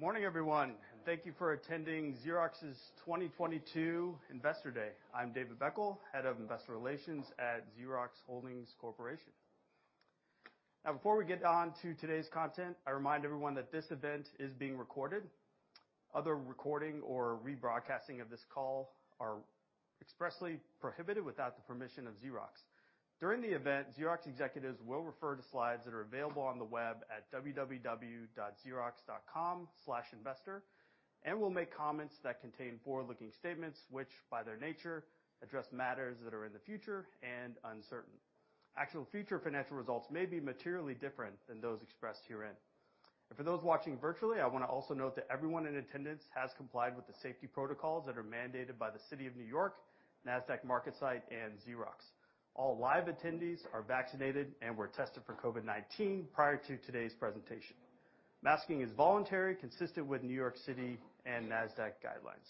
Good morning, everyone. Thank you for attending Xerox's 2022 Investor Day. I'm David Beckel, Head of Investor Relations at Xerox Holdings Corporation. Now, before we get on to today's content, I remind everyone that this event is being recorded. Other recording or rebroadcasting of this call are expressly prohibited without the permission of Xerox. During the event, Xerox executives will refer to slides that are available on the web at www.xerox.com/investor, and will make comments that contain forward-looking statements, which by their nature address matters that are in the future and uncertain. Actual future financial results may be materially different than those expressed herein. For those watching virtually, I wanna also note that everyone in attendance has complied with the safety protocols that are mandated by the City of New York, Nasdaq MarketSite, and Xerox. All live attendees are vaccinated and were tested for COVID-19 prior to today's presentation. Masking is voluntary, consistent with New York City and Nasdaq guidelines.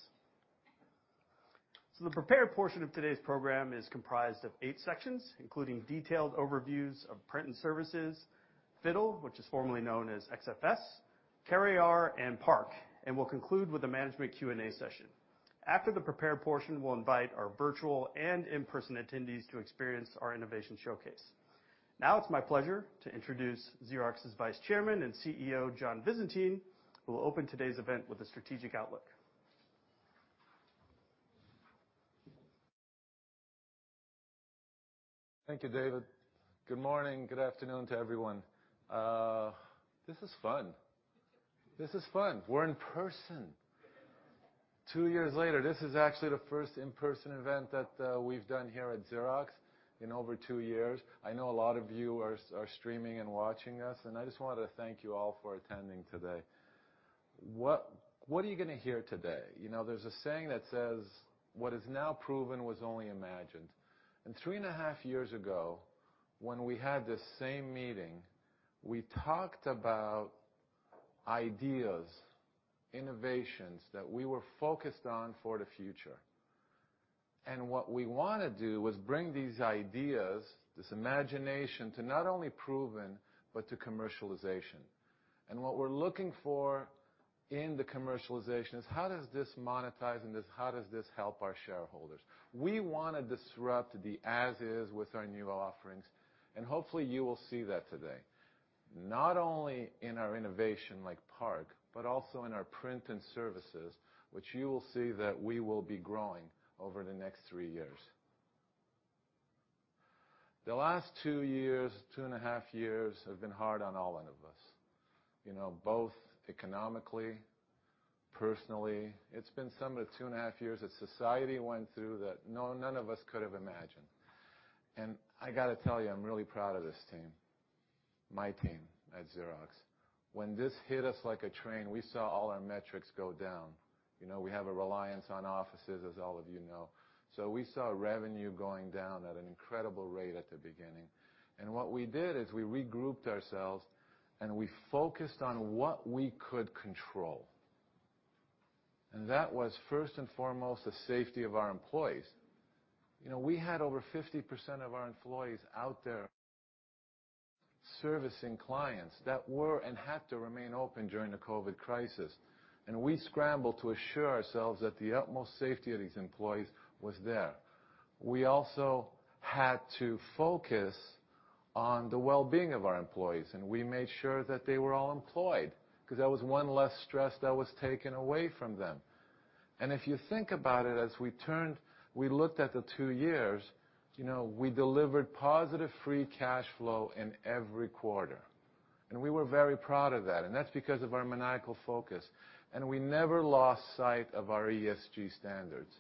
The prepared portion of today's program is comprised of eight sections, including detailed overviews of print and services, FITTLE, which is formerly known as XFS, CareAR and PARC, and will conclude with a management Q&A session. After the prepared portion, we'll invite our virtual and in-person attendees to experience our innovation showcase. Now it's my pleasure to introduce Xerox's Vice Chairman and CEO, John Visentin, who will open today's event with a strategic outlook. Thank you, David. Good morning. Good afternoon to everyone. This is fun. We're in person. Two years later, this is actually the first in-person event that we've done here at Xerox in over two years. I know a lot of you are streaming and watching us, and I just wanted to thank you all for attending today. What are you gonna hear today? You know, there's a saying that says, what is now proven was only imagined. 3.5 years ago, when we had this same meeting, we talked about ideas, innovations that we were focused on for the future. What we wanna do was bring these ideas, this imagination to not only proven, but to commercialization. What we're looking for in the commercialization is how does this monetize and how does this help our shareholders? We wanna disrupt the as is with our new offerings, and hopefully you will see that today, not only in our innovation like PARC, but also in our print and services which you will see that we will be growing over the next three years. The last two years, two and a half years have been hard on all of us. You know, both economically, personally. It's been some of the two and a half years that society went through that none of us could have imagined. I gotta tell you, I'm really proud of this team, my team at Xerox. When this hit us like a train, we saw all our metrics go down. You know, we have a reliance on offices, as all of you know. We saw revenue going down at an incredible rate at the beginning. What we did is we regrouped ourselves and we focused on what we could control. That was first and foremost the safety of our employees. You know, we had over 50% of our employees out there servicing clients that were and had to remain open during the COVID crisis. We scrambled to assure ourselves that the utmost safety of these employees was there. We also had to focus on the well-being of our employees, and we made sure that they were all employed 'cause that was one less stress that was taken away from them. If you think about it as we turned, we looked at the two years, you know, we delivered positive free cash flow in every quarter, and we were very proud of that. That's because of our maniacal focus, and we never lost sight of our ESG standards.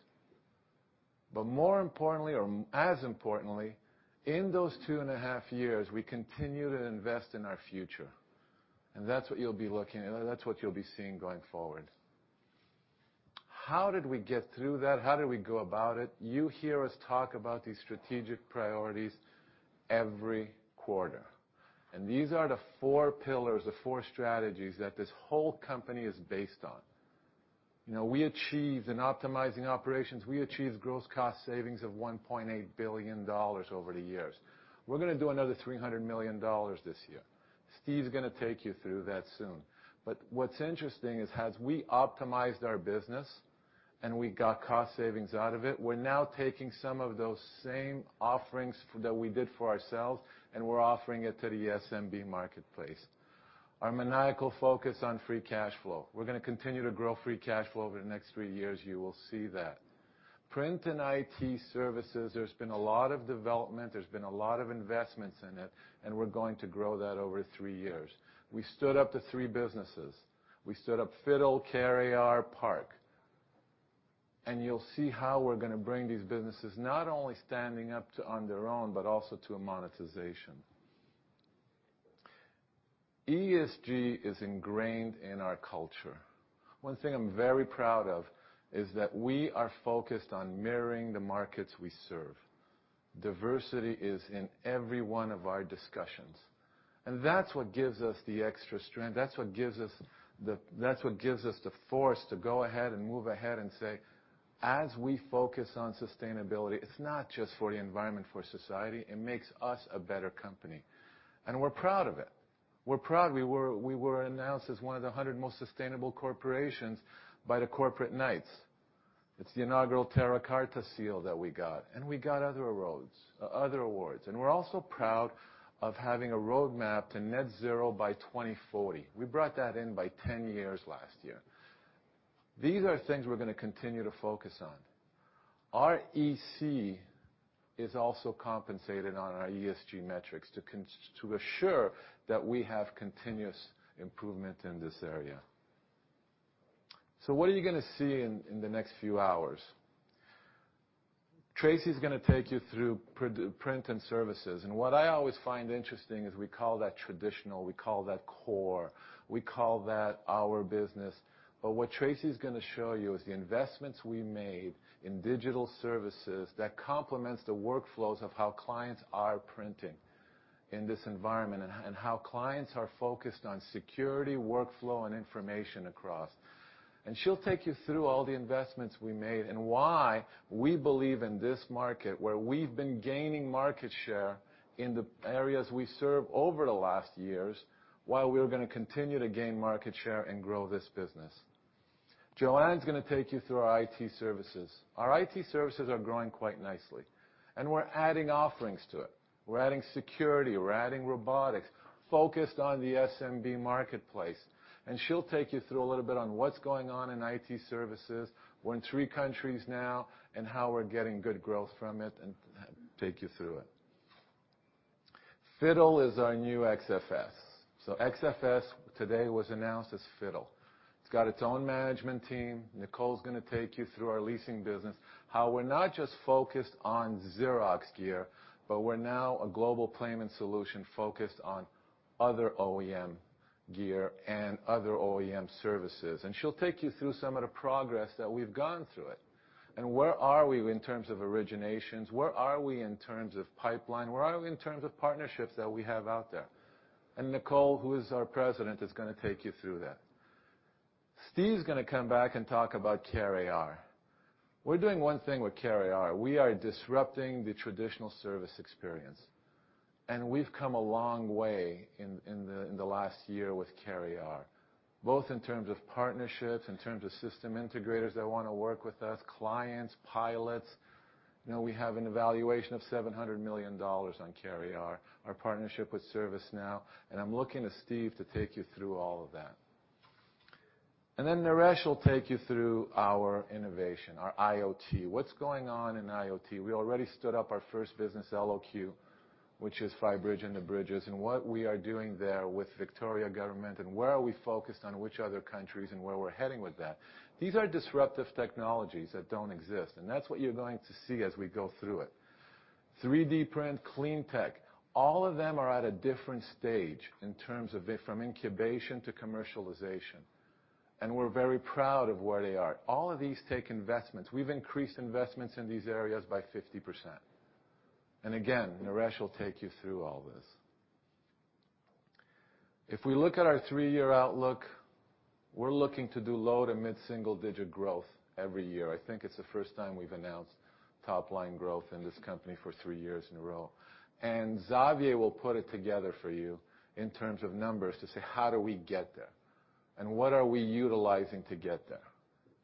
More importantly or as importantly, in those two and a half years, we continue to invest in our future. That's what you'll be seeing going forward. How did we get through that? How did we go about it? You hear us talk about these strategic priorities every quarter, and these are the four pillars, the four strategies that this whole company is based on. You know, we achieved in optimizing operations, we achieved gross cost savings of $1.8 billion over the years. We're gonna do another $300 million this year. Steve's gonna take you through that soon. What's interesting is as we optimized our business and we got cost savings out of it, we're now taking some of those same offerings that we did for ourselves, and we're offering it to the SMB marketplace. Our maniacal focus on free cash flow. We're gonna continue to grow free cash flow over the next three years, you will see that. Print and IT services, there's been a lot of development, there's been a lot of investments in it, and we're going to grow that over three years. We stood up three businesses. We stood up FITTLE, CareAR, PARC, and you'll see how we're gonna bring these businesses not only standing up on their own, but also to a monetization. ESG is ingrained in our culture. One thing I'm very proud of is that we are focused on mirroring the markets we serve. Diversity is in every one of our discussions, and that's what gives us the extra strength, that's what gives us the force to go ahead and move ahead and say, "As we focus on sustainability, it's not just for the environment, for society, it makes us a better company." We're proud of it. We're proud we were announced as one of the 100 most sustainable corporations by the Corporate Knights. It's the inaugural Terra Carta Seal that we got, and we got other awards. We're also proud of having a roadmap to net zero by 2040. We brought that in by 10 years last year. These are things we're gonna continue to focus on. Our EC is also compensated on our ESG metrics to assure that we have continuous improvement in this area. What are you gonna see in the next few hours? Tracey's gonna take you through Print and Services. What I always find interesting is we call that traditional, we call that core, we call that our business. What Tracey's gonna show you is the investments we made in digital services that complements the workflows of how clients are printing in this environment, and how clients are focused on security, workflow, and information across. She'll take you through all the investments we made and why we believe in this market where we've been gaining market share in the areas we serve over the last years, while we're gonna continue to gain market share and grow this business. Joanne's gonna take you through our IT Services. Our IT Services are growing quite nicely, and we're adding offerings to it. We're adding security, we're adding robotics, focused on the SMB marketplace. She'll take you through a little bit on what's going on in IT Services, we're in three countries now, and how we're getting good growth from it and take you through it. FITTLE is our new XFS. XFS today was announced as FITTLE. It's got its own management team. Nicole's gonna take you through our leasing business, how we're not just focused on Xerox gear, but we're now a global payment solution focused on other OEM gear and other OEM services. She'll take you through some of the progress that we've gone through it. Where are we in terms of originations, where are we in terms of pipeline, where are we in terms of partnerships that we have out there? Nicole, who is our president, is gonna take you through that. Steve's gonna come back and talk about CareAR. We're doing one thing with CareAR. We are disrupting the traditional service experience. We've come a long way in the last year with CareAR, both in terms of partnerships, in terms of system integrators that wanna work with us, clients, pilots. You know, we have an evaluation of $700 million on CareAR, our partnership with ServiceNow, and I'm looking to Steve to take you through all of that. Then Naresh will take you through our innovation, our IoT. What's going on in IoT? We already stood up our first business, Eloque, which is FiBridge and the bridges, and what we are doing there with Victorian Government and where are we focused on which other countries and where we're heading with that. These are disruptive technologies that don't exist, and that's what you're going to see as we go through it. 3D print, clean tech, all of them are at a different stage in terms of the, from incubation to commercialization. We're very proud of where they are. All of these take investments. We've increased investments in these areas by 50%. Again, Naresh will take you through all this. If we look at our three-year outlook, we're looking to do low to mid-single digit growth every year. I think it's the first time we've announced top line growth in this company for three years in a row. Xavier will put it together for you in terms of numbers to say, how do we get there? What are we utilizing to get there?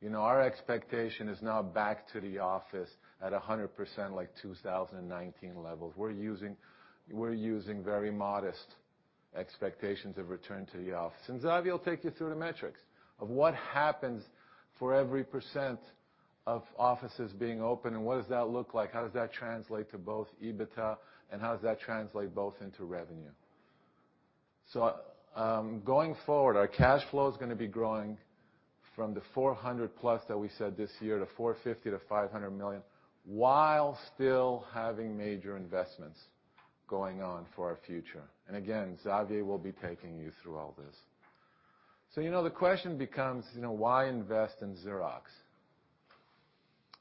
You know, our expectation is now back to the office at 100% like 2019 levels. We're using very modest expectations of return to the office. Xavier will take you through the metrics of what happens for every percent of offices being open and what does that look like, how does that translate to both EBITDA, and how does that translate both into revenue. Going forward, our cash flow is gonna be growing from the $400+ that we said this year to $450-$500 million while still having major investments going on for our future. Again, Xavier will be taking you through all this. You know, the question becomes, you know, why invest in Xerox.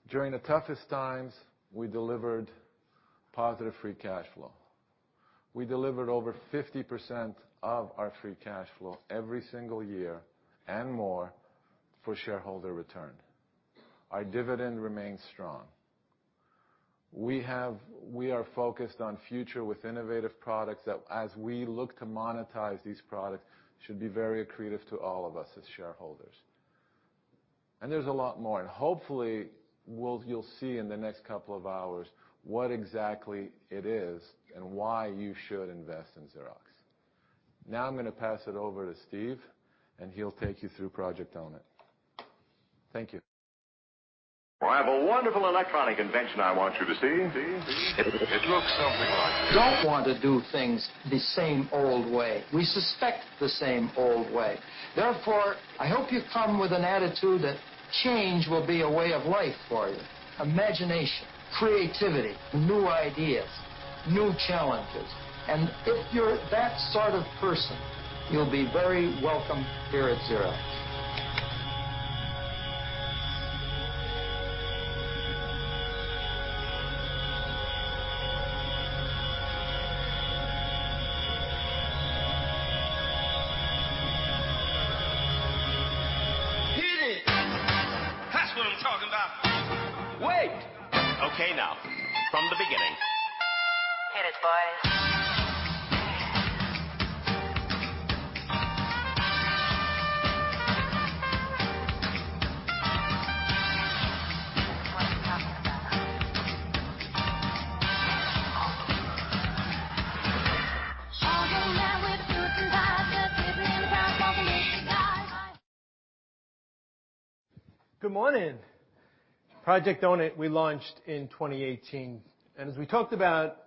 During the toughest times, we delivered positive free cash flow. We delivered over 50% of our free cash flow every single year and more for shareholder return. Our dividend remains strong. We are focused on future with innovative products that as we look to monetize these products should be very accretive to all of us as shareholders. There's a lot more. Hopefully, you'll see in the next couple of hours what exactly it is and why you should invest in Xerox. Now I'm gonna pass it over to Steve, and he'll take you through Project Own It. Thank you. I have a wonderful electronic invention I want you to see. See? It looks something like this. don't want to do things the same old way. We reject the same old way. Therefore, I hope you come with an attitude that change will be a way of life for you. Imagination, creativity, new ideas, new challenges. If you're that sort of person, you'll be very welcome here at Xerox. Good morning. Project Own It, we launched in 2018. As we talked about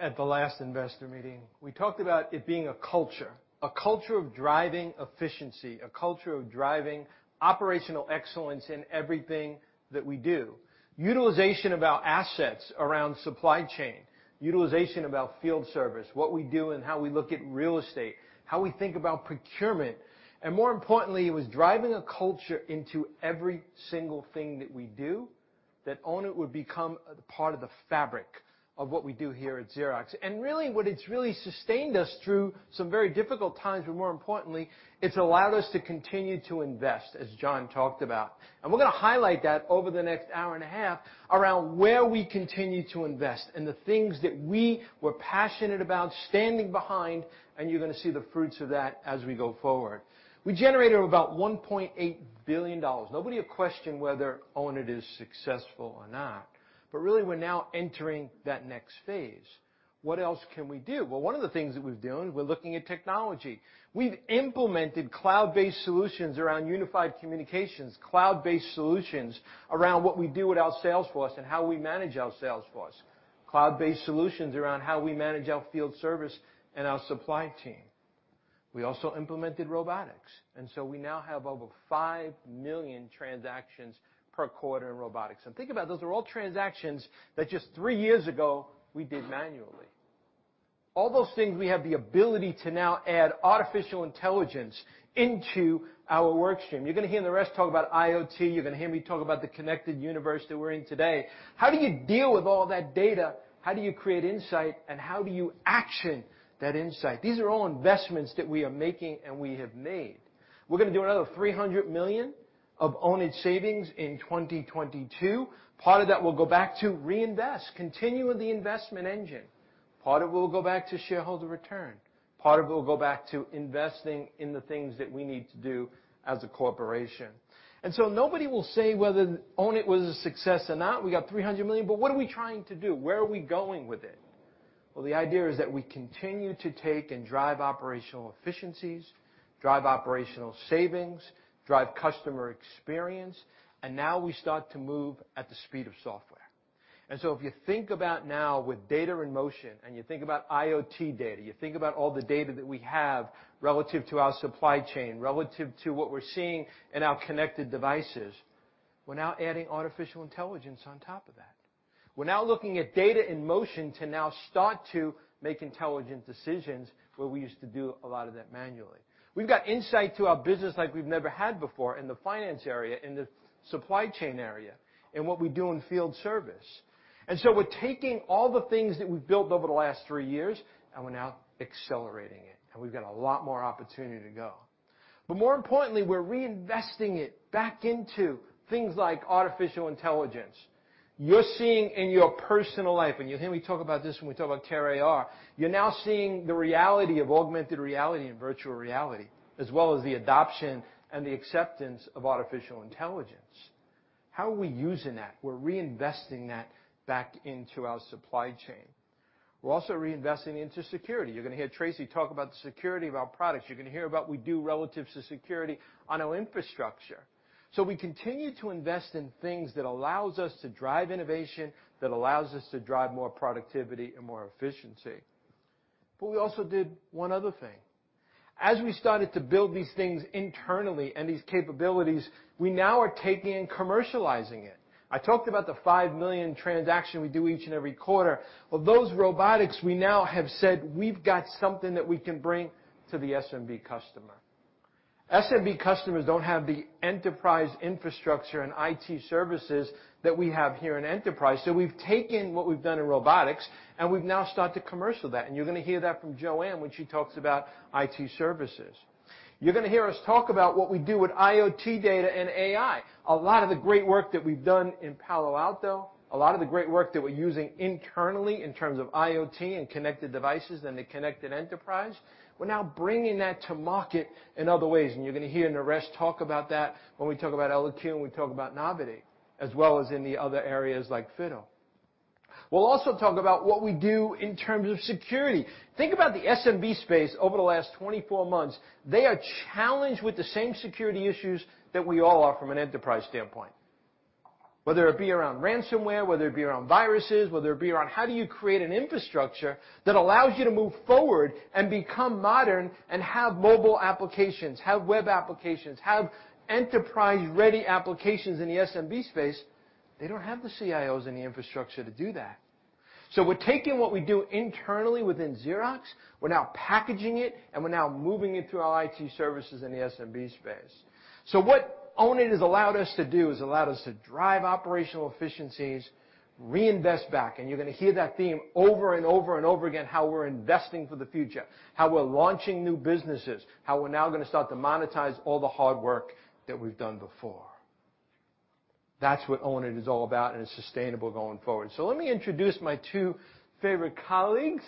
at the last investor meeting, we talked about it being a culture, a culture of driving efficiency, a culture of driving operational excellence in everything that we do. Utilization of our assets around supply chain, utilization of our field service, what we do, and how we look at real estate, how we think about procurement, and more importantly, it was driving a culture into every single thing that we do, that Own It would become a part of the fabric of what we do here at Xerox. Really what it's sustained us through some very difficult times, but more importantly, it's allowed us to continue to invest as John talked about. We're gonna highlight that over the next hour and a half around where we continue to invest and the things that we were passionate about standing behind, and you're gonna see the fruits of that as we go forward. We generated about $1.8 billion. Nobody will question whether Own It is successful or not, but really we're now entering that next phase. What else can we do? Well, one of the things that we're doing, we're looking at technology. We've implemented cloud-based solutions around unified communications, cloud-based solutions around what we do with our sales force and how we manage our sales force, cloud-based solutions around how we manage our field service and our supply team. We also implemented robotics, and so we now have over 5 million transactions per quarter in robotics. Think about those. Are all transactions that just three years ago we did manually. All those things we have the ability to now add artificial intelligence into our work stream. You're gonna hear Naresh talk about IoT. You're gonna hear me talk about the connected universe that we're in today. How do you deal with all that data? How do you create insight, and how do you action that insight? These are all investments that we are making and we have made. We're gonna do another $300 million of Own It savings in 2022. Part of that will go back to reinvest, continuing the investment engine. Part of it will go back to shareholder return. Part of it will go back to investing in the things that we need to do as a corporation. Nobody will say whether Own It was a success or not. We got $300 million, but what are we trying to do? Where are we going with it? Well, the idea is that we continue to take and drive operational efficiencies, drive operational savings, drive customer experience, and now we start to move at the speed of software. If you think about now with data in motion, and you think about IoT data, you think about all the data that we have relative to our supply chain, relative to what we're seeing in our connected devices, we're now adding artificial intelligence on top of that. We're now looking at data in motion to now start to make intelligent decisions where we used to do a lot of that manually. We've got insight to our business like we've never had before in the finance area, in the supply chain area, in what we do in field service. We're taking all the things that we've built over the last three years, and we're now accelerating it, and we've got a lot more opportunity to go. More importantly, we're reinvesting it back into things like artificial intelligence. You're seeing in your personal life, and you'll hear me talk about this when we talk about CareAR, you're now seeing the reality of augmented reality and virtual reality, as well as the adoption and the acceptance of artificial intelligence. How are we using that? We're reinvesting that back into our supply chain. We're also reinvesting into security. You're gonna hear Tracy talk about the security of our products. You're gonna hear about we do relative to security on our infrastructure. We continue to invest in things that allows us to drive innovation, that allows us to drive more productivity and more efficiency. We also did one other thing. As we started to build these things internally and these capabilities, we now are taking and commercializing it. I talked about the 5 million transaction we do each and every quarter. Well, those robotics, we now have said we've got something that we can bring to the SMB customer. SMB customers don't have the enterprise infrastructure and IT services that we have here in Enterprise. We've taken what we've done in robotics, and we've now start to commercial that, and you're gonna hear that from Joanne when she talks about IT services. You're gonna hear us talk about what we do with IoT data and AI. A lot of the great work that we've done in Palo Alto, a lot of the great work that we're using internally in terms of IoT and connected devices and the connected enterprise, we're now bringing that to market in other ways, and you're gonna hear Naresh talk about that when we talk about Eloque and we talk about Novity, as well as in the other areas like Fido. We'll also talk about what we do in terms of security. Think about the SMB space over the last 24 months. They are challenged with the same security issues that we all are from an enterprise standpoint, whether it be around ransomware, whether it be around viruses, whether it be around how do you create an infrastructure that allows you to move forward and become modern and have mobile applications, have web applications, have enterprise-ready applications in the SMB space. They don't have the CIOs and the infrastructure to do that. We're taking what we do internally within Xerox. We're now packaging it, and we're now moving it through our IT services in the SMB space. What Own It has allowed us to do is drive operational efficiencies, reinvest back, and you're gonna hear that theme over and over and over again, how we're investing for the future, how we're launching new businesses, how we're now gonna start to monetize all the hard work that we've done before. That's what Own It is all about, and it's sustainable going forward. Let me introduce my two favorite colleagues,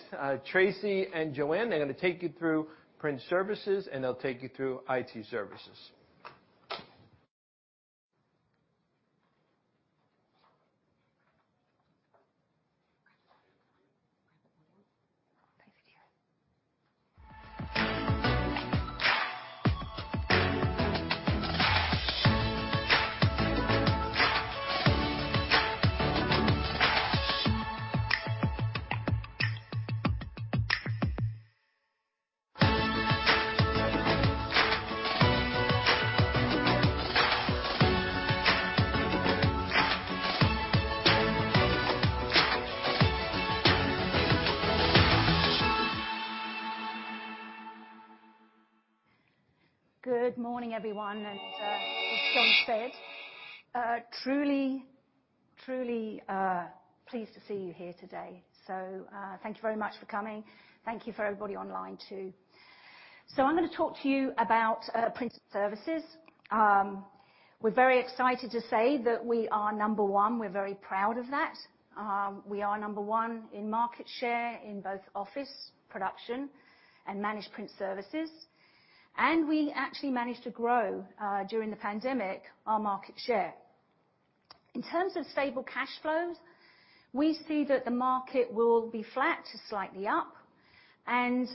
Tracy and Joanne. They're gonna take you through print services, and they'll take you through IT services. Good morning, everyone. As John said, truly pleased to see you here today. Thank you very much for coming. Thank you for everybody online, too. I'm gonna talk to you about print services. We're very excited to say that we are number one. We're very proud of that. We are number one in market share in both office production and managed print services. We actually managed to grow during the pandemic our market share. In terms of stable cash flows, we see that the market will be flat to slightly up, and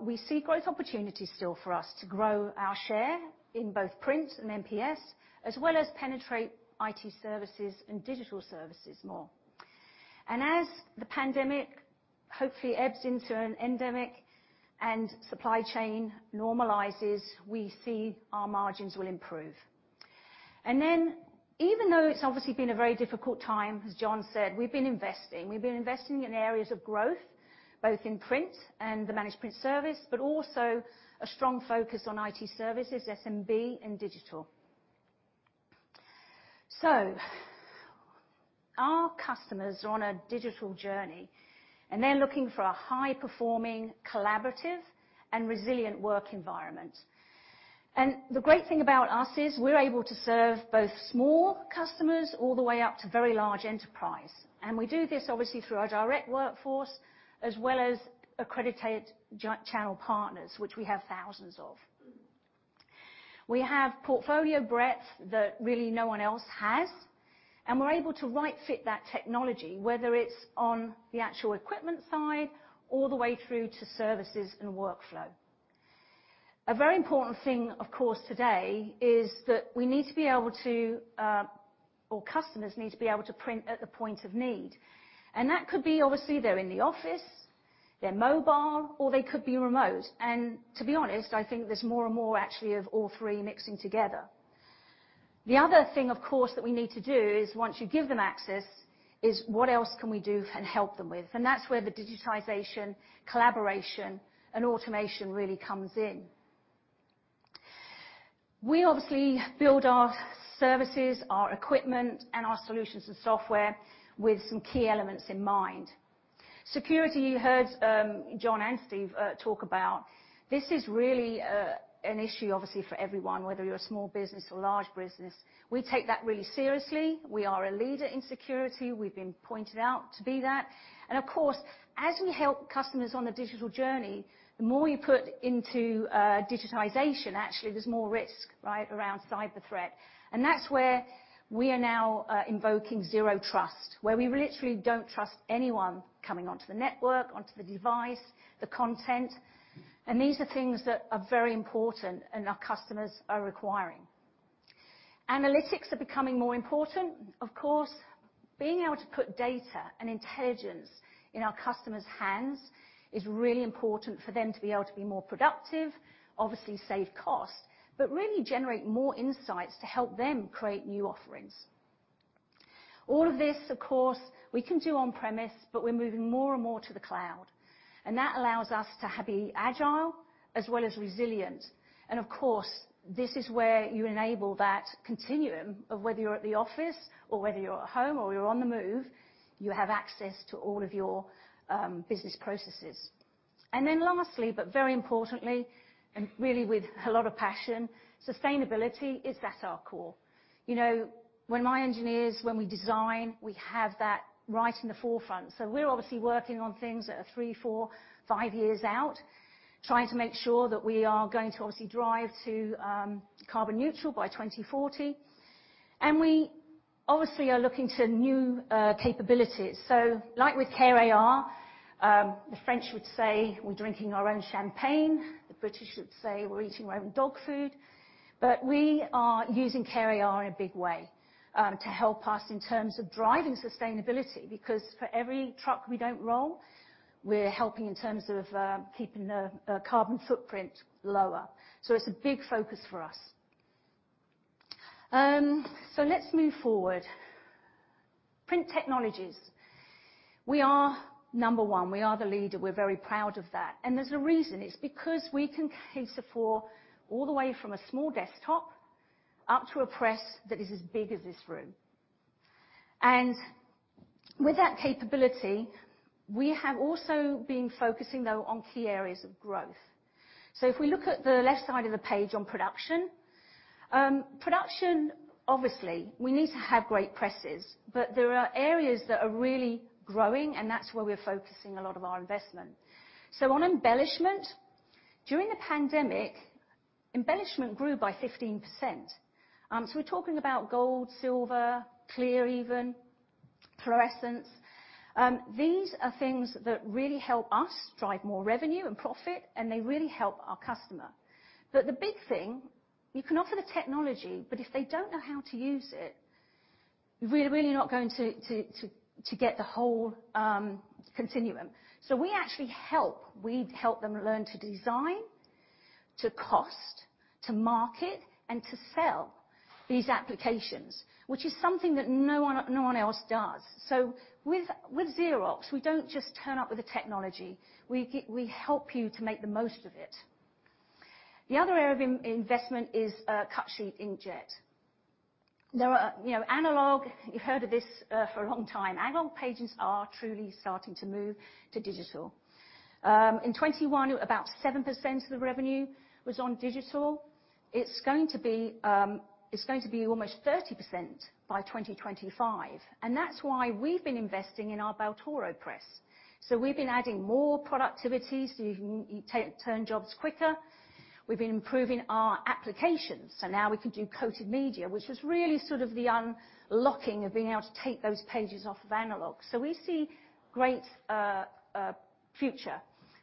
we see growth opportunities still for us to grow our share in both print and MPS, as well as penetrate IT services and digital services more. As the pandemic hopefully ebbs into an endemic and supply chain normalizes, we see our margins will improve. Even though it's obviously been a very difficult time, as John said, we've been investing in areas of growth, both in print and the managed print service, but also a strong focus on IT services, SMB and digital. Our customers are on a digital journey, and they're looking for a high-performing, collaborative and resilient work environment. The great thing about us is we're able to serve both small customers all the way up to very large enterprise, and we do this obviously through our direct workforce, as well as accredited channel partners, which we have thousands of. We have portfolio breadth that really no one else has, and we're able to right fit that technology, whether it's on the actual equipment side all the way through to services and workflow. A very important thing, of course, today is that we need to be able to, or customers need to be able to print at the point of need. That could be obviously they're in the office, they're mobile, or they could be remote. To be honest, I think there's more and more actually of all three mixing together. The other thing, of course, that we need to do is once you give them access, is what else can we do and help them with? That's where the digitization, collaboration, and automation really comes in. We obviously build our services, our equipment, and our solutions and software with some key elements in mind. Security, you heard John and Steve talk about. This is really an issue obviously for everyone, whether you're a small business or large business. We take that really seriously. We are a leader in security. We've been pointed out to be that. And of course, as we help customers on their digital journey, the more you put into digitization, actually there's more risk, right, around cyber threat. And that's where we are now invoking zero trust, where we literally don't trust anyone coming onto the network, onto the device, the content. And these are things that are very important and our customers are requiring. Analytics are becoming more important. Of course, being able to put data and intelligence in our customers' hands is really important for them to be able to be more productive, obviously save costs, but really generate more insights to help them create new offerings. All of this, of course, we can do on premise, but we're moving more and more to the cloud, and that allows us to be agile as well as resilient. Of course, this is where you enable that continuum of whether you're at the office or whether you're at home or you're on the move, you have access to all of your business processes. Lastly, but very importantly, and really with a lot of passion, sustainability is at our core. You know, when my engineers, when we design, we have that right in the forefront. We're obviously working on things that are three, four, five years out, trying to make sure that we are going to obviously drive to carbon neutral by 2040. We obviously are looking to new capabilities. Like with CareAR, the French would say we're drinking our own champagne, the British would say we're eating our own dog food. We are using CareAR in a big way to help us in terms of driving sustainability, because for every truck we don't roll, we're helping in terms of keeping the carbon footprint lower. It's a big focus for us. Let's move forward. Print technologies. We are number one. We are the leader. We're very proud of that, and there's a reason. It's because we can cater for all the way from a small desktop up to a press that is as big as this room. With that capability, we have also been focusing though on key areas of growth. If we look at the left side of the page on production, obviously, we need to have great presses, but there are areas that are really growing, and that's where we're focusing a lot of our investment. On embellishment, during the pandemic, embellishment grew by 15%. We're talking about gold, silver, clear even, fluorescence. These are things that really help us drive more revenue and profit, and they really help our customer. The big thing, you can offer the technology, but if they don't know how to use it, we're really not going to get the whole continuum. We actually help them learn to design, to cost, to market, and to sell these applications, which is something that no one else does. With Xerox, we don't just turn up with the technology. We help you to make the most of it. The other area of investment is cut-sheet inkjet. You know, analog. You've heard of this for a long time. Analog pages are truly starting to move to digital. In 2021 about 7% of the revenue was on digital. It's going to be almost 30% by 2025, and that's why we've been investing in our Baltoro Press. We've been adding more productivities so you can turn jobs quicker. We've been improving our applications, so now we can do coated media, which was really sort of the unlocking of being able to take those pages off of analog. We see great future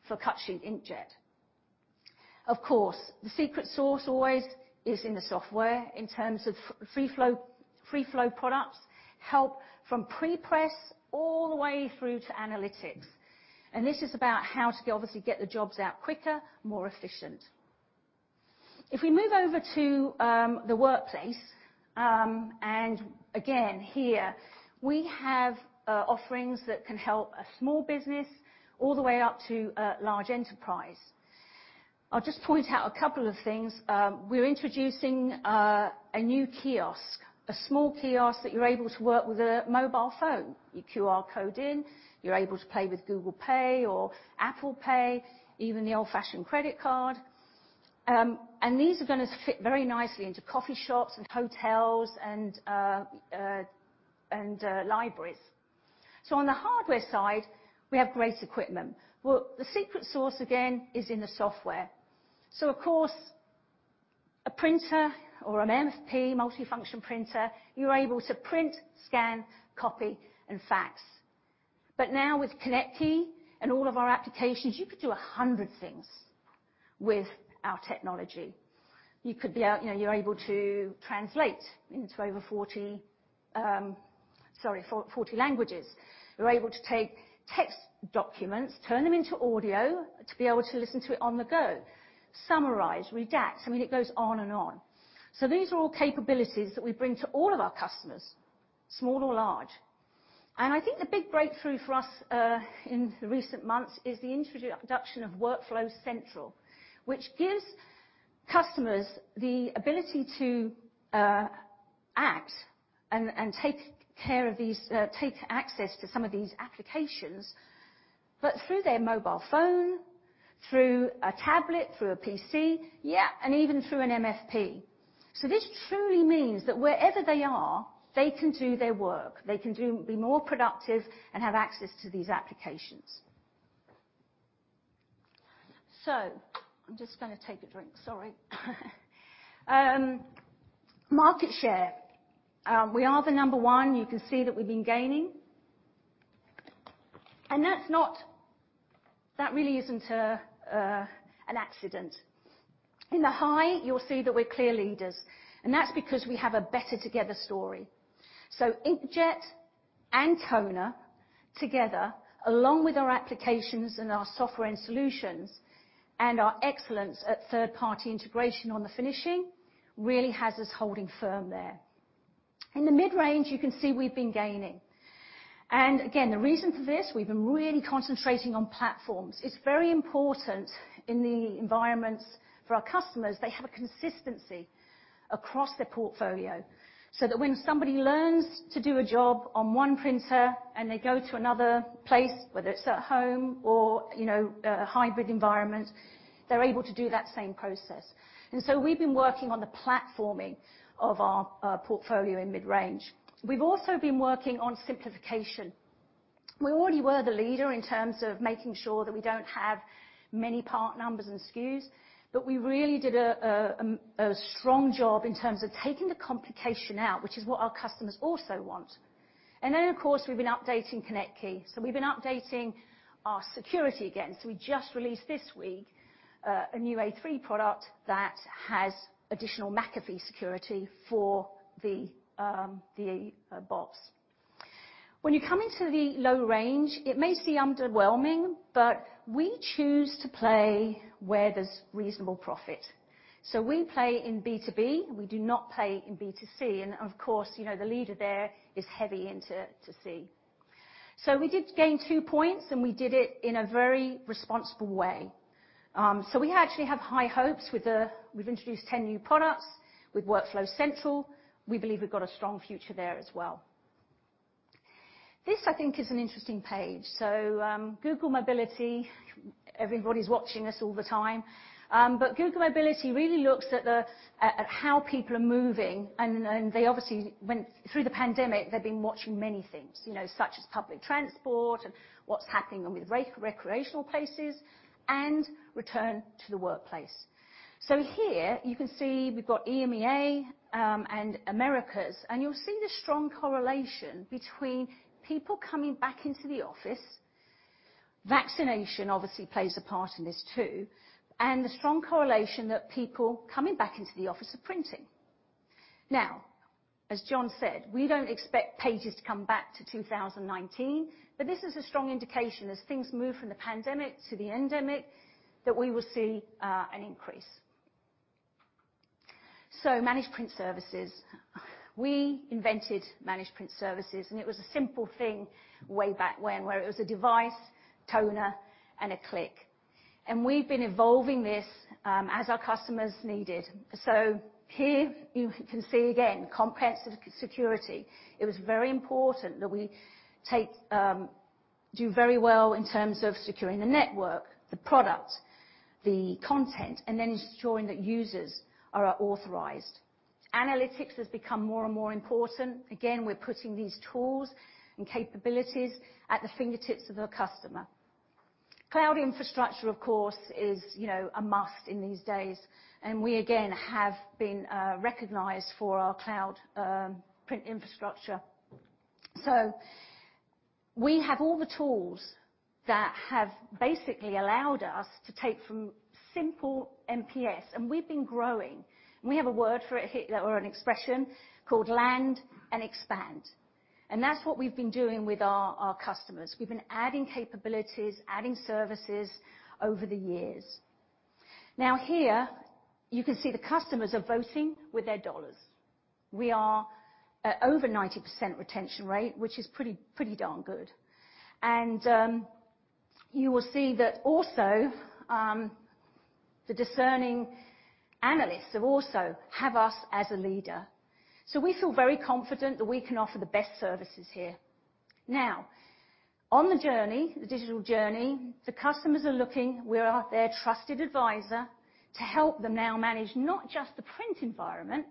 for cut-sheet inkjet. Of course, the secret sauce always is in the software in terms of FreeFlow. FreeFlow products help from pre-press all the way through to analytics, and this is about how to obviously get the jobs out quicker, more efficient. If we move over to the workplace, and again, here, we have offerings that can help a small business all the way up to a large enterprise. I'll just point out a couple of things. We're introducing a new kiosk, a small kiosk that you're able to work with a mobile phone. You QR code in. You're able to pay with Google Pay or Apple Pay, even the old-fashioned credit card. These are gonna fit very nicely into coffee shops and hotels and libraries. On the hardware side, we have great equipment. Well, the secret sauce again is in the software. Of course, a printer or an MFP, multifunction printer, you're able to print, scan, copy and fax. But now with ConnectKey and all of our applications, you could do 100 things with our technology. You know, you're able to translate into over 40 languages. You're able to take text documents, turn them into audio to be able to listen to it on the go, summarize, redact. I mean, it goes on and on. These are all capabilities that we bring to all of our customers, small or large. I think the big breakthrough for us in the recent months is the introduction of Workflow Central, which gives customers the ability to act and take care of these, take access to some of these applications, but through their mobile phone, through a tablet, through a PC, yeah, and even through an MFP. This truly means that wherever they are, they can do their work. They can be more productive and have access to these applications. I'm just gonna take a drink. Sorry. Market share, we are the number one. You can see that we've been gaining. That really isn't an accident. In the high, you'll see that we're clear leaders, and that's because we have a better together story. Inkjet and toner together, along with our applications and our software and solutions and our excellence at third-party integration on the finishing, really has us holding firm there. In the mid-range, you can see we've been gaining. Again, the reason for this, we've been really concentrating on platforms. It's very important in the environments for our customers they have a consistency across their portfolio, so that when somebody learns to do a job on one printer and they go to another place, whether it's at home or, you know, a hybrid environment, they're able to do that same process. We've been working on the platforming of our portfolio in mid-range. We've also been working on simplification. We already were the leader in terms of making sure that we don't have many part numbers and SKUs, but we really did a strong job in terms of taking the complication out, which is what our customers also want. Then, of course, we've been updating ConnectKey. We've been updating our security again. We just released this week a new A3 product that has additional McAfee security for the box. When you come into the low range, it may seem underwhelming, but we choose to play where there's reasonable profit. We play in B2B, we do not play in B2C. Of course, you know, the leader there is heavy into B2C. We did gain two points, and we did it in a very responsible way. We actually have high hopes with the... We've introduced 10 new products with Workflow Central. We believe we've got a strong future there as well. This, I think, is an interesting page. Google Mobility, everybody's watching us all the time. But Google Mobility really looks at how people are moving and they obviously went through the pandemic. They've been watching many things, you know, such as public transport and what's happening with recreational places, and return to the workplace. Here you can see we've got EMEA and Americas, and you'll see the strong correlation between people coming back into the office. Vaccination obviously plays a part in this too, and the strong correlation that people coming back into the office are printing. Now, as John said, we don't expect pages to come back to 2019, but this is a strong indication as things move from the pandemic to the endemic, that we will see an increase. Managed Print Services. We invented Managed Print Services, and it was a simple thing way back when, where it was a device, toner and a click. We've been evolving this as our customers needed. Here you can see again comprehensive security. It was very important that we do very well in terms of securing the network, the product, the content, and then ensuring that users are authorized. Analytics has become more and more important. Again, we're putting these tools and capabilities at the fingertips of a customer. Cloud infrastructure, of course, is, you know, a must in these days, and we again have been recognized for our cloud print infrastructure. We have all the tools that have basically allowed us to take from simple MPS. We've been growing, and we have a word for it here or an expression called land and expand, and that's what we've been doing with our customers. We've been adding capabilities, adding services over the years. Now here you can see the customers are voting with their dollars. We are at over 90% retention rate, which is pretty darn good. You will see that also, the discerning analysts have us as a leader. We feel very confident that we can offer the best services here. Now on the journey, the digital journey, the customers are looking. We are their trusted advisor to help them now manage not just the print environment,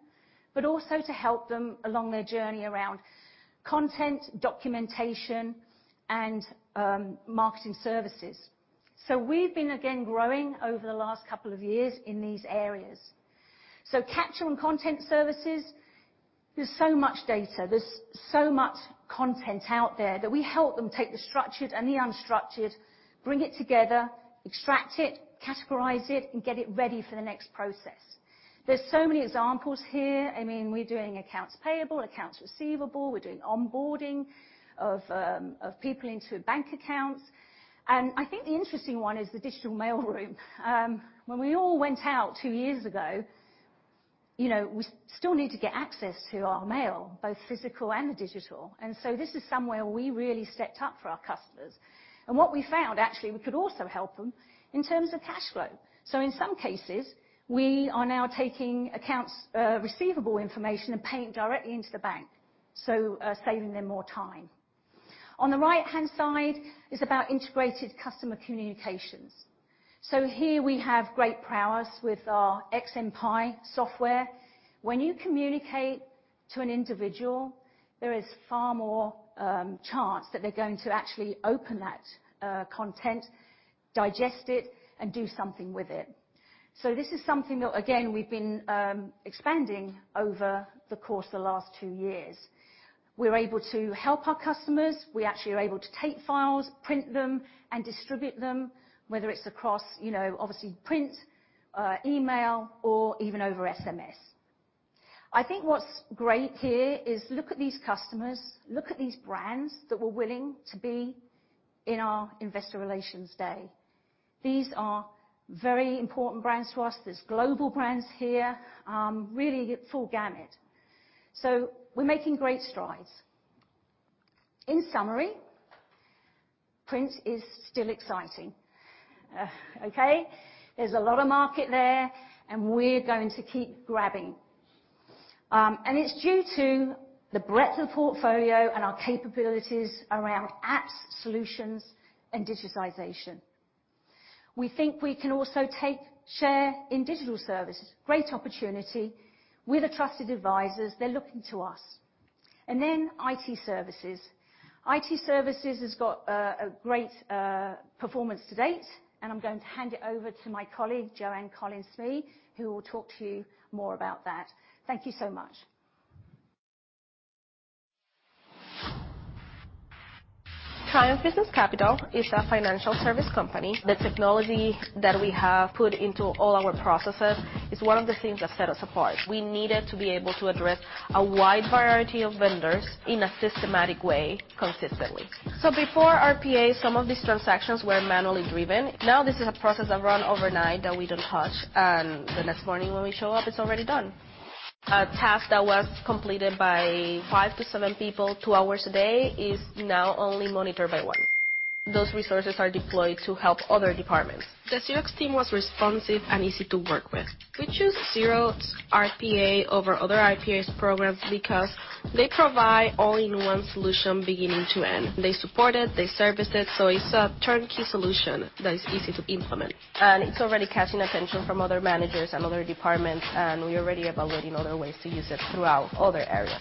but also to help them along their journey around content, documentation, and marketing services. We've been again growing over the last couple of years in these areas. Capture and content services, there's so much data, there's so much content out there that we help them take the structured and the unstructured, bring it together, extract it, categorize it, and get it ready for the next process. There's so many examples here. I mean, we're doing accounts payable, accounts receivable, we're doing onboarding of people into bank accounts. I think the interesting one is the digital mail room. When we all went out two years ago, you know, we still need to get access to our mail, both physical and the digital. This is somewhere we really stepped up for our customers. What we found, actually, we could also help them in terms of cash flow. In some cases, we are now taking accounts receivable information and paying directly into the bank, saving them more time. On the right-hand side is about integrated customer communications. Here we have great prowess with our XMPie software. When you communicate to an individual, there is far more chance that they're going to actually open that content, digest it, and do something with it. This is something that again, we've been expanding over the course of the last two years. We're able to help our customers. We actually are able to take files, print them, and distribute them, whether it's across, you know, obviously print, email or even over SMS. I think what's great here is look at these customers, look at these brands that were willing to be in our investor relations day. These are very important brands to us. There's global brands here, really full gamut. We're making great strides. In summary, print is still exciting. There's a lot of market there, and we're going to keep grabbing. It's due to the breadth of portfolio and our capabilities around apps, solutions, and digitization. We think we can also take share in digital services, great opportunity. We're the trusted advisors, they're looking to us. Then IT services. IT services has got a great performance to date, and I'm going to hand it over to my colleague, Joanne Collins-Smee, who will talk to you more about that. Thank you so much. Triumph Business Capital is a financial service company. The technology that we have put into all our processes is one of the things that set us apart. We needed to be able to address a wide variety of vendors in a systematic way consistently. Before RPA, some of these transactions were manually driven. Now this is a process that run overnight that we don't touch, and the next morning when we show up, it's already done. A task that was completed by five-seven people two hours a day is now only monitored by one. Those resources are deployed to help other departments. The CX team was responsive and easy to work with. We chose Xerox RPA over other RPAs programs because they provide all-in-one solution beginning to end. They support it, they service it, so it's a turnkey solution that is easy to implement. It's already catching attention from other managers and other departments, and we are already evaluating other ways to use it throughout other areas.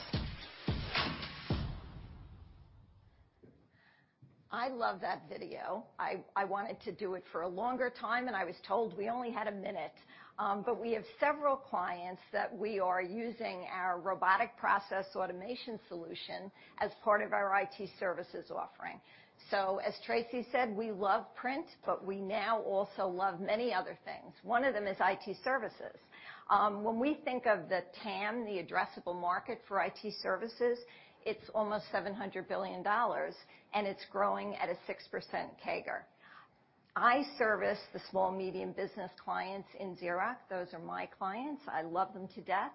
I love that video. I wanted to do it for a longer time, and I was told we only had a minute. But we have several clients that we are using our robotic process automation solution as part of our IT services offering. As Tracy said, we love print, but we now also love many other things. One of them is IT services. When we think of the TAM, the addressable market for IT services, it's almost $700 billion, and it's growing at a 6% CAGR. I service the small, medium business clients in Xerox. Those are my clients. I love them to death.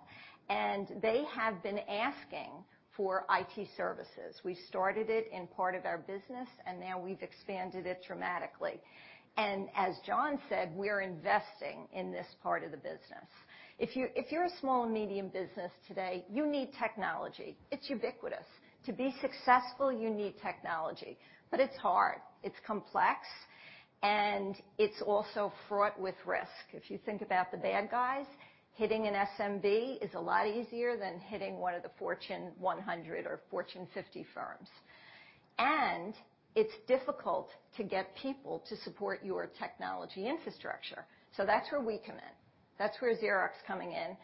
They have been asking for IT services. We started it in part of our business, and now we've expanded it dramatically. As John said, we're investing in this part of the business. If you're a small and medium business today, you need technology. It's ubiquitous. To be successful, you need technology, but it's hard, it's complex, and it's also fraught with risk. If you think about the bad guys, hitting an SMB is a lot easier than hitting one of the Fortune 100 or Fortune 50 firms. It's difficult to get people to support your technology infrastructure. That's where we come in. That's where Xerox coming in,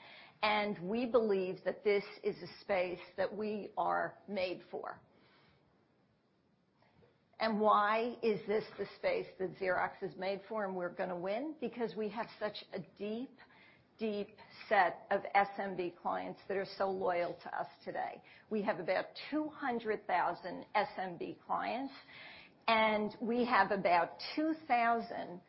and we believe that this is a space that we are made for. Why is this the space that Xerox is made for and we're gonna win? Because we have such a deep set of SMB clients that are so loyal to us today. We have about 200,000 SMB clients, and we have about 2,000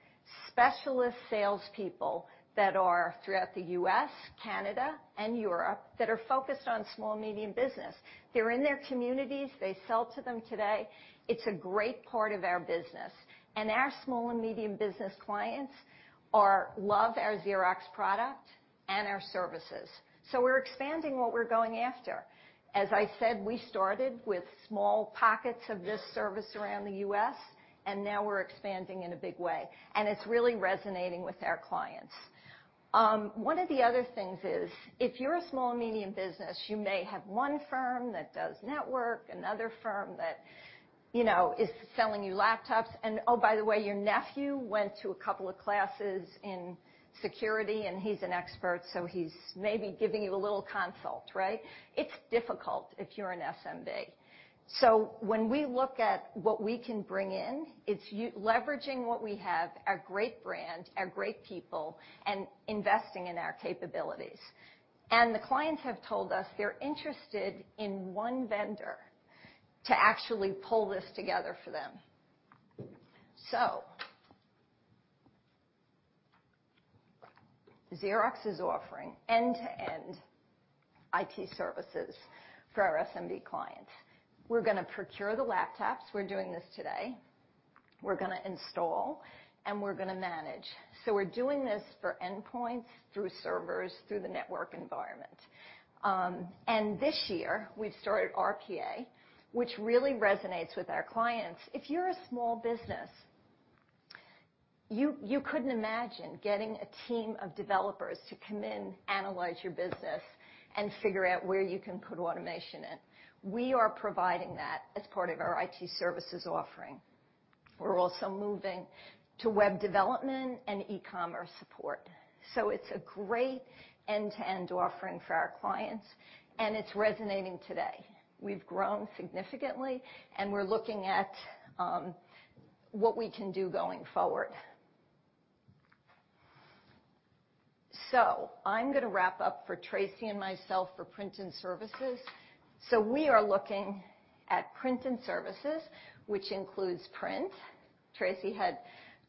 specialist salespeople that are throughout the U.S., Canada, and Europe that are focused on small and medium business. They're in their communities. They sell to them today. It's a great part of our business. Our small and medium business clients love our Xerox product and our services. We're expanding what we're going after. As I said, we started with small pockets of this service around the U.S., and now we're expanding in a big way, and it's really resonating with our clients. One of the other things is, if you're a small and medium business, you may have one firm that does network, another firm that, you know, is selling you laptops, and oh, by the way, your nephew went to a couple of classes in security, and he's an expert, so he's maybe giving you a little consult, right? It's difficult if you're an SMB. When we look at what we can bring in, it's leveraging what we have, our great brand, our great people, and investing in our capabilities. The clients have told us they're interested in one vendor to actually pull this together for them. Xerox is offering end-to-end IT services for our SMB clients. We're gonna procure the laptops. We're doing this today. We're gonna install, and we're gonna manage. We're doing this for endpoints through servers, through the network environment. This year, we've started RPA, which really resonates with our clients. If you're a small business, you couldn't imagine getting a team of developers to come in, analyze your business, and figure out where you can put automation in. We are providing that as part of our IT services offering. We're also moving to web development and e-commerce support. It's a great end-to-end offering for our clients, and it's resonating today. We've grown significantly, and we're looking at what we can do going forward. I'm gonna wrap up for Tracy and myself for Print and Services. We are looking at Print and Services, which includes print. Tracy had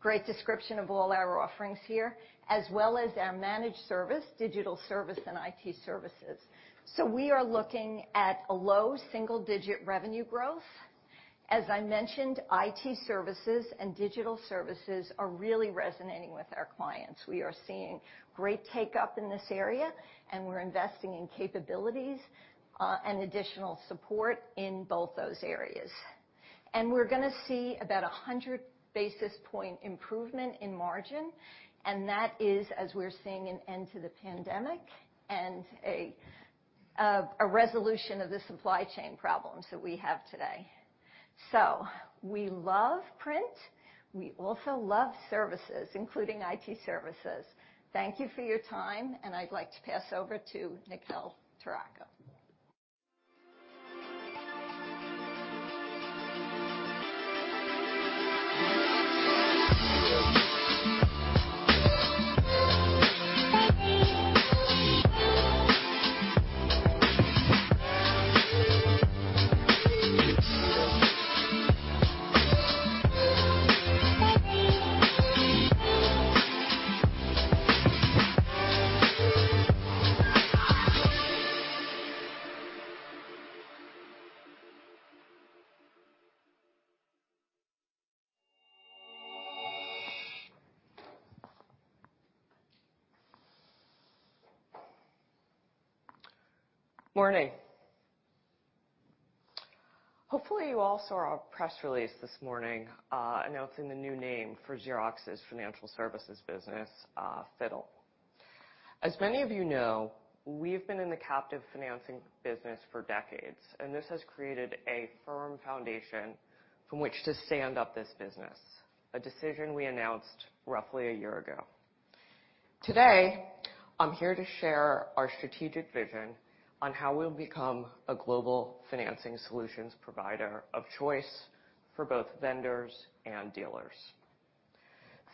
great description of all our offerings here, as well as our managed service, digital service, and IT services. We are looking at a low single-digit revenue growth. As I mentioned, IT services and digital services are really resonating with our clients. We are seeing great take-up in this area, and we're investing in capabilities, and additional support in both those areas. We're gonna see about 100 basis points improvement in margin, and that is as we're seeing an end to the pandemic and a resolution of the supply chain problems that we have today. We love print. We also love services, including IT services. Thank you for your time, and I'd like to pass over to Nicole Torraco. Morning. Hopefully you all saw our press release this morning, announcing the new name for Xerox's Financial Services business, FITTLE. As many of you know, we've been in the captive financing business for decades, and this has created a firm foundation from which to stand up this business, a decision we announced roughly a year ago. Today, I'm here to share our strategic vision on how we'll become a global financing solutions provider of choice for both vendors and dealers.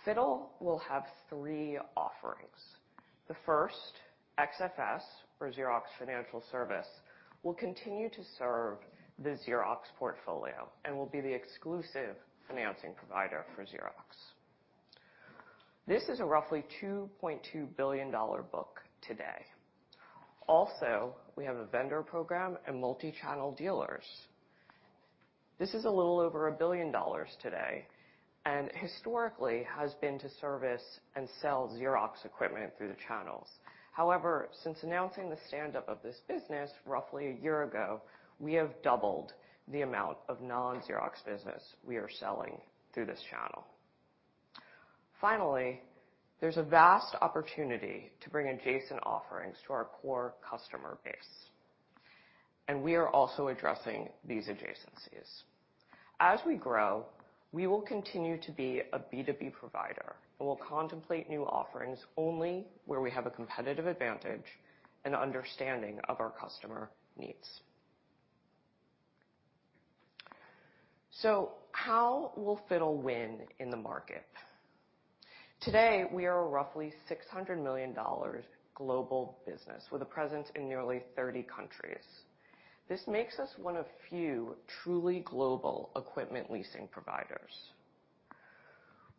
FITTLE will have three offerings. The first, XFS or Xerox Financial Services, will continue to serve the Xerox portfolio and will be the exclusive financing provider for Xerox. This is a roughly $2.2 billion book today. Also, we have a vendor program and multichannel dealers. This is a little over $1+ billion today and historically has been to service and sell Xerox equipment through the channels. However, since announcing the stand-up of this business roughly a year ago, we have doubled the amount of non-Xerox business we are selling through this channel. Finally, there's a vast opportunity to bring adjacent offerings to our core customer base. We are also addressing these adjacencies. As we grow, we will continue to be a B2B provider. We will contemplate new offerings only where we have a competitive advantage and understanding of our customer needs. How will FITTLE win in the market? Today, we are a roughly $600 million global business with a presence in nearly 30 countries. This makes us one of few truly global equipment leasing providers.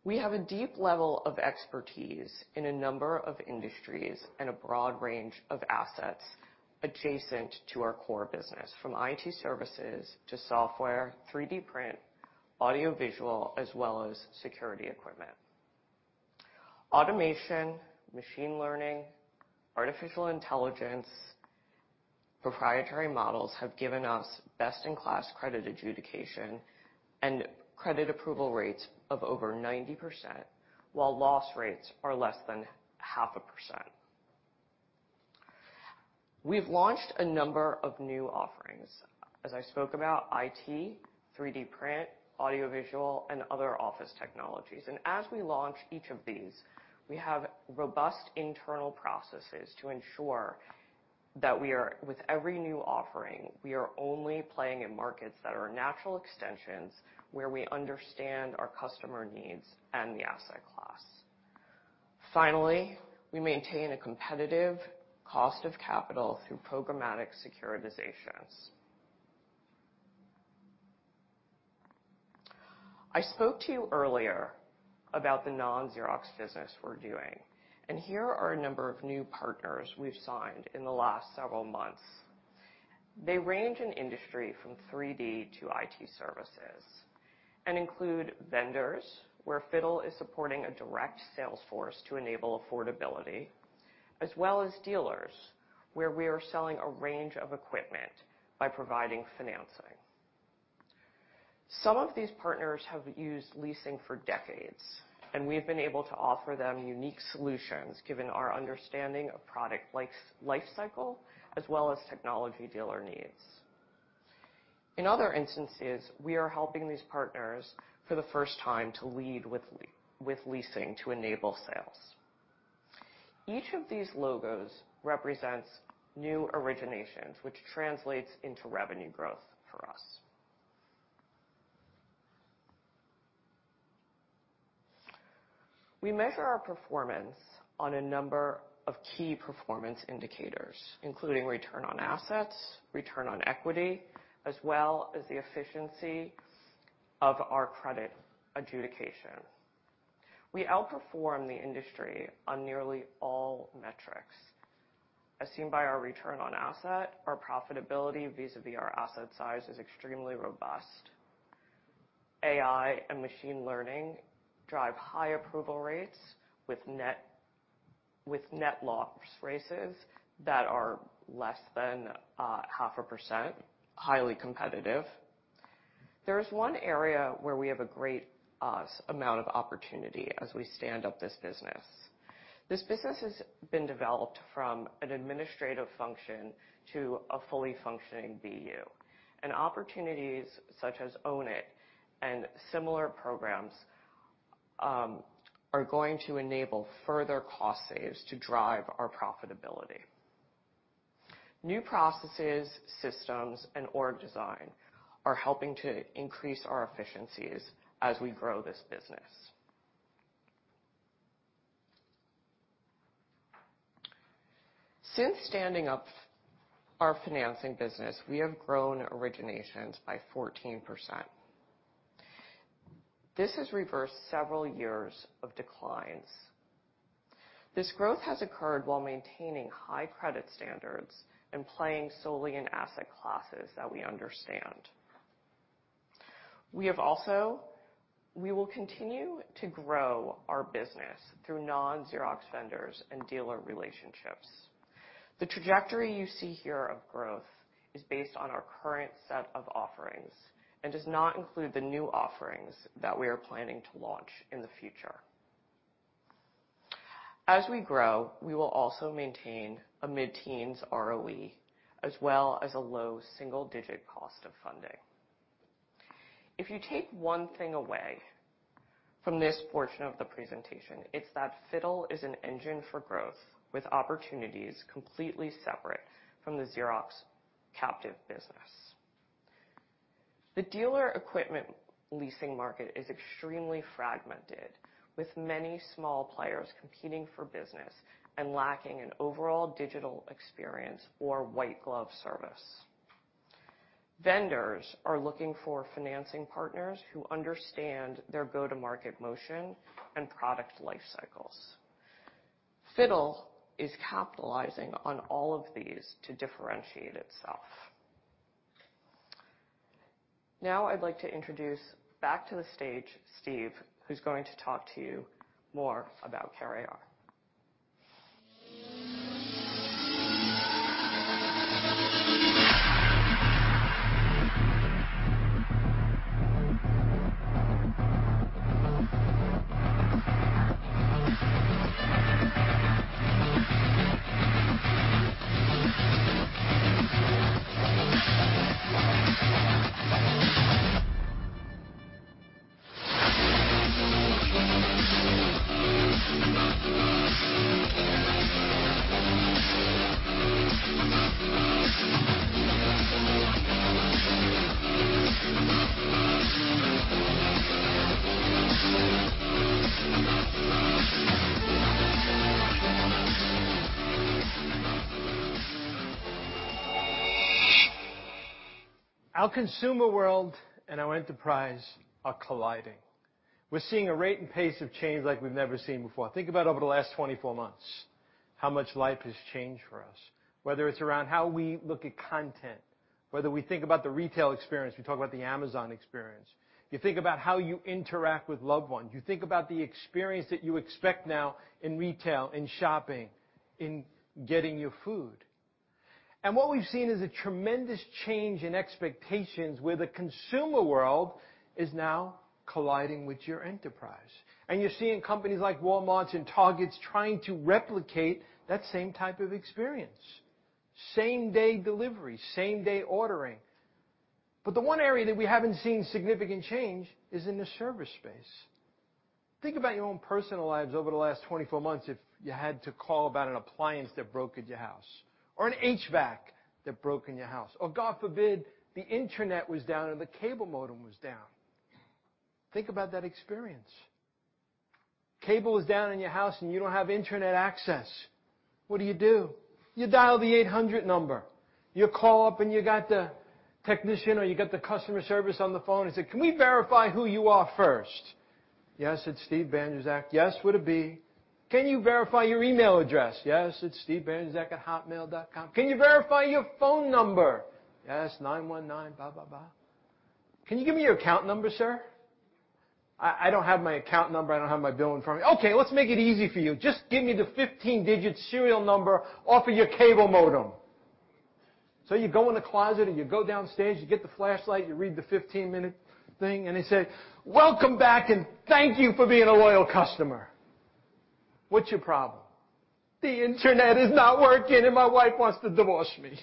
We have a deep level of expertise in a number of industries and a broad range of assets adjacent to our core business, from IT services to software, 3D print, audiovisual, as well as security equipment. Automation, machine learning, artificial intelligence, proprietary models have given us best-in-class credit adjudication and credit approval rates of over 90%, while loss rates are less than 0.5%. We've launched a number of new offerings, as I spoke about IT, 3D print, audiovisual and other office technologies. As we launch each of these, we have robust internal processes. With every new offering, we are only playing in markets that are natural extensions, where we understand our customer needs and the asset class. Finally, we maintain a competitive cost of capital through programmatic securitizations. I spoke to you earlier about the non-Xerox business we're doing, and here are a number of new partners we've signed in the last several months. They range in industry from 3D to IT services and include vendors where FITTLE is supporting a direct sales force to enable affordability, as well as dealers, where we are selling a range of equipment by providing financing. Some of these partners have used leasing for decades, and we've been able to offer them unique solutions given our understanding of product lifecycle as well as technology dealer needs. In other instances, we are helping these partners for the first time to lead with leasing to enable sales. Each of these logos represents new originations, which translates into revenue growth for us. We measure our performance on a number of key performance indicators, including return on assets, return on equity, as well as the efficiency of our credit adjudication. We outperform the industry on nearly all metrics. As seen by our return on assets, our profitability vis-à-vis our asset size is extremely robust. AI and machine learning drive high approval rates with net loss rates that are less than 0.5%, highly competitive. There is one area where we have a great amount of opportunity as we stand up this business. This business has been developed from an administrative function to a fully functioning BU. Opportunities such as Own It and similar programs are going to enable further cost saves to drive our profitability. New processes, systems, and org design are helping to increase our efficiencies as we grow this business. Since standing up our financing business, we have grown originations by 14%. This has reversed several years of declines. This growth has occurred while maintaining high credit standards and playing solely in asset classes that we understand. We will continue to grow our business through non-Xerox vendors and dealer relationships. The trajectory you see here of growth is based on our current set of offerings and does not include the new offerings that we are planning to launch in the future. As we grow, we will also maintain a mid-teens ROE as well as a low single-digit cost of funding. If you take one thing away from this portion of the presentation, it's that FITTLE is an engine for growth with opportunities completely separate from the Xerox captive business. The dealer equipment leasing market is extremely fragmented, with many small players competing for business and lacking an overall digital experience or white glove service. Vendors are looking for financing partners who understand their go-to-market motion and product life cycles. FITTLE is capitalizing on all of these to differentiate itself. Now I'd like to introduce back to the stage, Steve, who's going to talk to you more about CareAR. Our consumer world and our enterprise are colliding. We're seeing a rate and pace of change like we've never seen before. Think about over the last 24 months, how much life has changed for us, whether it's around how we look at content, whether we think about the retail experience. We talk about the Amazon experience. You think about how you interact with loved ones. You think about the experience that you expect now in retail, in shopping, in getting your food. What we've seen is a tremendous change in expectations, where the consumer world is now colliding with your enterprise. You're seeing companies like Walmart's and Target's trying to replicate that same type of experience. Same-day delivery, same-day ordering. The one area that we haven't seen significant change is in the service space. Think about your own personal lives over the last 24 months if you had to call about an appliance that broke at your house or an HVAC that broke in your house or, God forbid, the internet was down and the cable modem was down. Think about that experience. Cable is down in your house and you don't have internet access. What do you do? You dial the 800 number, you call up, and you got the technician, or you got the customer service on the phone and say, "Can we verify who you are first?" "Yes, it's Steve Bandrowczak." "Yes. Can you verify your email address?" "Yes, it's stevebandrowczak@hotmail.com." "Can you verify your phone number?" "Yes. 919 blah, blah." "Can you give me your account number, sir?" "I don't have my account number. I don't have my billing in front of me." "Okay, let's make it easy for you. Just give me the 15-digit serial number off of your cable modem." So you go in the closet and you go downstairs, you get the flashlight, you read the 15-digit thing, and they say, "Welcome back, and thank you for being a loyal customer. What's your problem?" "The Internet is not working, and my wife wants to divorce me."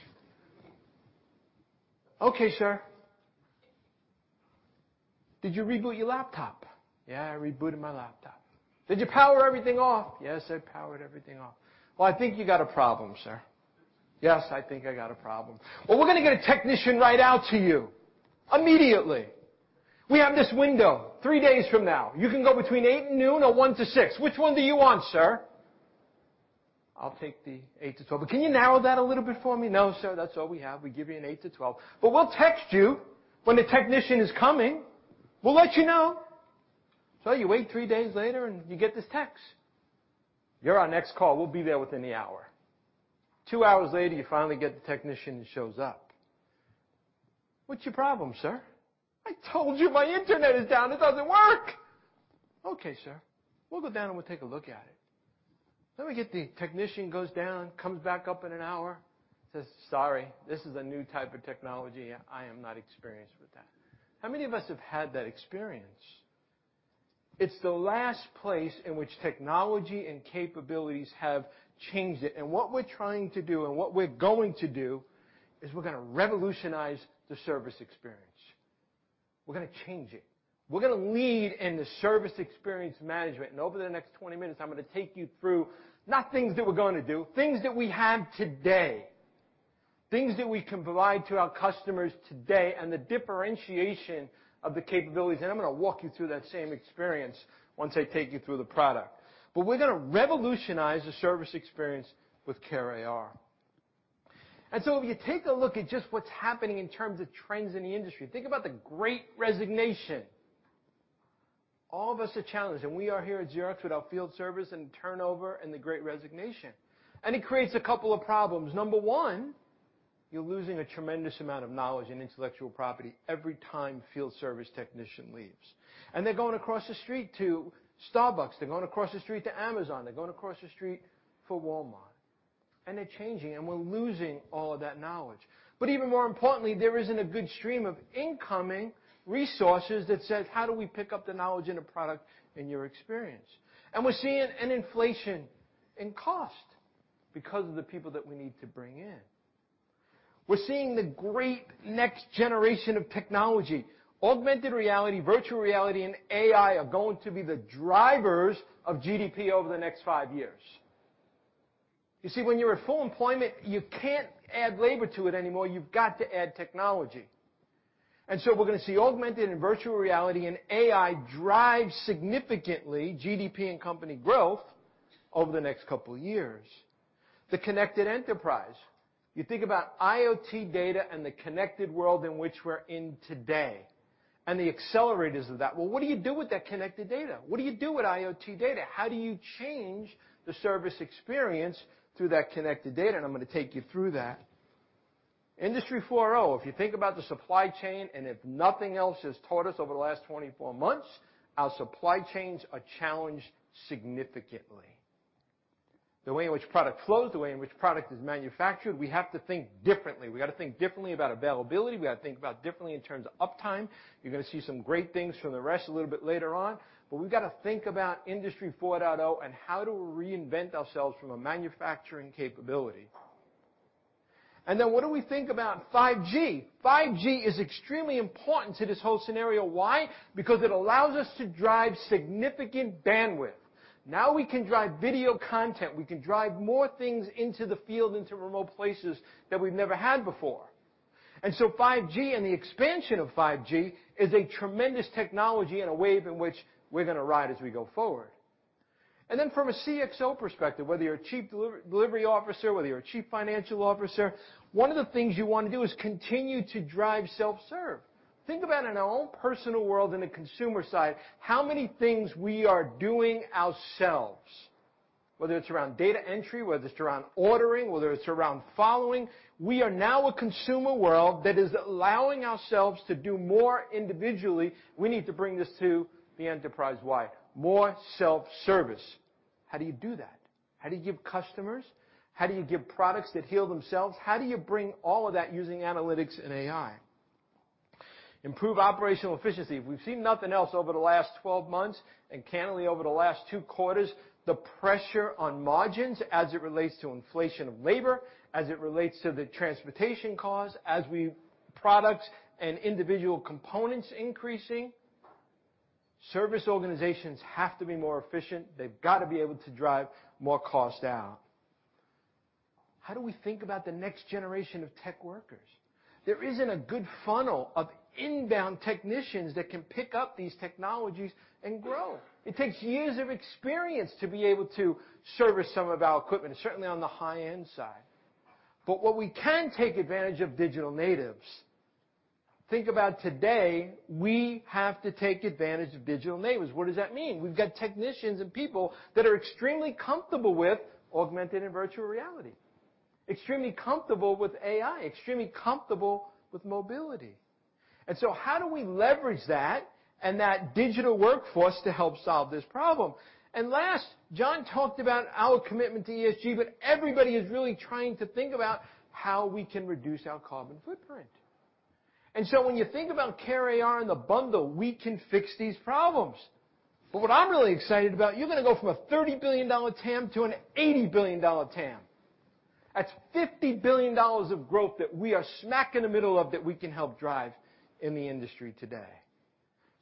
"Okay, sir. Did you reboot your laptop?" "Yeah, I rebooted my laptop." "Did you power everything off?" "Yes, I powered everything off." "Well, I think you got a problem, sir." "Yes, I think I got a problem." "Well, we're gonna get a technician right out to you immediately. We have this window three days from now. You can go between 8:00 and noon or 1:00 to 6:00. Which one do you want, sir?" "I'll take the 8-12. But can you narrow that a little bit for me?" "No, sir. That's all we have. We give you an 8-12, but we'll text you when the technician is coming. We'll let you know." You wait three days later and you get this text. "You're our next call. We'll be there within the hour." Two hours later, you finally get the technician who shows up. "What's your problem, sir?" "I told you my Internet is down. It doesn't work." "Okay, sir. We'll go down and we'll take a look at it." We get the technician goes down, comes back up in an hour, says, "Sorry, this is a new type of technology. I am not experienced with that." How many of us have had that experience? It's the last place in which technology and capabilities have changed it. What we're trying to do and what we're going to do is we're gonna revolutionize the service experience. We're gonna change it. We're gonna lead in the service experience management. Over the next 20 minutes, I'm gonna take you through not things that we're gonna do, things that we have today, things that we can provide to our customers today and the differentiation of the capabilities, and I'm gonna walk you through that same experience once I take you through the product. We're gonna revolutionize the service experience with CareAR. If you take a look at just what's happening in terms of trends in the industry, think about the great resignation. All of us are challenged, and we are here at Xerox with our field service and turnover and the great resignation. It creates a couple of problems. Number one, you're losing a tremendous amount of knowledge and intellectual property every time field service technician leaves. They're going across the street to Starbucks, they're going across the street to Amazon, they're going across the street for Walmart. They're changing, and we're losing all of that knowledge. Even more importantly, there isn't a good stream of incoming resources that says, "How do we pick up the knowledge and the product in your experience?" We're seeing an inflation in cost because of the people that we need to bring in. We're seeing the great next generation of technology. Augmented reality, virtual reality, and AI are going to be the drivers of GDP over the next five years. You see, when you're at full employment, you can't add labor to it anymore. You've got to add technology. We're gonna see augmented and virtual reality and AI drive significantly GDP and company growth over the next couple of years. The connected enterprise. You think about IoT data and the connected world in which we're in today, and the accelerators of that. Well, what do you do with that connected data? What do you do with IoT data? How do you change the service experience through that connected data? I'm gonna take you through that. Industry 4.0. If you think about the supply chain, and if nothing else has taught us over the last 24 months, our supply chains are challenged significantly. The way in which product flows, the way in which product is manufactured, we have to think differently. We gotta think differently about availability, we gotta think about differently in terms of uptime. You're gonna see some great things from the rest a little bit later on. We've gotta think about Industry 4.0 and how do we reinvent ourselves from a manufacturing capability. What do we think about 5G? 5G is extremely important to this whole scenario. Why? Because it allows us to drive significant bandwidth. Now we can drive video content, we can drive more things into the field, into remote places that we've never had before. 5G and the expansion of 5G is a tremendous technology and a wave in which we're gonna ride as we go forward. From a CxO perspective, whether you're a chief delivery officer, whether you're a chief financial officer, one of the things you wanna do is continue to drive self-service. Think about in our own personal world, in the consumer side, how many things we are doing ourselves, whether it's around data entry, whether it's around ordering, whether it's around following. We are now a consumer world that is allowing ourselves to do more individually. We need to bring this to the enterprise. Why? More self-service. How do you do that? How do you give customers? How do you bring all of that using analytics and AI? Improve operational efficiency. If we've seen nothing else over the last 12 months, and candidly over the last two quarters, the pressure on margins as it relates to inflation of labor, as it relates to the transportation costs, products and individual components increasing. Service organizations have to be more efficient. They've gotta be able to drive more cost down. How do we think about the next generation of tech workers? There isn't a good funnel of inbound technicians that can pick up these technologies and grow. It takes years of experience to be able to service some of our equipment, certainly on the high-end side. What we can take advantage of digital natives. Think about today, we have to take advantage of digital natives. What does that mean? We've got technicians and people that are extremely comfortable with augmented and virtual reality, extremely comfortable with AI, extremely comfortable with mobility. How do we leverage that and that digital workforce to help solve this problem? Last, John talked about our commitment to ESG, but everybody is really trying to think about how we can reduce our carbon footprint. When you think about CareAR and the bundle, we can fix these problems. What I'm really excited about, you're gonna go from a $30 billion TAM to an $80 billion TAM. That's $50 billion of growth that we are smack in the middle of that we can help drive in the industry today.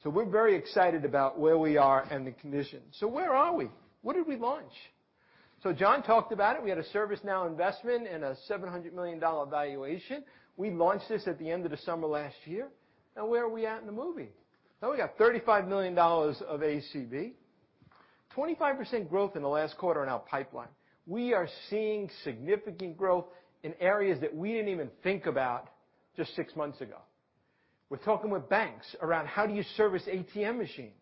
We're very excited about where we are and the condition. Where are we? What did we launch? John talked about it. We had a ServiceNow investment and a $700 million valuation. We launched this at the end of December last year. Now where are we at in the movie? Now we got $35 million of ACB, 25% growth in the last quarter in our pipeline. We are seeing significant growth in areas that we didn't even think about just six months ago. We're talking with banks around how do you service ATM machines.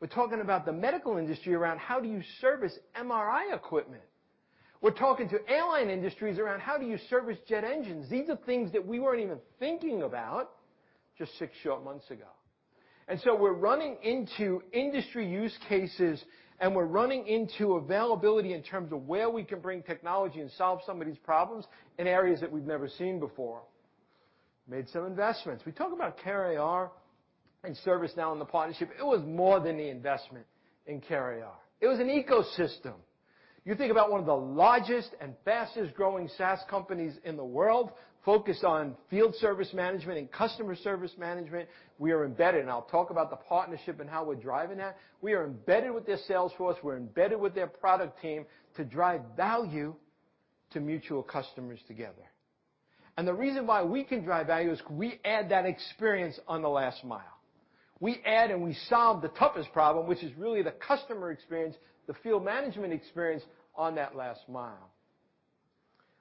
We're talking about the medical industry around how do you service MRI equipment. We're talking to airline industries around how do you service jet engines. These are things that we weren't even thinking about just six short months ago. We're running into industry use cases, and we're running into availability in terms of where we can bring technology and solve some of these problems in areas that we've never seen before. Made some investments. We talk about CareAR and ServiceNow and the partnership. It was more than the investment in CareAR. It was an ecosystem. You think about one of the largest and fastest growing SaaS companies in the world focused on field service management and customer service management, we are embedded. I'll talk about the partnership and how we're driving that. We are embedded with their sales force, we're embedded with their product team to drive value to mutual customers together. The reason why we can drive value is we add that experience on the last mile. We add and we solve the toughest problem, which is really the customer experience, the field management experience on that last mile.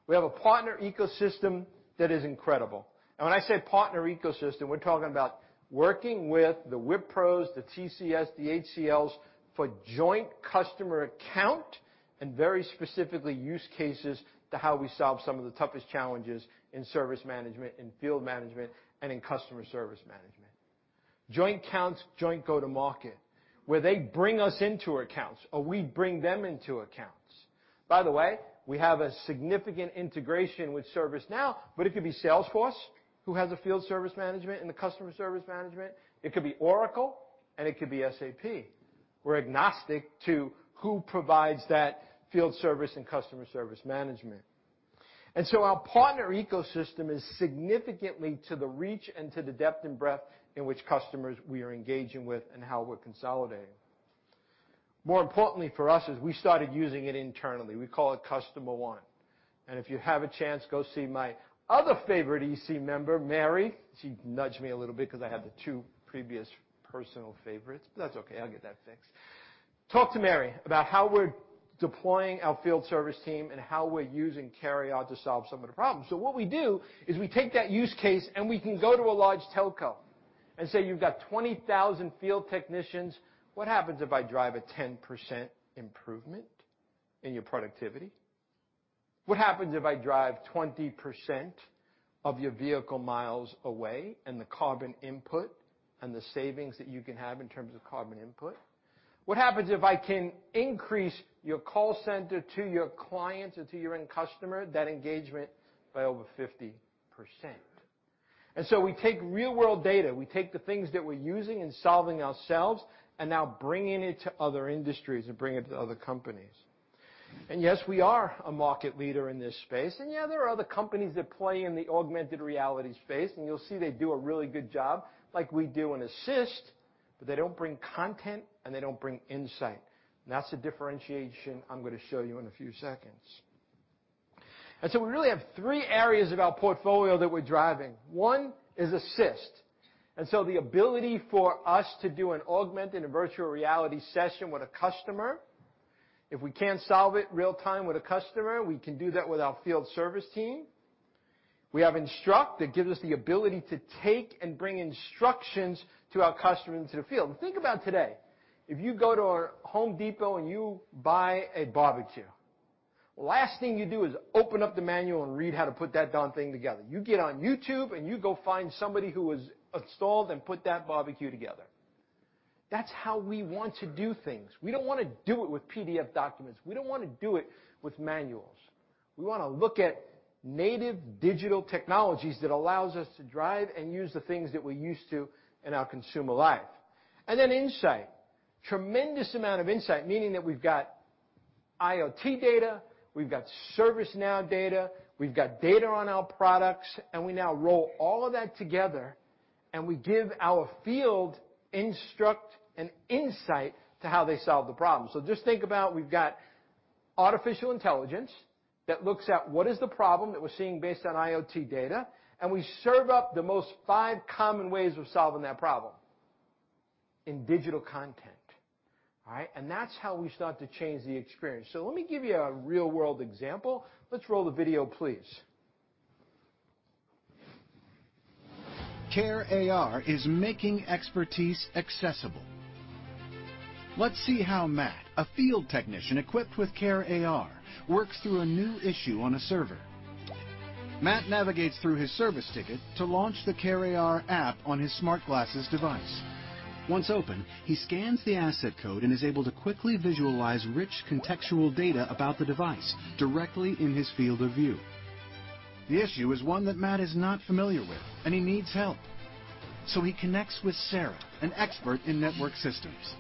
We have a partner ecosystem that is incredible. When I say partner ecosystem, we're talking about working with the Wipro's, the TCS, the HCL's for joint customer accounts and very specifically use cases to how we solve some of the toughest challenges in service management, in field management, and in customer service management. Joint accounts, joint go-to-market, where they bring us into accounts or we bring them into accounts. By the way, we have a significant integration with ServiceNow, but it could be Salesforce who has a field service management and the customer service management. It could be Oracle, and it could be SAP. We're agnostic to who provides that field service and customer service management. Our partner ecosystem is significantly to the reach and to the depth and breadth in which customers we are engaging with and how we're consolidating. More importantly for us is we started using it internally. We call it Customer One. If you have a chance, go see my other favorite EC member, Mary McHugh. She nudged me a little bit because I had the two previous personal favorites. That's okay. I'll get that fixed. Talk to Mary McHugh about how we're deploying our field service team and how we're using CareAR to solve some of the problems. What we do is we take that use case, and we can go to a large telco and say, "You've got 20,000 field technicians. What happens if I drive a 10% improvement in your productivity? What happens if I drive 20% of your vehicle miles away and the carbon input and the savings that you can have in terms of carbon input? What happens if I can increase your call center to your clients or to your end customer, that engagement, by over 50%?" We take real-world data, we take the things that we're using and solving ourselves, and now bringing it to other industries and bring it to other companies. Yes, we are a market leader in this space. Yeah, there are other companies that play in the augmented reality space, and you'll see they do a really good job, like we do in Assist, but they don't bring content and they don't bring insight. That's the differentiation I'm gonna show you in a few seconds. We really have three areas of our portfolio that we're driving. One is Assist, the ability for us to do an augmented and virtual reality session with a customer. If we can't solve it real-time with a customer, we can do that with our field service team. We have Instruct that gives us the ability to take and bring instructions to our customers in the field. Think about today. If you go to our Home Depot and you buy a barbecue, last thing you do is open up the manual and read how to put that darn thing together. You get on YouTube, and you go find somebody who has installed and put that barbecue together. That's how we want to do things. We don't wanna do it with PDF documents. We don't wanna do it with manuals. We wanna look at native digital technologies that allows us to drive and use the things that we're used to in our consumer life. Insight, tremendous amount of insight, meaning that we've got IoT data, we've got ServiceNow data, we've got data on our products, and we now roll all of that together, and we give our field instructors insight into how they solve the problem. Just think about, we've got artificial intelligence that looks at what is the problem that we're seeing based on IoT data, and we serve up the five most common ways of solving that problem in digital content. All right? That's how we start to change the experience. Let me give you a real-world example. Let's roll the video, please. CareAR is making expertise accessible. Let's see how Matt, a field technician equipped with CareAR, works through a new issue on a server. Matt navigates through his service ticket to launch the CareAR app on his smart glasses device. Once open, he scans the asset code and is able to quickly visualize rich contextual data about the device directly in his field of view. The issue is one that Matt is not familiar with, and he needs help, so he connects with Sarah, an expert in network systems.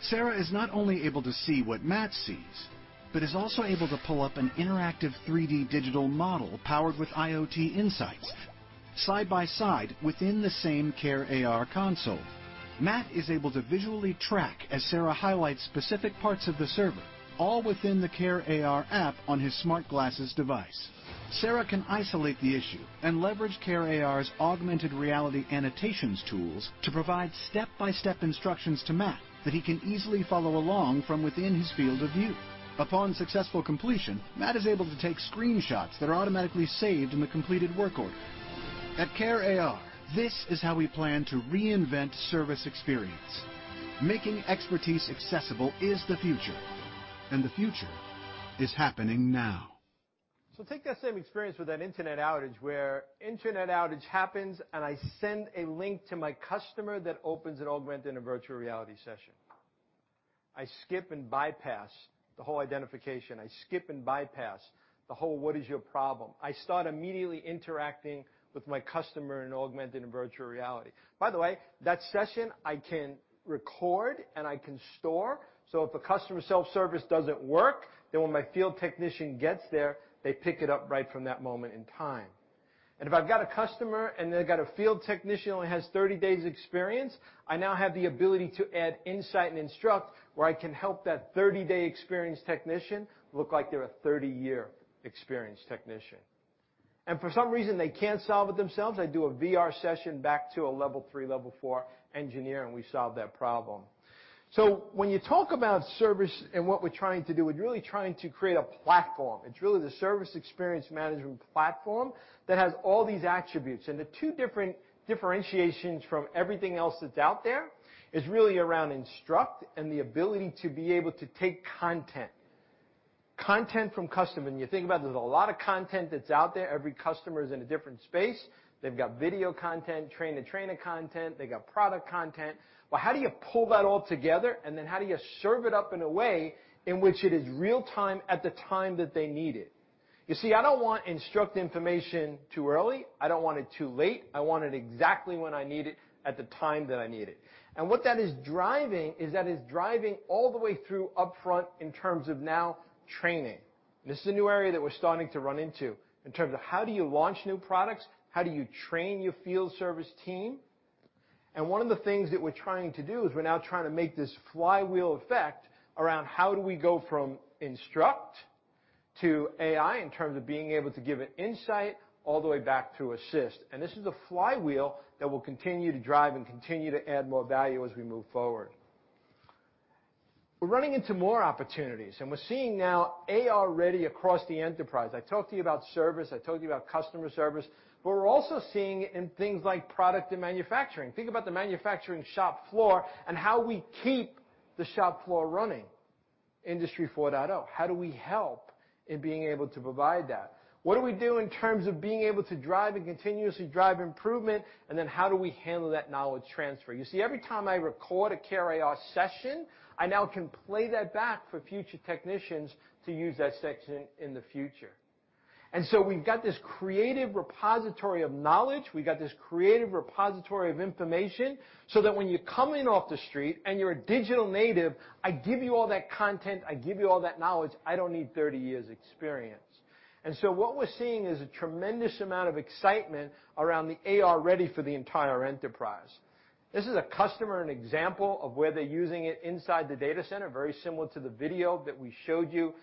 Sarah is not only able to see what Matt sees but is also able to pull up an interactive 3D digital model powered with IoT insights side by side within the same CareAR console. Matt is able to visually track as Sarah highlights specific parts of the server, all within the CareAR app on his smart glasses device. Sarah can isolate the issue and leverage CareAR's augmented reality annotations tools to provide step-by-step instructions to Matt that he can easily follow along from within his field of view. Upon successful completion, Matt is able to take screenshots that are automatically saved in the completed work order. At CareAR, this is how we plan to reinvent service experience. Making expertise accessible is the future, and the future is happening now. Take that same experience with that internet outage, where internet outage happens and I send a link to my customer that opens an augmented and virtual reality session. I skip and bypass the whole identification. I skip and bypass the whole what is your problem. I start immediately interacting with my customer in augmented and virtual reality. By the way, that session I can record and I can store, so if a customer self-service doesn't work, then when my field technician gets there, they pick it up right from that moment in time. If I've got a customer and they've got a field technician who only has 30 days experience, I now have the ability to add insight and instruct where I can help that 30-day experienced technician look like they're a 30-year experienced technician. For some reason, they can't solve it themselves, they do a VR session back to a level 3, level 4 engineer, and we solve that problem. When you talk about service and what we're trying to do, we're really trying to create a platform. It's really the service experience management platform that has all these attributes. The two different differentiations from everything else that's out there is really around instruct and the ability to be able to take content from customer. You think about it, there's a lot of content that's out there. Every customer is in a different space. They've got video content, train-the-trainer content. They've got product content. How do you pull that all together? Then how do you serve it up in a way in which it is real-time at the time that they need it? You see, I don't want instructional information too early. I don't want it too late. I want it exactly when I need it, at the time that I need it. What that is driving is that it's driving all the way through upfront in terms of now training. This is a new area that we're starting to run into in terms of how do you launch new products? How do you train your field service team? One of the things that we're trying to do is we're now trying to make this flywheel effect around how do we go from instruct to AI in terms of being able to give an insight all the way back to assist. This is a flywheel that will continue to drive and continue to add more value as we move forward. We're running into more opportunities, and we're seeing now AR ready across the enterprise. I talked to you about service, I told you about customer service, but we're also seeing it in things like product and manufacturing. Think about the manufacturing shop floor and how we keep the shop floor running, Industry 4.0. How do we help in being able to provide that? What do we do in terms of being able to drive and continuously drive improvement? Then how do we handle that knowledge transfer? You see, every time I record a CareAR session, I now can play that back for future technicians to use that section in the future. We've got this creative repository of knowledge. We got this creative repository of information, so that when you come in off the street and you're a digital native, I give you all that content, I give you all that knowledge. I don't need 30 years experience. What we're seeing is a tremendous amount of excitement around the AR-ready for the entire enterprise. This is a customer example of where they're using it inside the data center, very similar to the video that we showed you.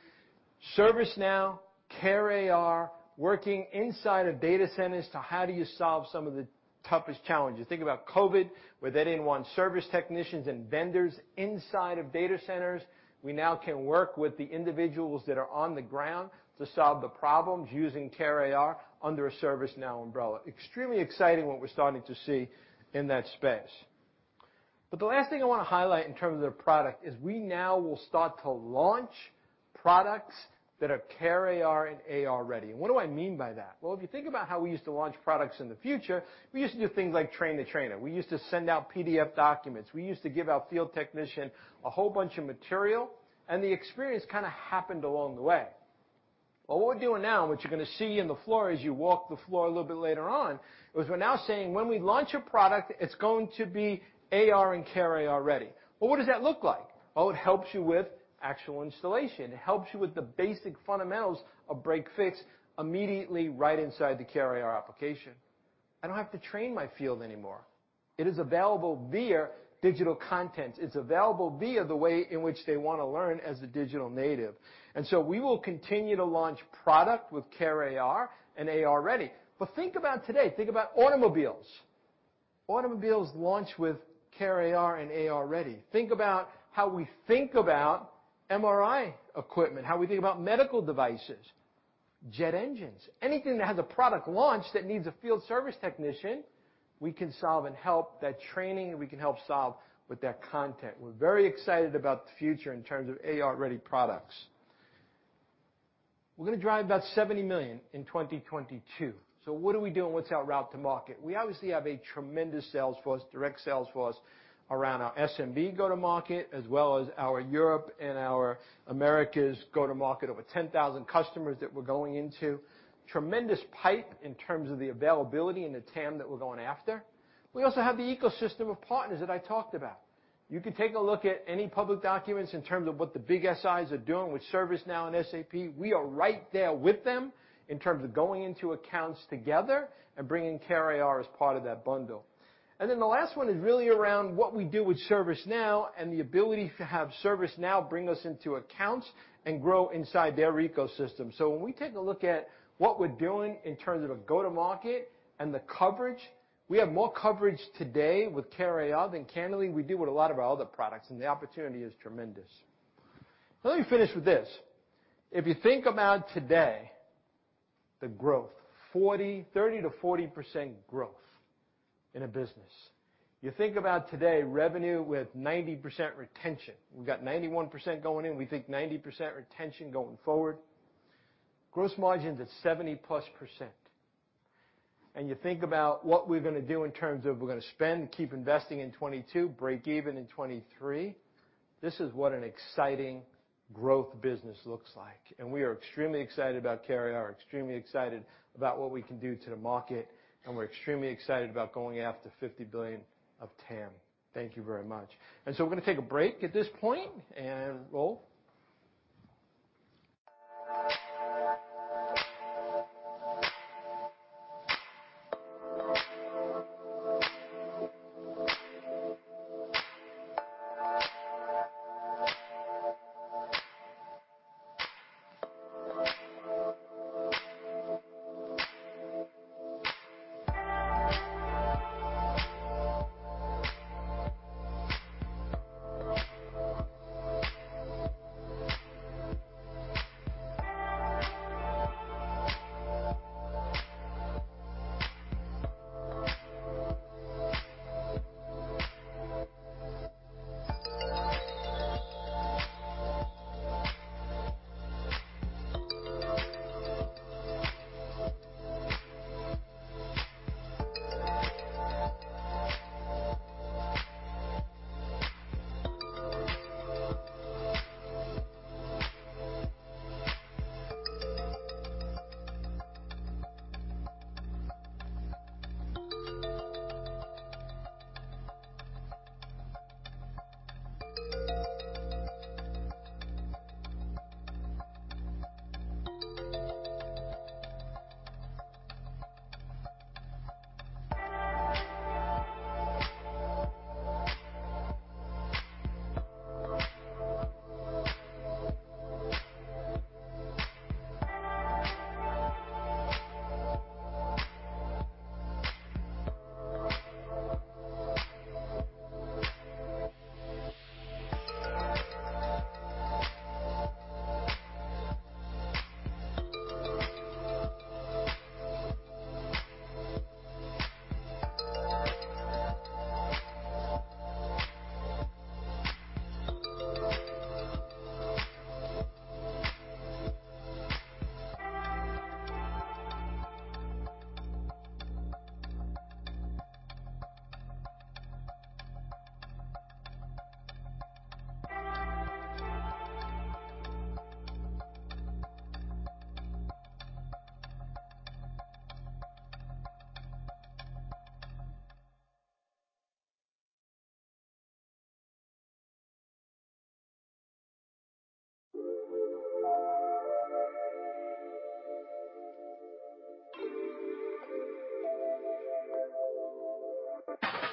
ServiceNow, CareAR, working inside of data centers to how do you solve some of the toughest challenges. Think about COVID, where they didn't want service technicians and vendors inside of data centers. We now can work with the individuals that are on the ground to solve the problems using CareAR under a ServiceNow umbrella. Extremely exciting what we're starting to see in that space. The last thing I wanna highlight in terms of their product is we now will start to launch products that are CareAR and AR ready. What do I mean by that? Well, if you think about how we used to launch products in the future, we used to do things like train the trainer. We used to send out PDF documents. We used to give our field technician a whole bunch of material, and the experience kinda happened along the way. What we're doing now, and what you're gonna see on the floor as you walk the floor a little bit later on, is we're now saying, "When we launch a product, it's going to be AR and CareAR ready." Well, what does that look like? Well, it helps you with actual installation. It helps you with the basic fundamentals of break fix immediately right inside the CareAR application. I don't have to train my field anymore. It is available via digital content. It's available via the way in which they wanna learn as a digital native. We will continue to launch product with CareAR and AR ready. Think about today, think about automobiles. Automobiles launch with CareAR and AR ready. Think about how we think about MRI equipment, how we think about medical devices, jet engines. Anything that has a product launch that needs a field service technician, we can solve and help that training, and we can help solve with that content. We're very excited about the future in terms of AR-ready products. We're gonna drive about $70 million in 2022. What are we doing? What's our route to market? We obviously have a tremendous sales force, direct sales force around our SMB go-to-market, as well as our Europe and our Americas go-to-market. Over 10,000 customers that we're going into. Tremendous pipe in terms of the availability and the TAM that we're going after. We also have the ecosystem of partners that I talked about. You can take a look at any public documents in terms of what the big SIs are doing with ServiceNow and SAP. We are right there with them in terms of going into accounts together and bringing CareAR as part of that bundle. Then the last one is really around what we do with ServiceNow and the ability to have ServiceNow bring us into accounts and grow inside their ecosystem. When we take a look at what we're doing in terms of a go-to-market and the coverage, we have more coverage today with CareAR than candidly we do with a lot of our other products, and the opportunity is tremendous. Let me finish with this. If you think about today, the growth, 30%-40% growth in a business. You think about today, revenue with 90% retention. We've got 91% going in. We think 90% retention going forward. Gross margins at 70%+. You think about what we're gonna do in terms of we're gonna spend, keep investing in 2022, break even in 2023. This is what an exciting growth business looks like. We are extremely excited about CareAR. Extremely excited about what we can do to the market, and we're extremely excited about going after $50 billion of TAM. Thank you very much. We're gonna take a break at this point, and roll. Thank you.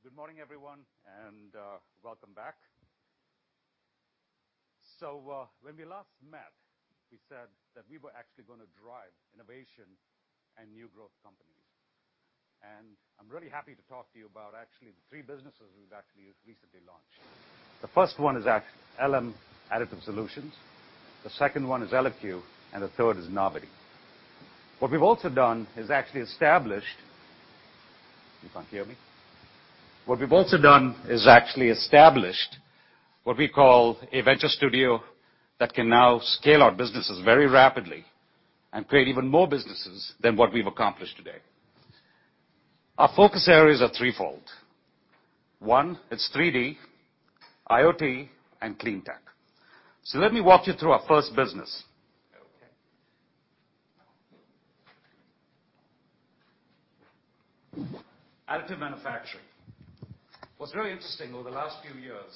Good morning, everyone, and welcome back. When we last met, we said that we were actually gonna drive innovation and new growth companies. I'm really happy to talk to you about actually the three businesses we've actually recently launched. The first one is Elem Additive Solutions, the second one is Eloque, and the third is Novity. What we've also done is actually established what we call a venture studio that can now scale our businesses very rapidly and create even more businesses than what we've accomplished today. Our focus areas are threefold. One is 3D, IoT, and clean tech. Let me walk you through our first business. Okay. Additive manufacturing. What's really interesting over the last few years,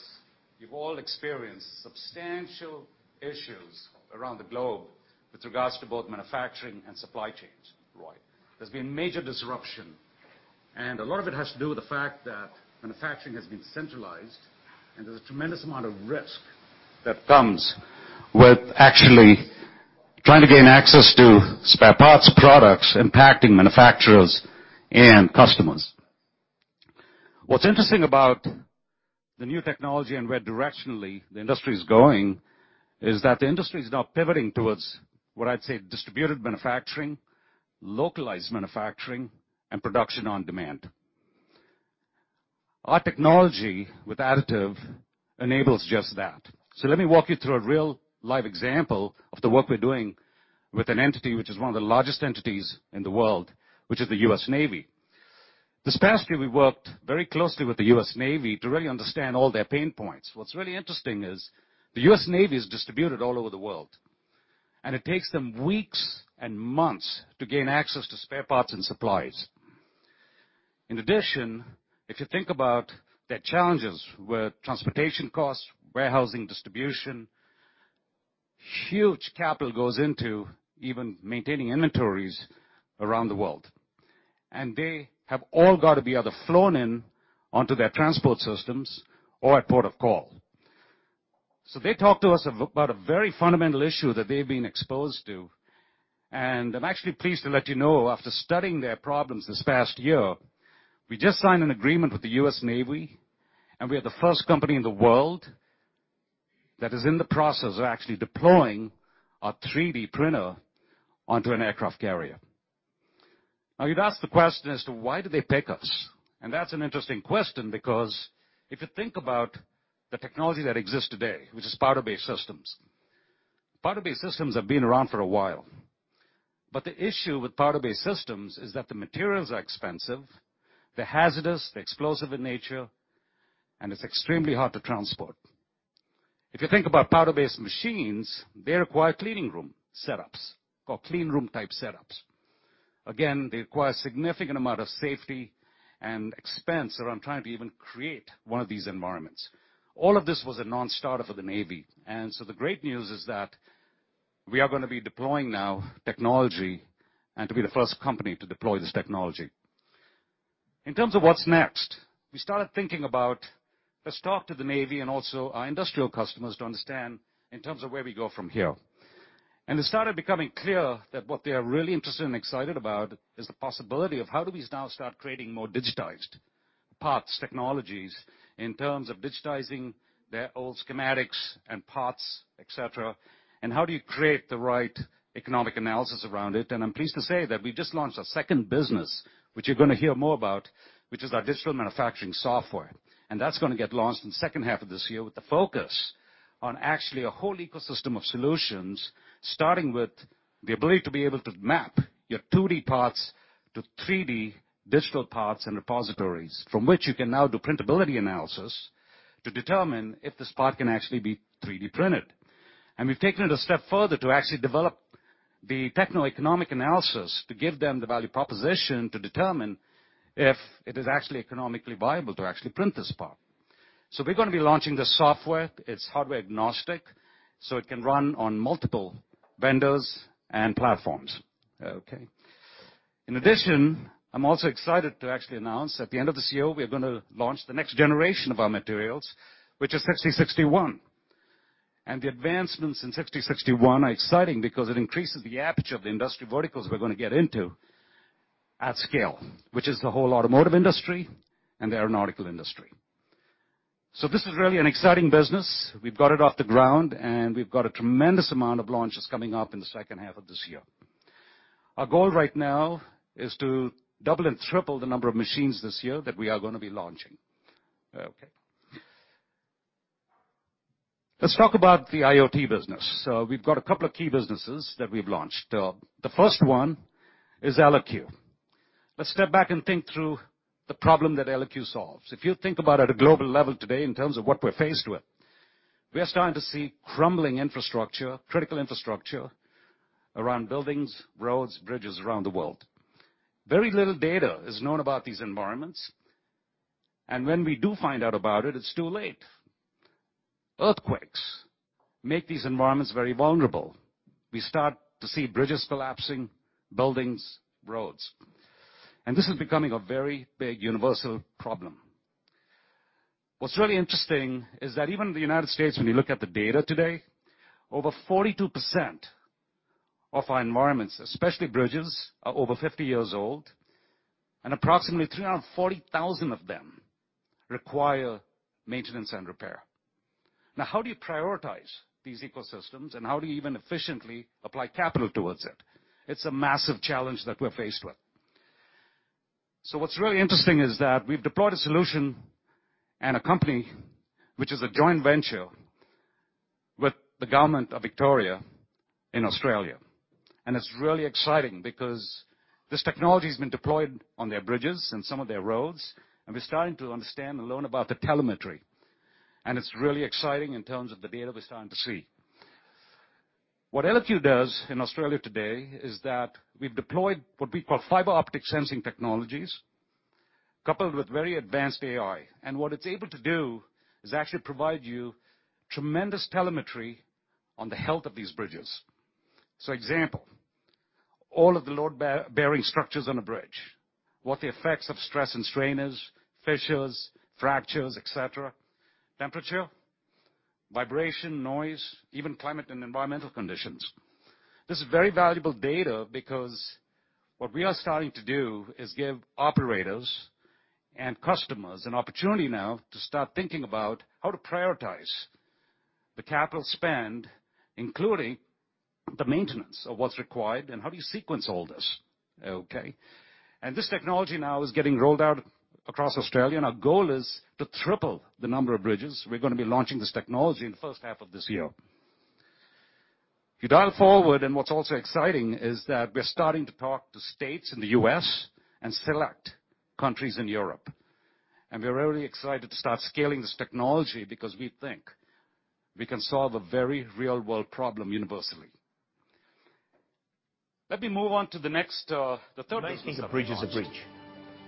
you've all experienced substantial issues around the globe with regards to both manufacturing and supply chains. Right. There's been major disruption, and a lot of it has to do with the fact that manufacturing has been centralized, and there's a tremendous amount of risk that comes with actually trying to gain access to spare parts products impacting manufacturers and customers. What's interesting about the new technology and where directionally the industry is going, is that the industry is now pivoting towards what I'd say distributed manufacturing, localized manufacturing, and production on demand. Our technology with additive enables just that. Let me walk you through a real-life example of the work we're doing with an entity which is one of the largest entities in the world, which is the U.S. Navy. This past year, we worked very closely with the U.S. Navy to really understand all their pain points. What's really interesting is the U.S. Navy is distributed all over the world, and it takes them weeks and months to gain access to spare parts and supplies. In addition, if you think about their challenges with transportation costs, warehousing, distribution, huge capital goes into even maintaining inventories around the world. They have all got to be either flown in onto their transport systems or at port of call. They talked to us about a very fundamental issue that they've been exposed to. I'm actually pleased to let you know, after studying their problems this past year, we just signed an agreement with the U.S. Navy, and we are the first company in the world that is in the process of actually deploying a 3D printer onto an aircraft carrier. Now, you'd ask the question as to why did they pick us? That's an interesting question because if you think about the technology that exists today, which is powder-based systems. Powder-based systems have been around for a while. But the issue with powder-based systems is that the materials are expensive, they're hazardous, they're explosive in nature, and it's extremely hard to transport. If you think about powder-based machines, they require clean room setups or clean room type setups. Again, they require a significant amount of safety and expense around trying to even create one of these environments. All of this was a non-starter for the Navy. The great news is that we are gonna be deploying new technology and to be the first company to deploy this technology. In terms of what's next, we started thinking about let's talk to the Navy and also our industrial customers to understand in terms of where we go from here. It started becoming clear that what they are really interested and excited about is the possibility of how do we now start creating more digitized parts, technologies in terms of digitizing their old schematics and parts, et cetera, and how do you create the right economic analysis around it? I'm pleased to say that we just launched our second business, which you're gonna hear more about, which is our digital manufacturing software. That's gonna get launched in the second half of this year with the focus on actually a whole ecosystem of solutions, starting with the ability to be able to map your 2D parts to 3D digital parts and repositories, from which you can now do printability analysis to determine if this part can actually be 3D printed. We've taken it a step further to actually develop the techno-economic analysis to give them the value proposition to determine if it is actually economically viable to actually print this part. We're gonna be launching the software. It's hardware agnostic, so it can run on multiple vendors and platforms. Okay. In addition, I'm also excited to actually announce at the end of this year we're gonna launch the next generation of our materials, which is 6061. The advancements in 6061 are exciting because it increases the aperture of the industry verticals we're gonna get into at scale, which is the whole automotive industry and the aeronautical industry. This is really an exciting business. We've got it off the ground, and we've got a tremendous amount of launches coming up in the second half of this year. Our goal right now is to double and triple the number of machines this year that we are gonna be launching. Okay. Let's talk about the IoT business. We've got a couple of key businesses that we've launched. The first one is Eloque. Let's step back and think through the problem that Eloque solves. If you think about at a global level today in terms of what we're faced with, we are starting to see crumbling infrastructure, critical infrastructure around buildings, roads, bridges around the world. Very little data is known about these environments, and when we do find out about it's too late. Earthquakes make these environments very vulnerable. We start to see bridges collapsing, buildings, roads. This is becoming a very big universal problem. What's really interesting is that even in the United States, when you look at the data today, over 42% of our environments, especially bridges, are over 50 years old, and approximately 340,000 of them require maintenance and repair. Now, how do you prioritize these ecosystems and how do you even efficiently apply capital towards it? It's a massive challenge that we're faced with. What's really interesting is that we've deployed a solution and a company which is a joint venture with the government of Victoria in Australia. It's really exciting because this technology has been deployed on their bridges and some of their roads, and we're starting to understand and learn about the telemetry. It's really exciting in terms of the data we're starting to see. What Eloque does in Australia today is that we've deployed what we call fiber optic sensing technologies coupled with very advanced AI. What it's able to do is actually provide you tremendous telemetry on the health of these bridges. Example, all of the load-bearing structures on a bridge, what the effects of stress and strain is, fissures, fractures, et cetera, temperature, vibration, noise, even climate and environmental conditions. This is very valuable data because what we are starting to do is give operators and customers an opportunity now to start thinking about how to prioritize the capital spend, including the maintenance of what's required and how do you sequence all this. Okay? This technology now is getting rolled out across Australia, and our goal is to triple the number of bridges. We're gonna be launching this technology in the first half of this year. You dial forward, and what's also exciting is that we're starting to talk to states in the U.S. and select countries in Europe. We're really excited to start scaling this technology because we think we can solve a very real world problem universally. Let me move on to the next, the third business that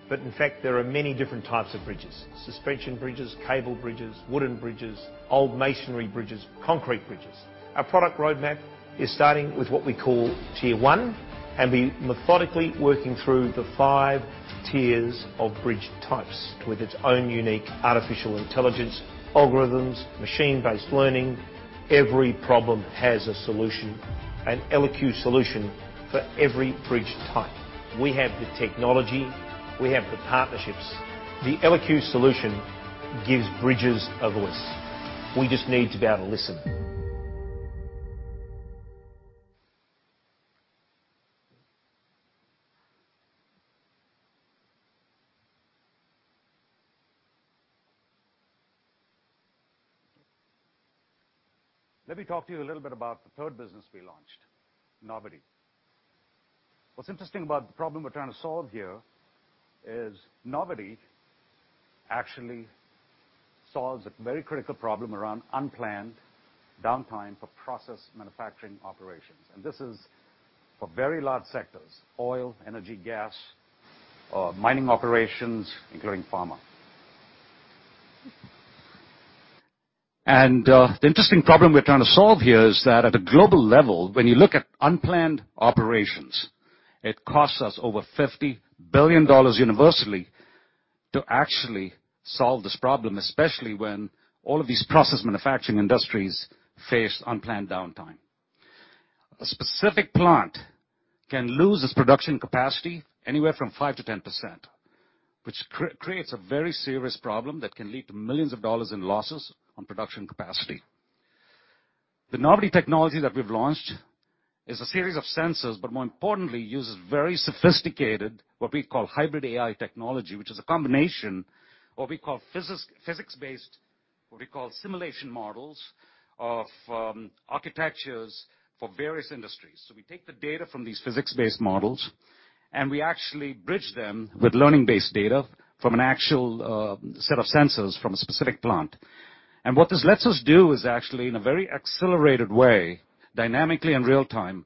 we launched- In fact, there are many different types of bridges, suspension bridges, cable bridges, wooden bridges, old masonry bridges, concrete bridges. Our product roadmap is starting with what we call tier one, and we methodically working through the five tiers of bridge types with its own unique artificial intelligence, algorithms, machine-based learning. Every problem has a solution, an Eloque solution for every bridge type. We have the technology. We have the partnerships. The Eloque solution gives bridges a voice. We just need to be able to listen. Let me talk to you a little bit about the third business we launched, Novity. What's interesting about the problem we're trying to solve here is Novity actually solves a very critical problem around unplanned downtime for process manufacturing operations. This is for very large sectors, oil, energy, gas, mining operations, including pharma. The interesting problem we're trying to solve here is that at a global level, when you look at unplanned operations, it costs us over $50 billion universally to actually solve this problem, especially when all of these process manufacturing industries face unplanned downtime. A specific plant can lose its production capacity anywhere from 5%-10%, which creates a very serious problem that can lead to millions of dollars in losses on production capacity. The Novity technology that we've launched is a series of sensors, but more importantly, uses very sophisticated, what we call hybrid AI technology, which is a combination of what we call physics-based, what we call simulation models of architectures for various industries. We take the data from these physics-based models, and we actually bridge them with learning-based data from an actual set of sensors from a specific plant. What this lets us do is actually, in a very accelerated way, dynamically in real-time,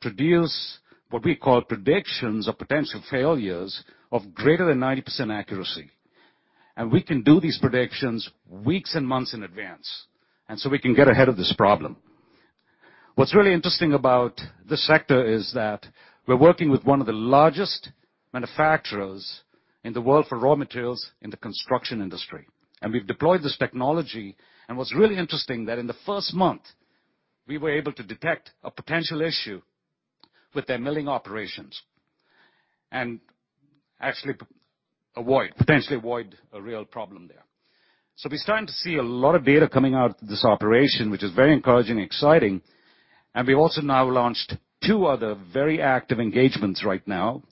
produce what we call predictions of potential failures of greater than 90% accuracy. We can do these predictions weeks and months in advance, and so we can get ahead of this problem. What's really interesting about this sector is that we're working with one of the largest manufacturers in the world for raw materials in the construction industry. We've deployed this technology, and what's really interesting that in the first month, we were able to detect a potential issue with their milling operations and actually avoid potentially a real problem there. We're starting to see a lot of data coming out of this operation, which is very encouraging and exciting. We also now launched two other very active engagements right now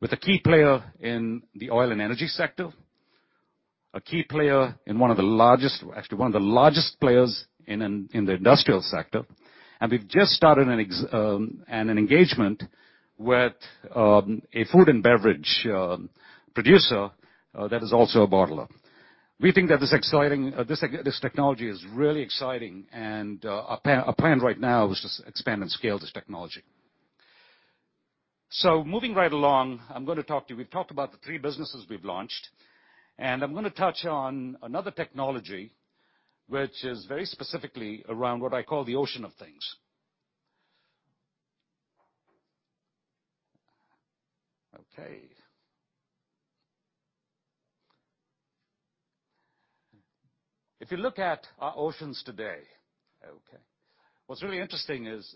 with a key player in the oil and energy sector, a key player in actually one of the largest players in the industrial sector. We've just started an engagement with a food and beverage producer that is also a bottler. We think that is exciting. This technology is really exciting and our plan right now is just expand and scale this technology. Moving right along, I'm gonna talk to you. We've talked about the three businesses we've launched, and I'm gonna touch on another technology which is very specifically around what I call the ocean of things. Okay. If you look at our oceans today, okay, what's really interesting is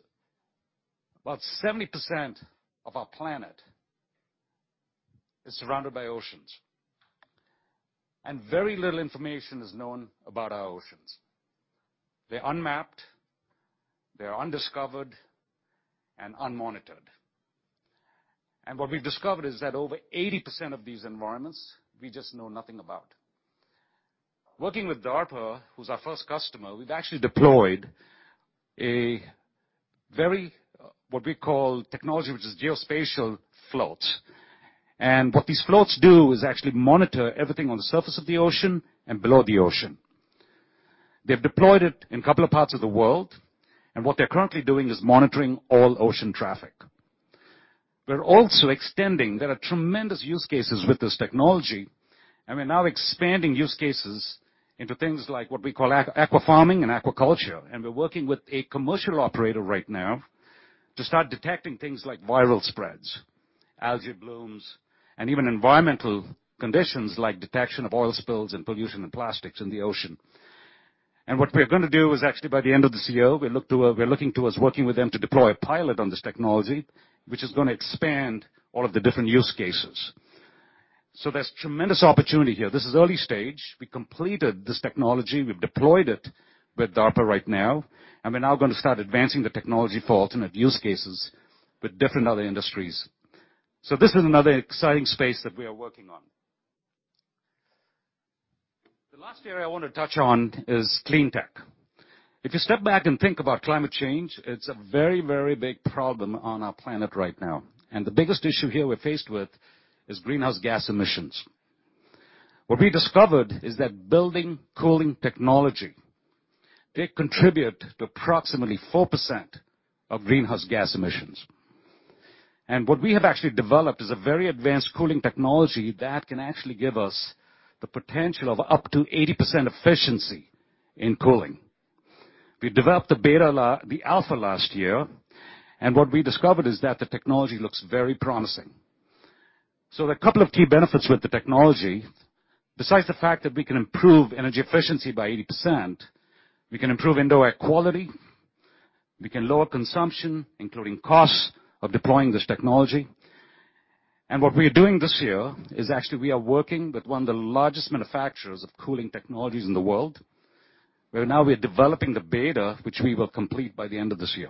about 70% of our planet is surrounded by oceans, and very little information is known about our oceans. They're unmapped, they're undiscovered, and unmonitored. What we've discovered is that over 80% of these environments we just know nothing about. Working with DARPA, who's our first customer, we've actually deployed a very, what we call technology, which is geospatial floats. What these floats do is actually monitor everything on the surface of the ocean and below the ocean. They've deployed it in a couple of parts of the world, and what they're currently doing is monitoring all ocean traffic. We're also extending. There are tremendous use cases with this technology, and we're now expanding use cases into things like what we call aquafarming and aquaculture. We're working with a commercial operator right now to start detecting things like viral spreads, algae blooms, and even environmental conditions like detection of oil spills and pollution and plastics in the ocean. What we're gonna do is actually by the end of this year, we're looking towards working with them to deploy a pilot on this technology, which is gonna expand all of the different use cases. There's tremendous opportunity here. This is early stage. We completed this technology. We've deployed it with DARPA right now, and we're now gonna start advancing the technology for alternate use cases with different other industries. This is another exciting space that we are working on. The last area I wanna touch on is clean tech. If you step back and think about climate change, it's a very, very big problem on our planet right now. The biggest issue here we're faced with is greenhouse gas emissions. What we discovered is that building cooling technology, they contribute to approximately 4% of greenhouse gas emissions. What we have actually developed is a very advanced cooling technology that can actually give us the potential of up to 80% efficiency in cooling. We developed the alpha last year, and what we discovered is that the technology looks very promising. There are a couple of key benefits with the technology. Besides the fact that we can improve energy efficiency by 80%, we can improve indoor air quality, we can lower consumption, including costs of deploying this technology. What we're doing this year is actually we are working with one of the largest manufacturers of cooling technologies in the world, where now we're developing the beta, which we will complete by the end of this year.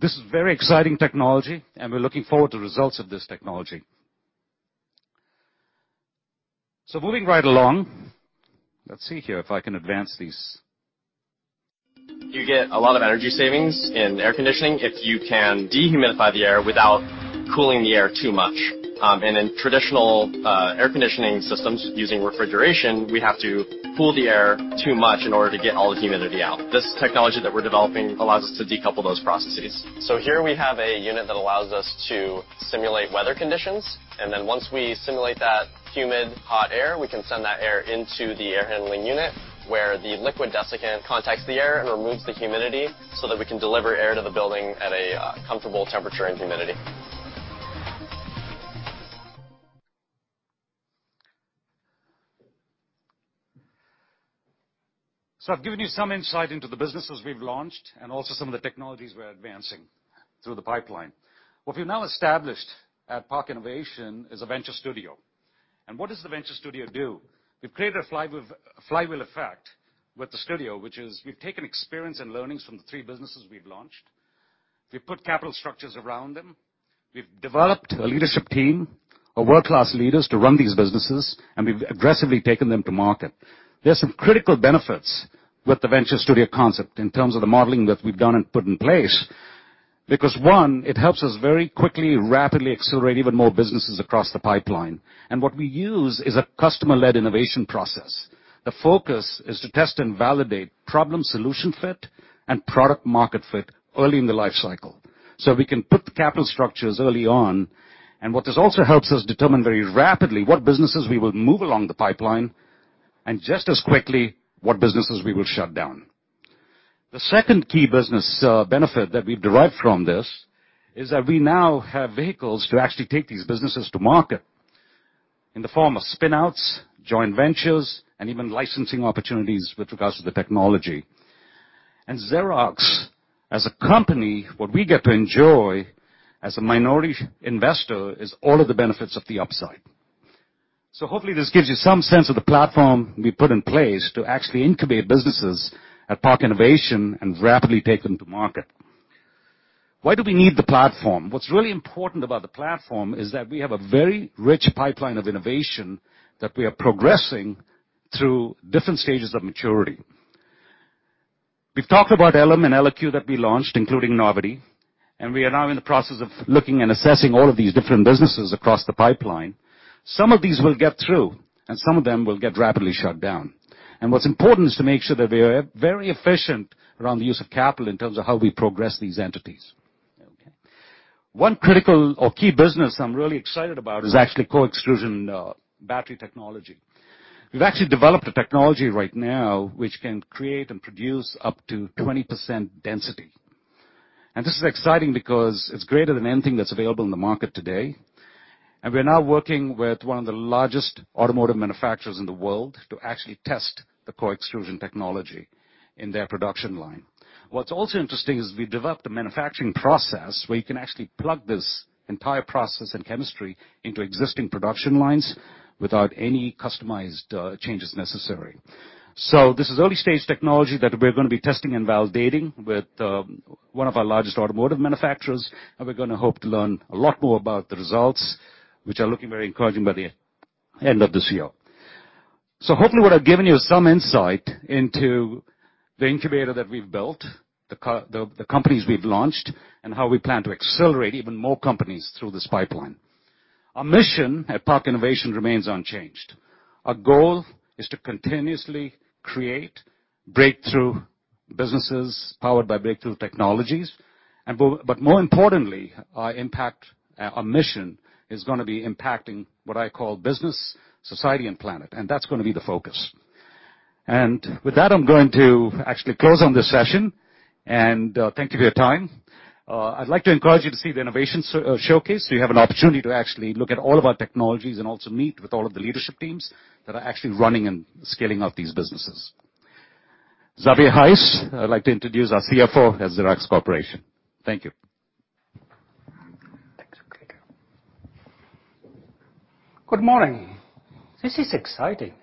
This is very exciting technology, and we're looking forward to results of this technology. Moving right along. Let's see here if I can advance these. You get a lot of energy savings in air conditioning if you can dehumidify the air without cooling the air too much. In traditional air conditioning systems using refrigeration, we have to cool the air too much in order to get all the humidity out. This technology that we're developing allows us to decouple those processes. Here we have a unit that allows us to simulate weather conditions, and then once we simulate that humid, hot air, we can send that air into the air handling unit, where the liquid desiccant contacts the air and removes the humidity so that we can deliver air to the building at a comfortable temperature and humidity. I've given you some insight into the businesses we've launched and also some of the technologies we're advancing through the pipeline. What we've now established at PARC Innovation is a venture studio. What does the venture studio do? We've created a flywheel effect with the studio, which is we've taken experience and learnings from the three businesses we've launched. We've put capital structures around them. We've developed a leadership team of world-class leaders to run these businesses, and we've aggressively taken them to market. There are some critical benefits with the venture studio concept in terms of the modeling that we've done and put in place. Because, one, it helps us very quickly, rapidly accelerate even more businesses across the pipeline. What we use is a customer-led innovation process. The focus is to test and validate problem-solution fit and product-market fit early in the life cycle. We can put the capital structures early on, and what this also helps us determine very rapidly what businesses we will move along the pipeline and just as quickly what businesses we will shut down. The second key business benefit that we've derived from this is that we now have vehicles to actually take these businesses to market in the form of spin-outs, joint ventures, and even licensing opportunities with regards to the technology. Xerox, as a company, what we get to enjoy as a minority investor is all of the benefits of the upside. Hopefully this gives you some sense of the platform we put in place to actually incubate businesses at PARC Innovation and rapidly take them to market. Why do we need the platform? What's really important about the platform is that we have a very rich pipeline of innovation that we are progressing through different stages of maturity. We've talked about Elem and Eloque that we launched, including Novity, and we are now in the process of looking and assessing all of these different businesses across the pipeline. Some of these will get through, and some of them will get rapidly shut down. What's important is to make sure that we are very efficient around the use of capital in terms of how we progress these entities. One critical or key business I'm really excited about is actually co-extrusion battery technology. We've actually developed a technology right now which can create and produce up to 20% density. This is exciting because it's greater than anything that's available in the market today. We're now working with one of the largest automotive manufacturers in the world to actually test the co-extrusion technology in their production line. What's also interesting is we developed a manufacturing process where you can actually plug this entire process and chemistry into existing production lines without any customized changes necessary. This is early-stage technology that we're gonna be testing and validating with one of our largest automotive manufacturers, and we're gonna hope to learn a lot more about the results, which are looking very encouraging by the end of this year. Hopefully what I've given you is some insight into the incubator that we've built, the companies we've launched, and how we plan to accelerate even more companies through this pipeline. Our mission at PARC Innovation remains unchanged. Our goal is to continuously create breakthrough businesses powered by breakthrough technologies. But more importantly, our impact, our mission is gonna be impacting what I call business, society, and planet, and that's gonna be the focus. With that, I'm going to actually close on this session, and thank you for your time. I'd like to encourage you to see the innovation showcase, so you have an opportunity to actually look at all of our technologies and also meet with all of the leadership teams that are actually running and scaling up these businesses. I'd like to introduce Xavier Heiss, our CFO at Xerox Corporation. Thank you. Thanks. Good morning. This is exciting.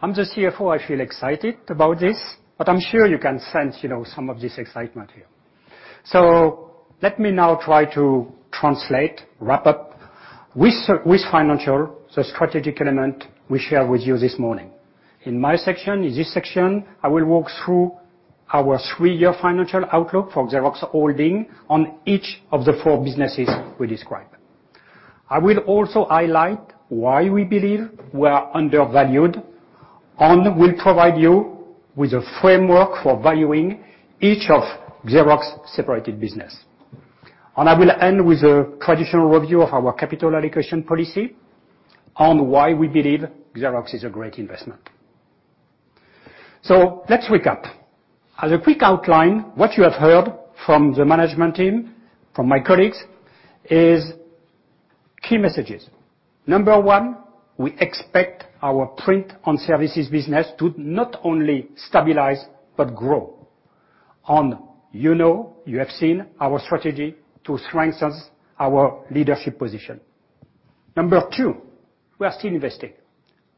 I'm the CFO. I feel excited about this, but I'm sure you can sense, you know, some of this excitement here. Let me now try to translate, wrap up with financial, the strategic element we share with you this morning. In this section, I will walk through our three-year financial outlook for Xerox Holdings for each of the four businesses we describe. I will also highlight why we believe we are undervalued, and will provide you with a framework for valuing each of Xerox separated business. I will end with a traditional review of our capital allocation policy on why we believe Xerox is a great investment. Let's recap. As a quick outline, what you have heard from the management team, from my colleagues is key messages. Number one, we expect our print and services business to not only stabilize, but grow. You know, you have seen our strategy to strengthen our leadership position. Number two, we are still investing.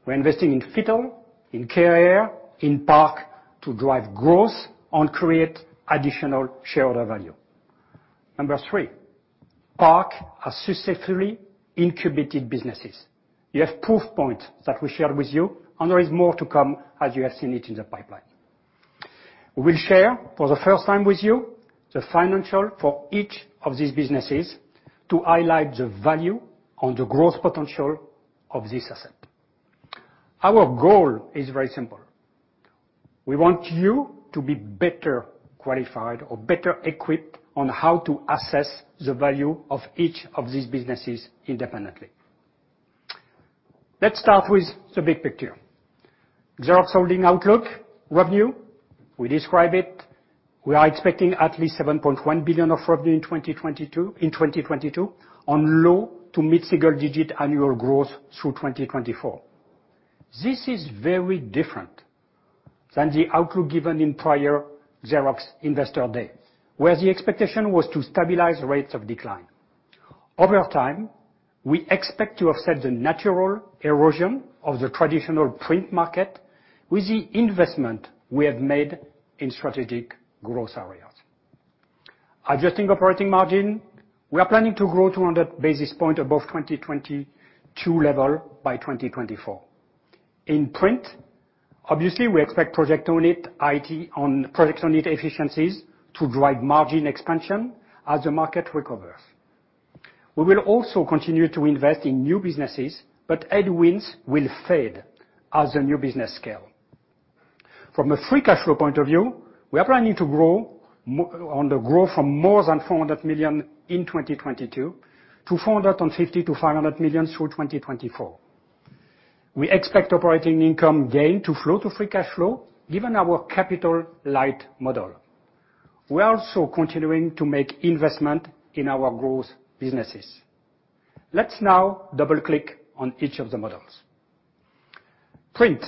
We're investing in FITTLE, in CareAR, in PARC to drive growth and create additional shareholder value. Number three, PARC has successfully incubated businesses. You have proof points that we shared with you, and there is more to come, as you have seen it in the pipeline. We'll share for the first time with you the financials for each of these businesses to highlight the value and the growth potential of this asset. Our goal is very simple. We want you to be better qualified or better equipped on how to assess the value of each of these businesses independently. Let's start with the big picture. Xerox Holdings outlook revenue, we describe it. We are expecting at least $7.1 billion of revenue in 2022 on low- to mid-single-digit annual growth through 2024. This is very different than the outlook given in prior Xerox Investor Day, where the expectation was to stabilize rates of decline. Over time, we expect to offset the natural erosion of the traditional print market with the investment we have made in strategic growth areas. Adjusted operating margin, we are planning to grow 200 basis points above 2022 level by 2024. In print, obviously we expect per-unit efficiencies to drive margin expansion as the market recovers. We will also continue to invest in new businesses, but headwinds will fade as the new business scale. From a free cash flow point of view, we are planning to grow from more than $400 million in 2022 to $450 million-$500 million through 2024. We expect operating income gain to flow to free cash flow given our capital light model. We are also continuing to make investment in our growth businesses. Let's now double-click on each of the models. Print.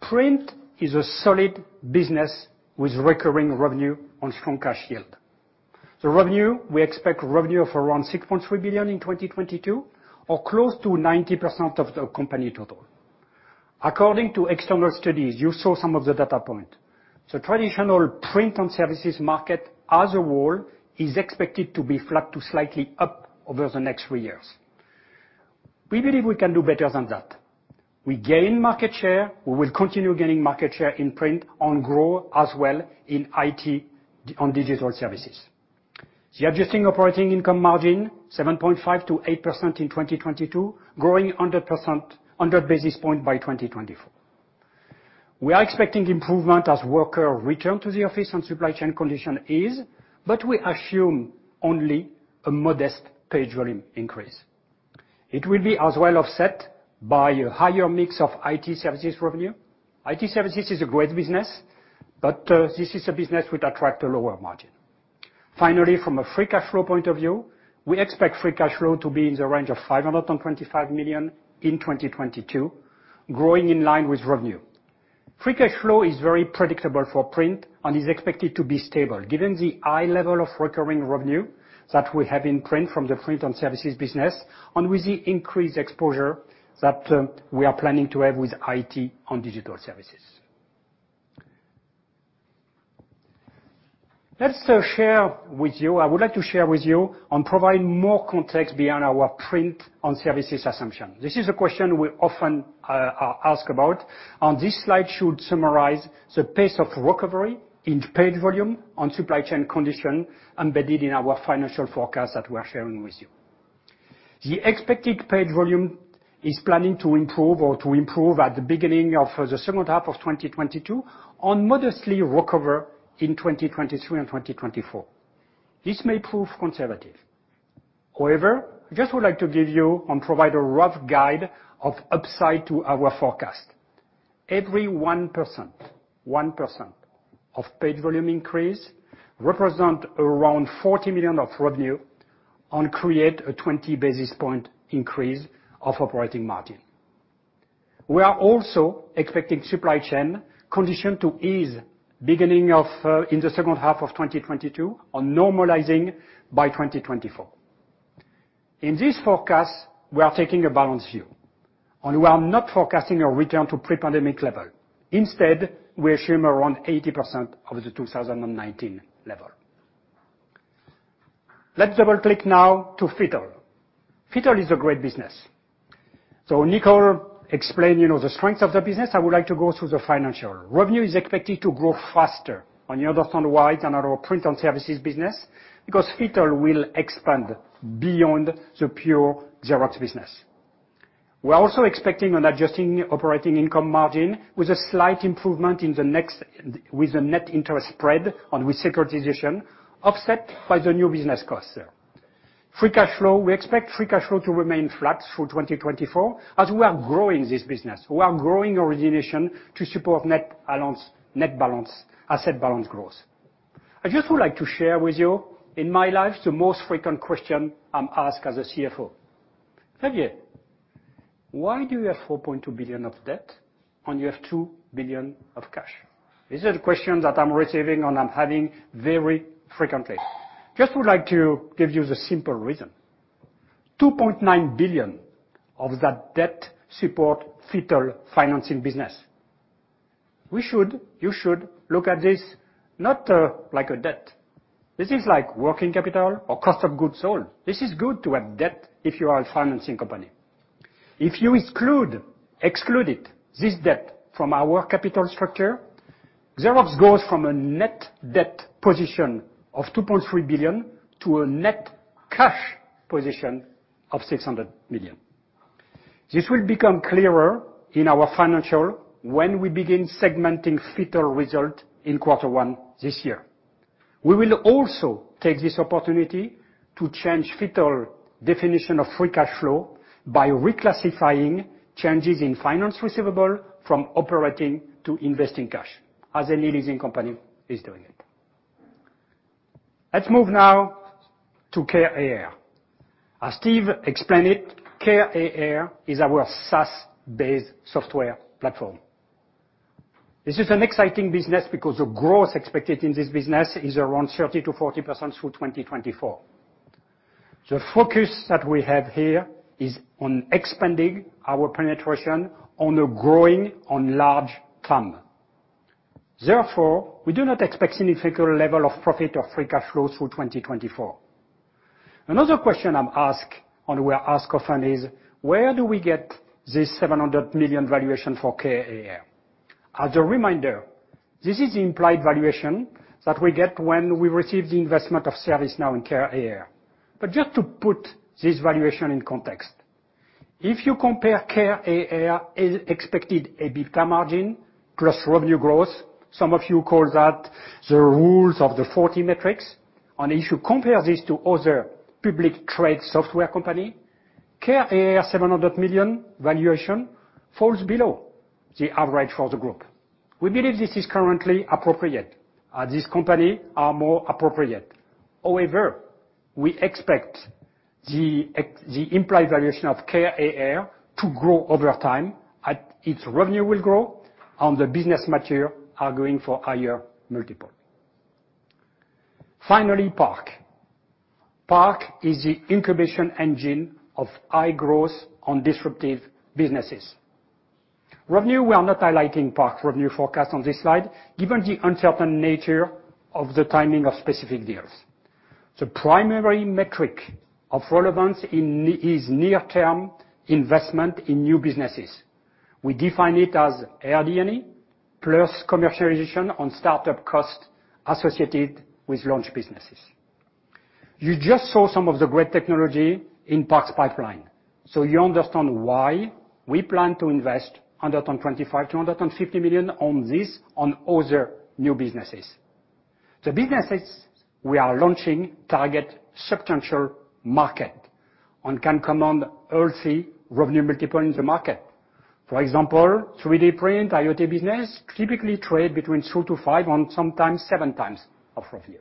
Print is a solid business with recurring revenue and strong cash yield. We expect revenue of around $6.3 billion in 2022 or close to 90% of the company total. According to external studies, you saw some of the data point, the traditional print and services market as a whole is expected to be flat to slightly up over the next three years. We believe we can do better than that. We gain market share. We will continue gaining market share in print and grow as well in IT on digital services. The adjusted operating income margin, 7.5%-8% in 2022, growing 100 basis points by 2024. We are expecting improvement as workers return to the office and supply chain conditions ease, but we assume only a modest page volume increase. It will be as well offset by a higher mix of IT services revenue. IT services is a great business, but this is a business which attracts a lower margin. Finally, from a free cash flow point of view, we expect free cash flow to be in the range of $525 million in 2022, growing in line with revenue. Free cash flow is very predictable for print and is expected to be stable given the high level of recurring revenue that we have in print from the print and services business and with the increased exposure that we are planning to have with IT on digital services. I would like to share with you and provide more context behind our print and services assumption. This is a question we often ask about, and this slide should summarize the pace of recovery in page volume and supply chain conditions embedded in our financial forecast that we're sharing with you. The expected page volume is planning to improve at the beginning of the second half of 2022 and modestly recover in 2023 and 2024. This may prove conservative. However, I just would like to give you and provide a rough guide of upside to our forecast. Every 1% of page volume increase represents around $40 million of revenue and creates a 20 basis point increase of operating margin. We are also expecting supply chain condition to ease beginning in the second half of 2022 and normalizing by 2024. In this forecast, we are taking a balanced view, and we are not forecasting a return to pre-pandemic level. Instead, we assume around 80% of the 2019 level. Let's double-click now to FITTLE. FITTLE is a great business. Nicole explained, you know, the strength of the business. I would like to go through the financial. Revenue is expected to grow faster on a standalone basis than our print and services business, because FITTLE will expand beyond the pure Xerox business. We're also expecting an adjusted operating income margin with a slight improvement with the net interest spread on securitization, offset by the new business costs there. We expect free cash flow to remain flat through 2024, as we are growing this business. We are growing origination to support net balance asset balance growth. I'd just like to share with you in my life, the most frequent question I'm asked as a CFO. "Xavier, why do you have $4.2 billion of debt when you have $2 billion of cash?" This is a question that I'm receiving and I'm having very frequently. Just would like to give you the simple reason. $2.9 billion of that debt support FITTLE financing business. You should look at this not like a debt. This is like working capital or cost of goods sold. This is good to have debt if you are a financing company. If you exclude this debt from our capital structure, Xerox goes from a net debt position of $2.3 billion to a net cash position of $600 million. This will become clearer in our financials when we begin segmenting FITTLE results in quarter one this year. We will also take this opportunity to change FITTLE's definition of free cash flow by reclassifying changes in finance receivables from operating to investing cash, as any leasing company is doing it. Let's move now to CareAR. As Steve explained it, CareAR is our SaaS-based software platform. This is an exciting business because the growth expected in this business is around 30%-40% through 2024. The focus that we have here is on expanding our penetration in a growing, large TAM. Therefore, we do not expect significant level of profit or free cash flow through 2024. Another question I'm asked, and we are asked often is, where do we get this $700 million valuation for CareAR? As a reminder, this is the implied valuation that we get when we receive the investment of ServiceNow in CareAR. But just to put this valuation in context, if you compare CareAR's expected EBITDA margin plus revenue growth, some of you call that the Rule of 40 metrics. If you compare this to other publicly traded software companies, CareAR $700 million valuation falls below the average for the group. We believe this is currently appropriate, this company are more appropriate. However, we expect the implied valuation of CareAR to grow over time as its revenue will grow and the business matures, we're going for higher multiple. Finally, PARC. PARC is the incubation engine of high growth and disruptive businesses. Revenue, we are not highlighting PARC revenue forecast on this slide, given the uncertain nature of the timing of specific deals. The primary metric of relevance is near term investment in new businesses. We define it as RD&E plus commercialization and startup costs associated with launch businesses. You just saw some of the great technology in PARC's pipeline, so you understand why we plan to invest $125 million-$150 million in this and other new businesses. The businesses we are launching target substantial markets and can command healthy revenue multiples in the market. For example, 3D print, IoT business typically trade between 2-5 and sometimes 7 times revenue.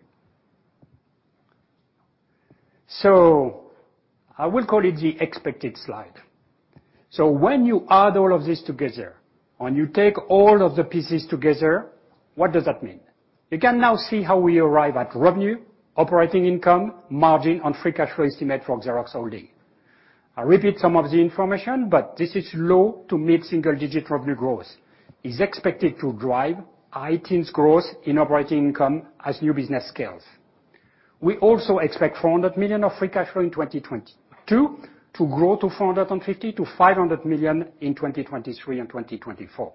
I will call it the expected slide. When you add all of this together and you take all of the pieces together, what does that mean? You can now see how we arrive at revenue, operating income, margin, and free cash flow estimate from Xerox Holdings. I repeat some of the information, but this is low to mid single-digit revenue growth is expected to drive high teens growth in operating income as new business scales. We also expect $400 million of free cash flow in 2022 to grow to $450 million-$500 million in 2023 and 2024.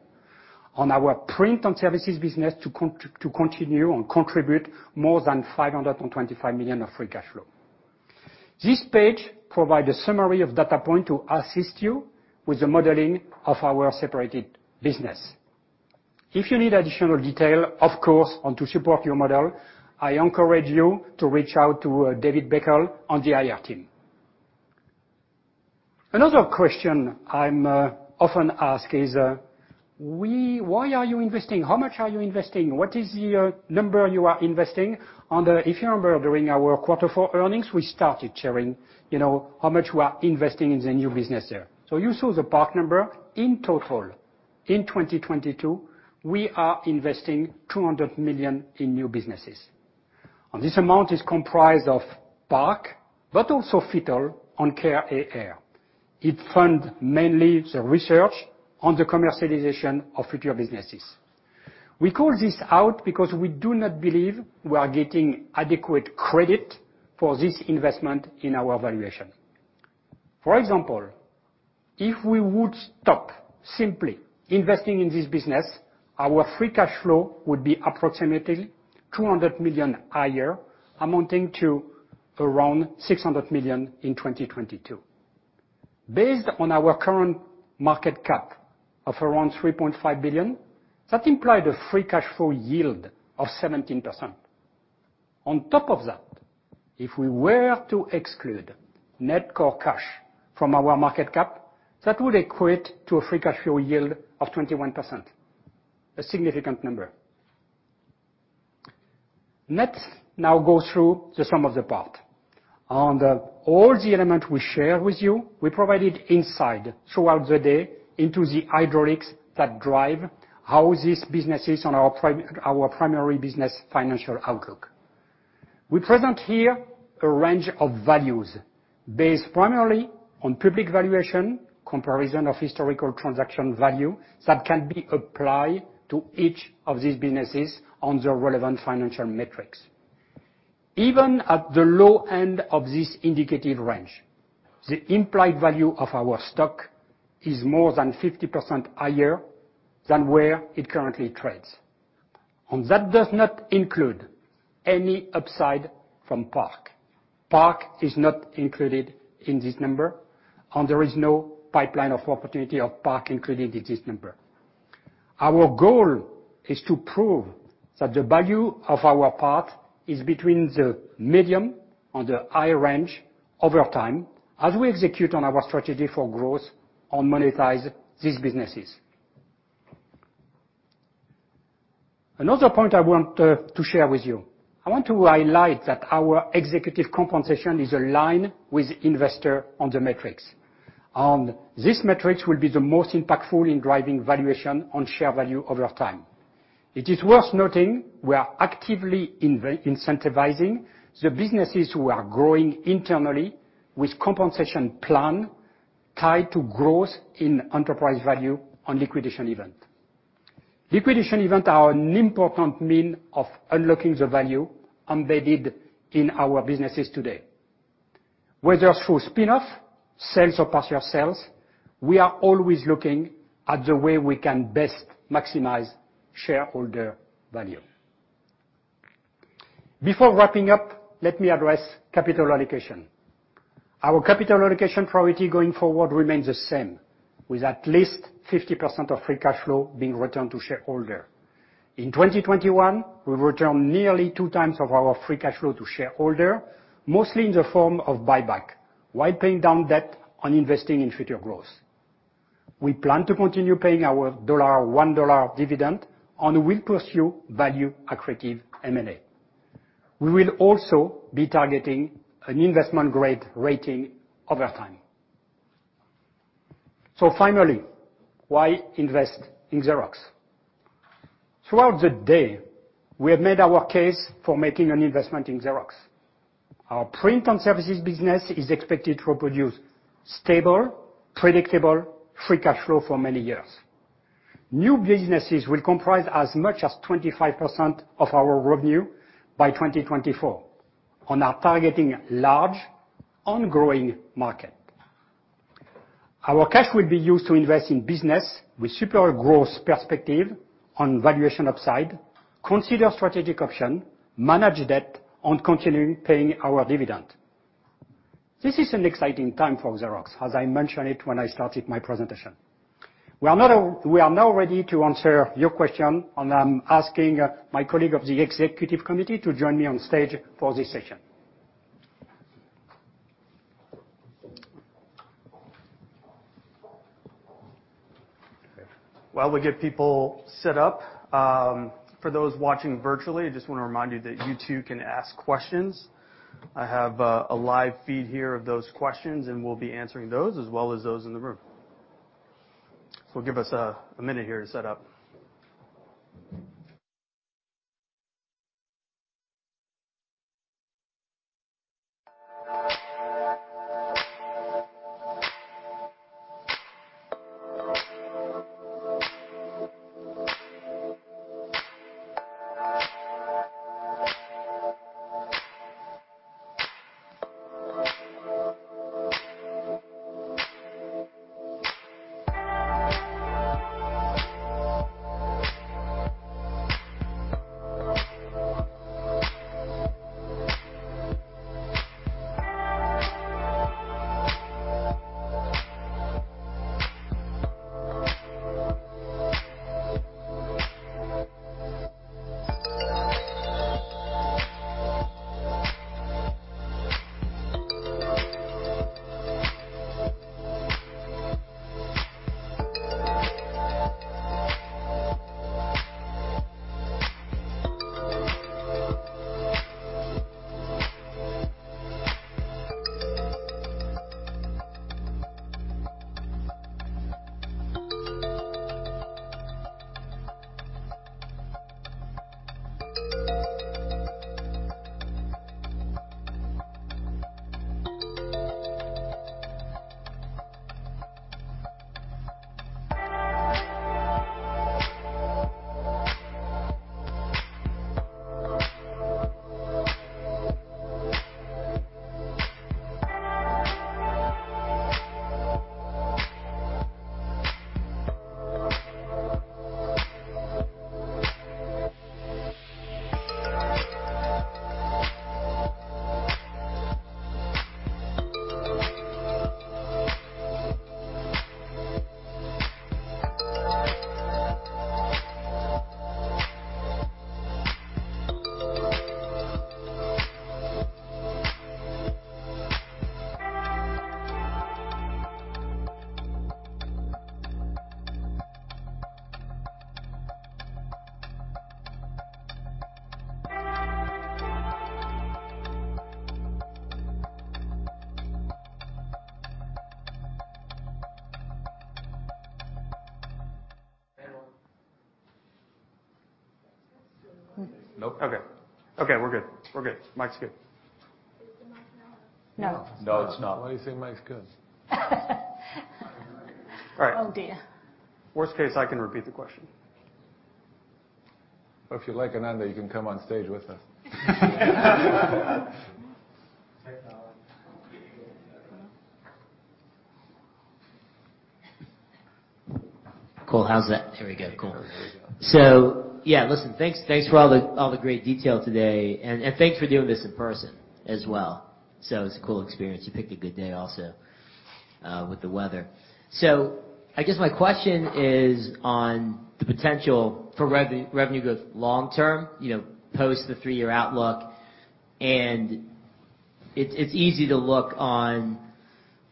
On our print and services business to continue and contribute more than $525 million of free cash flow. This page provides a summary of data points to assist you with the modeling of our separated business. If you need additional detail, of course, and to support your model, I encourage you to reach out to David Beckel on the IR team. Another question I'm often asked is why are you investing? How much are you investing? What is your number you are investing? If you remember during our quarter four earnings, we started sharing, you know, how much we are investing in the new business there. So you saw the PARC number in total. In 2022, we are investing $200 million in new businesses. This amount is comprised of PARC, but also FITTLE and CareAR. It funds mainly the research on the commercialization of future businesses. We call this out because we do not believe we are getting adequate credit for this investment in our valuation. For example, if we would stop simply investing in this business, our free cash flow would be approximately $200 million a year, amounting to around $600 million in 2022. Based on our current market cap of around $3.5 billion, that implied a free cash flow yield of 17%. On top of that, if we were to exclude net core cash from our market cap, that would equate to a free cash flow yield of 21%, a significant number. Let's now go through the sum of the parts. On all the elements we shared with you, we provided insight throughout the day into the hydraulics that drive how these businesses run our primary business financial outlook. We present here a range of values based primarily on public valuation, comparison of historical transaction value that can be applied to each of these businesses on the relevant financial metrics. Even at the low end of this indicative range, the implied value of our stock is more than 50% higher than where it currently trades, and that does not include any upside from PARC. PARC is not included in this number, and there is no pipeline of opportunity of PARC included in this number. Our goal is to prove that the value of our PARC is between the medium and the high range over time as we execute on our strategy for growth and monetize these businesses. Another point I want to share with you, I want to highlight that our executive compensation is aligned with investor on the metrics. These metrics will be the most impactful in driving valuation on share value over time. It is worth noting we are actively incentivizing the businesses who are growing internally with compensation plan tied to growth in enterprise value on liquidation event. Liquidation event are an important means of unlocking the value embedded in our businesses today. Whether through spin-off, sales or partial sales, we are always looking at the way we can best maximize shareholder value. Before wrapping up, let me address capital allocation. Our capital allocation priority going forward remains the same, with at least 50% of free cash flow being returned to shareholder. In 2021, we returned nearly two times of our free cash flow to shareholder, mostly in the form of buyback, while paying down debt and investing in future growth. We plan to continue paying our $1 dividend and will pursue value accretive M&A. We will also be targeting an investment-grade rating over time. Finally, why invest in Xerox? Throughout the day, we have made our case for making an investment in Xerox. Our print and services business is expected to produce stable, predictable free cash flow for many years. New businesses will comprise as much as 25% of our revenue by 2024 and are targeting large ongoing market. Our cash will be used to invest in business with superior growth perspective on valuation upside, consider strategic option, manage debt, and continue paying our dividend. This is an exciting time for Xerox, as I mentioned it when I started my presentation. We are now ready to answer your question, and I'm asking my colleague of the executive committee to join me on stage for this session. While we get people set up, for those watching virtually, I just wanna remind you that you too can ask questions. I have a live feed here of those questions, and we'll be answering those as well as those in the room. Give us a minute here to set up. Okay. We're good. Mic's good. Is the mic not on? No. No, it's not. Why did you say mic's good? All right. Oh, dear. Worst case, I can repeat the question. If you like, Ananda, you can come on stage with us. Cool. How's that? Here we go. Cool. Thanks for all the great detail today, and thanks for doing this in person as well. It's a cool experience. You picked a good day also, with the weather. I guess my question is on the potential for revenue growth long term, you know, post the three-year outlook. It's easy to look on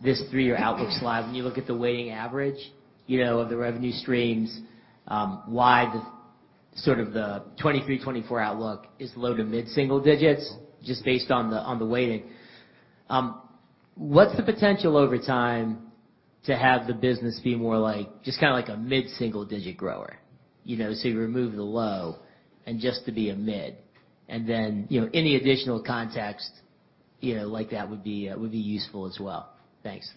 this three-year outlook slide when you look at the weighted average, you know, of the revenue streams, why the sort of the 2023, 2024 outlook is low to mid-single digits just based on the weighting. What's the potential over time to have the business be more like just kinda like a mid-single digit grower? You know, so you remove the low and just to be a mid. You know, any additional context, you know, like that would be useful as well. Thanks.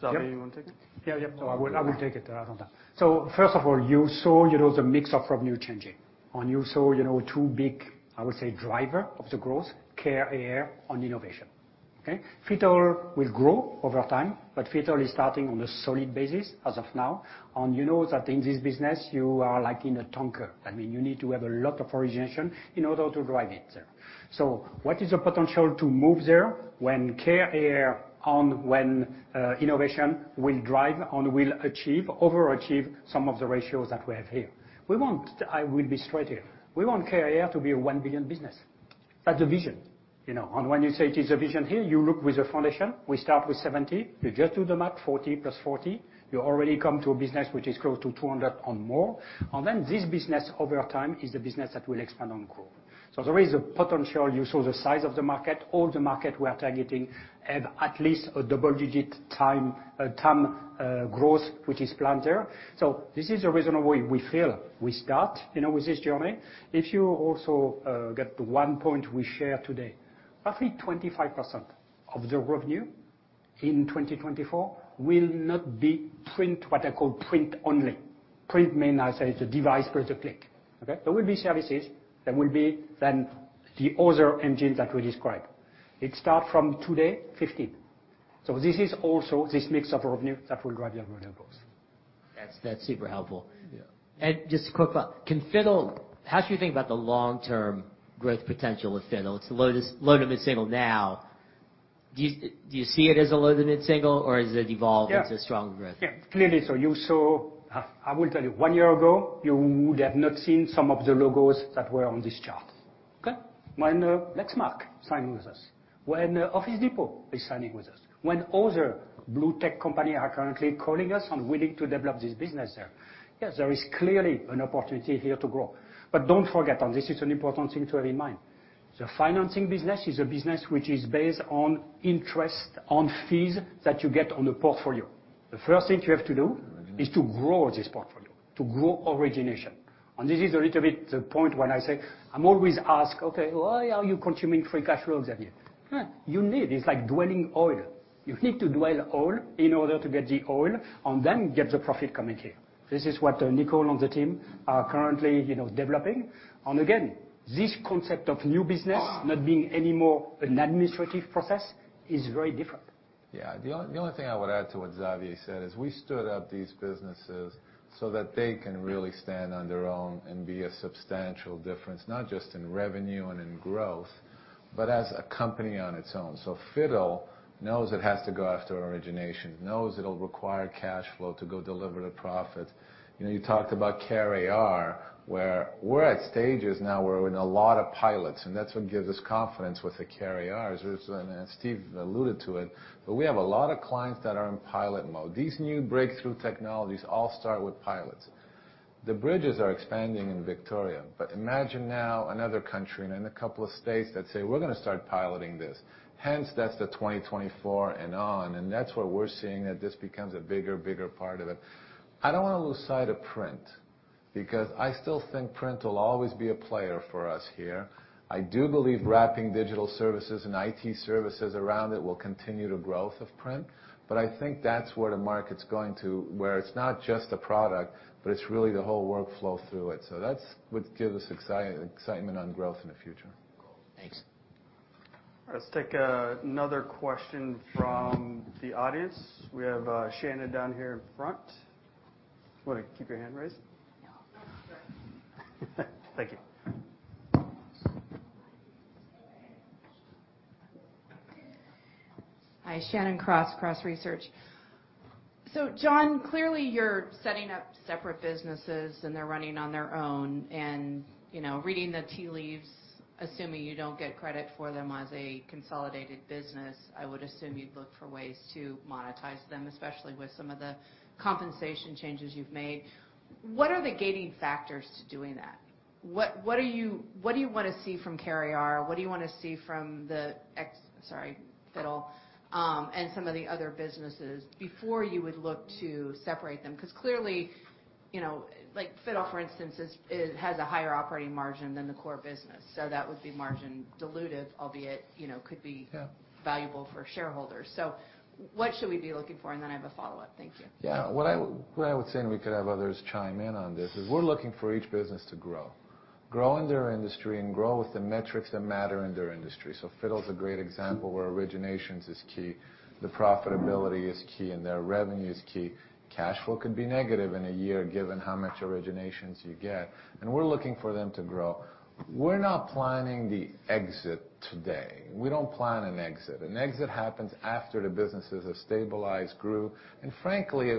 Xavier, you wanna take it? Yeah. Yep. I will take it, Ananda Baruah. First of all, you saw, you know, the mix of revenue changing. You saw, you know, two big, I would say, driver of the growth, CareAR and innovation. Okay? FITTLE will grow over time, but FITTLE is starting on a solid basis as of now. You know that in this business you are like in a tanker. I mean, you need to have a lot of origination in order to drive it. What is the potential to move there when CareAR, when innovation will drive and will achieve, over-achieve some of the ratios that we have here? We want. I will be straight here. We want CareAR to be a $1 billion business. That's the vision, you know. When you say it is a vision here, you look at the foundation. We start with 70. You just do the math, 40 + 40. You already come to a business which is close to 200 or more. This business over time is the business that will expand and grow. There is a potential. You saw the size of the market. All the market we are targeting have at least a double digit term growth which is planned there. This is the reason why we feel we start, you know, with this journey. If you also get one point we share today, roughly 25% of the revenue in 2024 will not be print, what I call print only. Print means, I say it's a device per the click. Okay? There will be services that will be then the other engines that we describe. It starts from today, 15. This is also this mix of revenue that will drive your revenue growth. That's super helpful. Yeah. Just to quick follow up. How do you think about the long-term growth potential of FITTLE? It's low- to mid-single now. Do you see it as a low- to mid-single, or has it evolved? Yeah. into stronger growth? Yeah. Clearly so. You saw. I will tell you, one year ago, you would have not seen some of the logos that were on this chart. Okay? When Lexmark signing with us, when Office Depot is signing with us, when other Blue Tech company are currently calling us and willing to develop this business there. Yes, there is clearly an opportunity here to grow. Don't forget, this is an important thing to have in mind, the financing business is a business which is based on interest, on fees that you get on a portfolio. The first thing you have to do is to grow this portfolio, to grow origination. This is a little bit the point when I say I'm always asked, "Okay, why are you consuming free cash flows, Xavier?" You need, it's like drilling oil. You need to drill oil in order to get the oil and then get the profit coming here. This is what, Nicole and the team are currently, you know, developing. Again, this concept of new business not being any more an administrative process is very different. Yeah. The only thing I would add to what Xavier said is we stood up these businesses so that they can really stand on their own and be a substantial difference, not just in revenue and in growth, but as a company on its own. FITTLE knows it has to go after origination, knows it'll require cash flow to go deliver the profit. You know, you talked about CareAR, where we're at stages now where we're in a lot of pilots, and that's what gives us confidence with the CareARs. Steve alluded to it, but we have a lot of clients that are in pilot mode. These new breakthrough technologies all start with pilots. The bridges are expanding in Victoria, but imagine now another country and in a couple of states that say, "We're gonna start piloting this." Hence, that's the 2024 and on, and that's where we're seeing that this becomes a bigger part of it. I don't wanna lose sight of print. Because I still think print will always be a player for us here. I do believe wrapping digital services and IT services around it will continue the growth of print, but I think that's where the market's going to, where it's not just a product, but it's really the whole workflow through it. That's what gives us excitement on growth in the future. Cool. Thanks. Let's take another question from the audience. We have Shannon down here in front. You wanna keep your hand raised? No. Thank you. Hi, Shannon Cross, Cross Research. John, clearly you're setting up separate businesses and they're running on their own and, you know, reading the tea leaves, assuming you don't get credit for them as a consolidated business, I would assume you'd look for ways to monetize them, especially with some of the compensation changes you've made. What are the gating factors to doing that? What do you wanna see from CareAR? What do you wanna see from the ex-- sorry, FITTLE and some of the other businesses before you would look to separate them? Because clearly, you know, like FITTLE, for instance, is, it has a higher operating margin than the core business, so that would be margin dilutive, albeit, you know, could be- Yeah. Invaluable for shareholders. What should we be looking for? I have a follow-up. Thank you. Yeah. What I would say, and we could have others chime in on this, is we're looking for each business to grow. Grow in their industry and grow with the metrics that matter in their industry. FITTLE is a great example where originations is key, the profitability is key, and their revenue is key. Cash flow could be negative in a year given how much originations you get, and we're looking for them to grow. We're not planning the exit today. We don't plan an exit. An exit happens after the businesses have stabilized, grew, and frankly,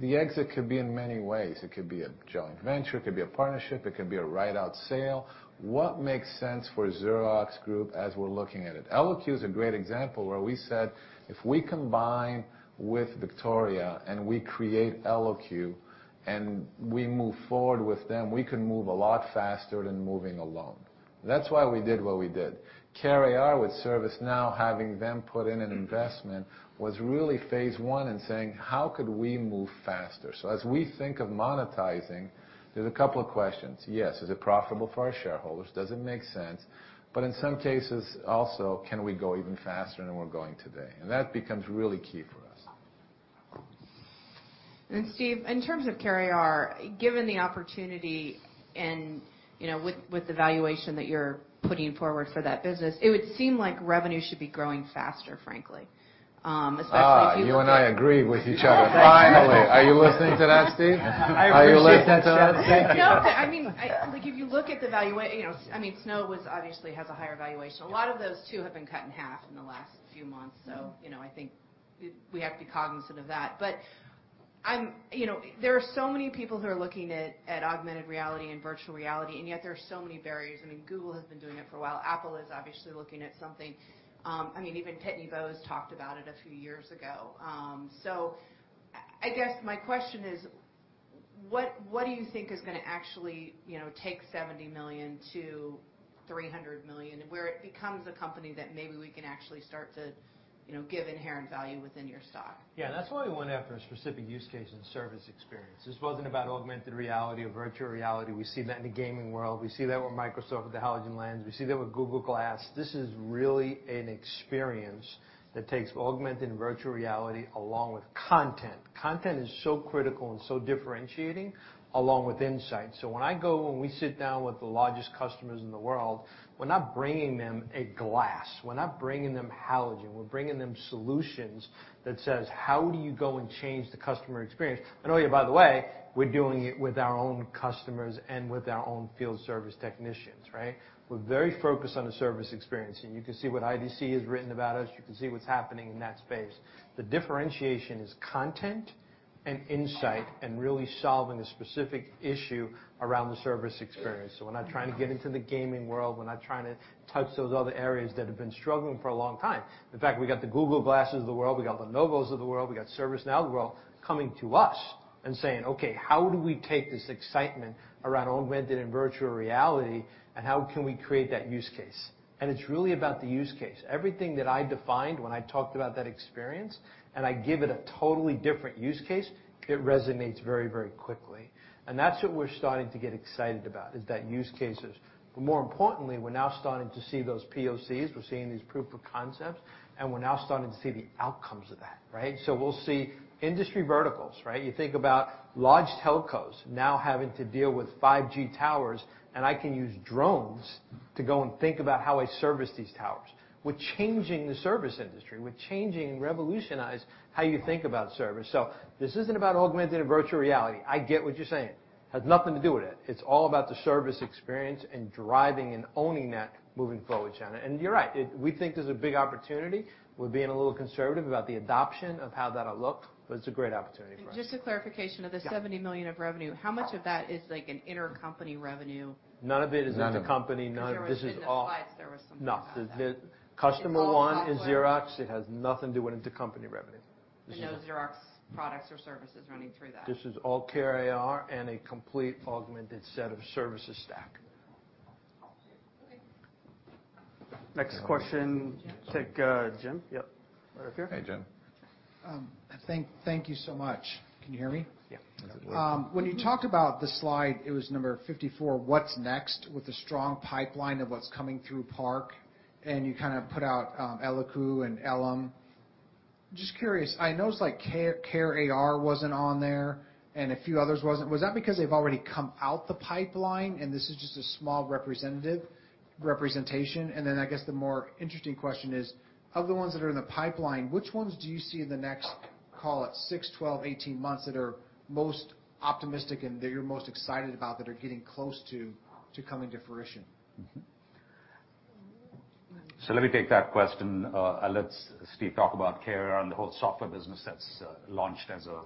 the exit could be in many ways. It could be a joint venture, it could be a partnership, it could be a buyout sale. What makes sense for Xerox Group as we're looking at it? Eloque is a great example where we said, "If we combine with Victoria and we create Eloque, and we move forward with them, we can move a lot faster than moving alone." That's why we did what we did. CareAR with ServiceNow, having them put in an investment was really phase one in saying, "How could we move faster?" As we think of monetizing, there's a couple of questions. Yes, is it profitable for our shareholders? Does it make sense? In some cases also, can we go even faster than we're going today? That becomes really key for us. Steve, in terms of CareAR, given the opportunity and, you know, with the valuation that you're putting forward for that business, it would seem like revenue should be growing faster, frankly, especially if you- You and I agree with each other finally. Are you listening to that, Steve? I appreciate that. Are you listening to that, Steve? No, but I mean, like if you look at the valuation, you know, I mean, Snow was obviously has a higher valuation. A lot of those too have been cut in half in the last few months, so, you know, I think we have to be cognizant of that. I'm, you know. There are so many people who are looking at augmented reality and virtual reality, and yet there are so many barriers. I mean, Google has been doing it for a while. Apple is obviously looking at something. I mean, even Pitney Bowes talked about it a few years ago. I guess my question is: what do you think is gonna actually, you know, take $70 million-$300 million, where it becomes a company that maybe we can actually start to, you know, give inherent value within your stock? Yeah, that's why we went after a specific use case and service experience. This wasn't about augmented reality or virtual reality. We see that in the gaming world. We see that with Microsoft, with the HoloLens. We see that with Google Glass. This is really an experience that takes augmented and virtual reality along with content. Content is so critical and so differentiating along with insight. When I go and we sit down with the largest customers in the world, we're not bringing them a glass, we're not bringing them HoloLens, we're bringing them solutions that says, "How do you go and change the customer experience?" Oh yeah, by the way, we're doing it with our own customers and with our own field service technicians, right? We're very focused on the service experience, and you can see what IDC has written about us. You can see what's happening in that space. The differentiation is content and insight and really solving a specific issue around the service experience. We're not trying to get into the gaming world. We're not trying to touch those other areas that have been struggling for a long time. In fact, we got the Google Glass of the world, we got the NOVOS of the world, we got ServiceNow of the world coming to us and saying, "Okay, how do we take this excitement around augmented and virtual reality and how can we create that use case?" It's really about the use case. Everything that I defined when I talked about that experience, and I give it a totally different use case, it resonates very, very quickly. That's what we're starting to get excited about, is that use cases. More importantly, we're now starting to see those POCs, we're seeing these proof of concepts, and we're now starting to see the outcomes of that, right? We'll see industry verticals, right? You think about large telcos now having to deal with 5G towers, and I can use drones to go and think about how I service these towers. We're changing the service industry. We're changing and revolutionize how you think about service. This isn't about augmented and virtual reality. I get what you're saying. It has nothing to do with it. It's all about the service experience and driving and owning that moving forward, Shannon. You're right. It, we think there's a big opportunity. We're being a little conservative about the adoption of how that'll look, but it's a great opportunity for us. Just a clarification. Yeah. Of the $70 million of revenue, how much of that is, like, an intercompany revenue? This is Xerox. It has nothing to do with intercompany revenue. No Xerox products or services running through that. This is all CareAR and a complete augmented set of services stack. Next question. Take, Jim. Yep. Right up here. Hey, Jim. Thank you so much. Can you hear me? Yeah. When you talked about the slide, it was number 54, what's next with the strong pipeline of what's coming through PARC, and you kind of put out Eloque and Elem. Just curious, I noticed like CareAR wasn't on there and a few others wasn't. Was that because they've already come out the pipeline, and this is just a small representation? And then I guess the more interesting question is, of the ones that are in the pipeline, which ones do you see in the next, call it 6, 12, 18 months that are most optimistic and that you're most excited about that are getting close to coming to fruition? Let me take that question. I'll let Steve talk about CareAR and the whole software business that's launched as a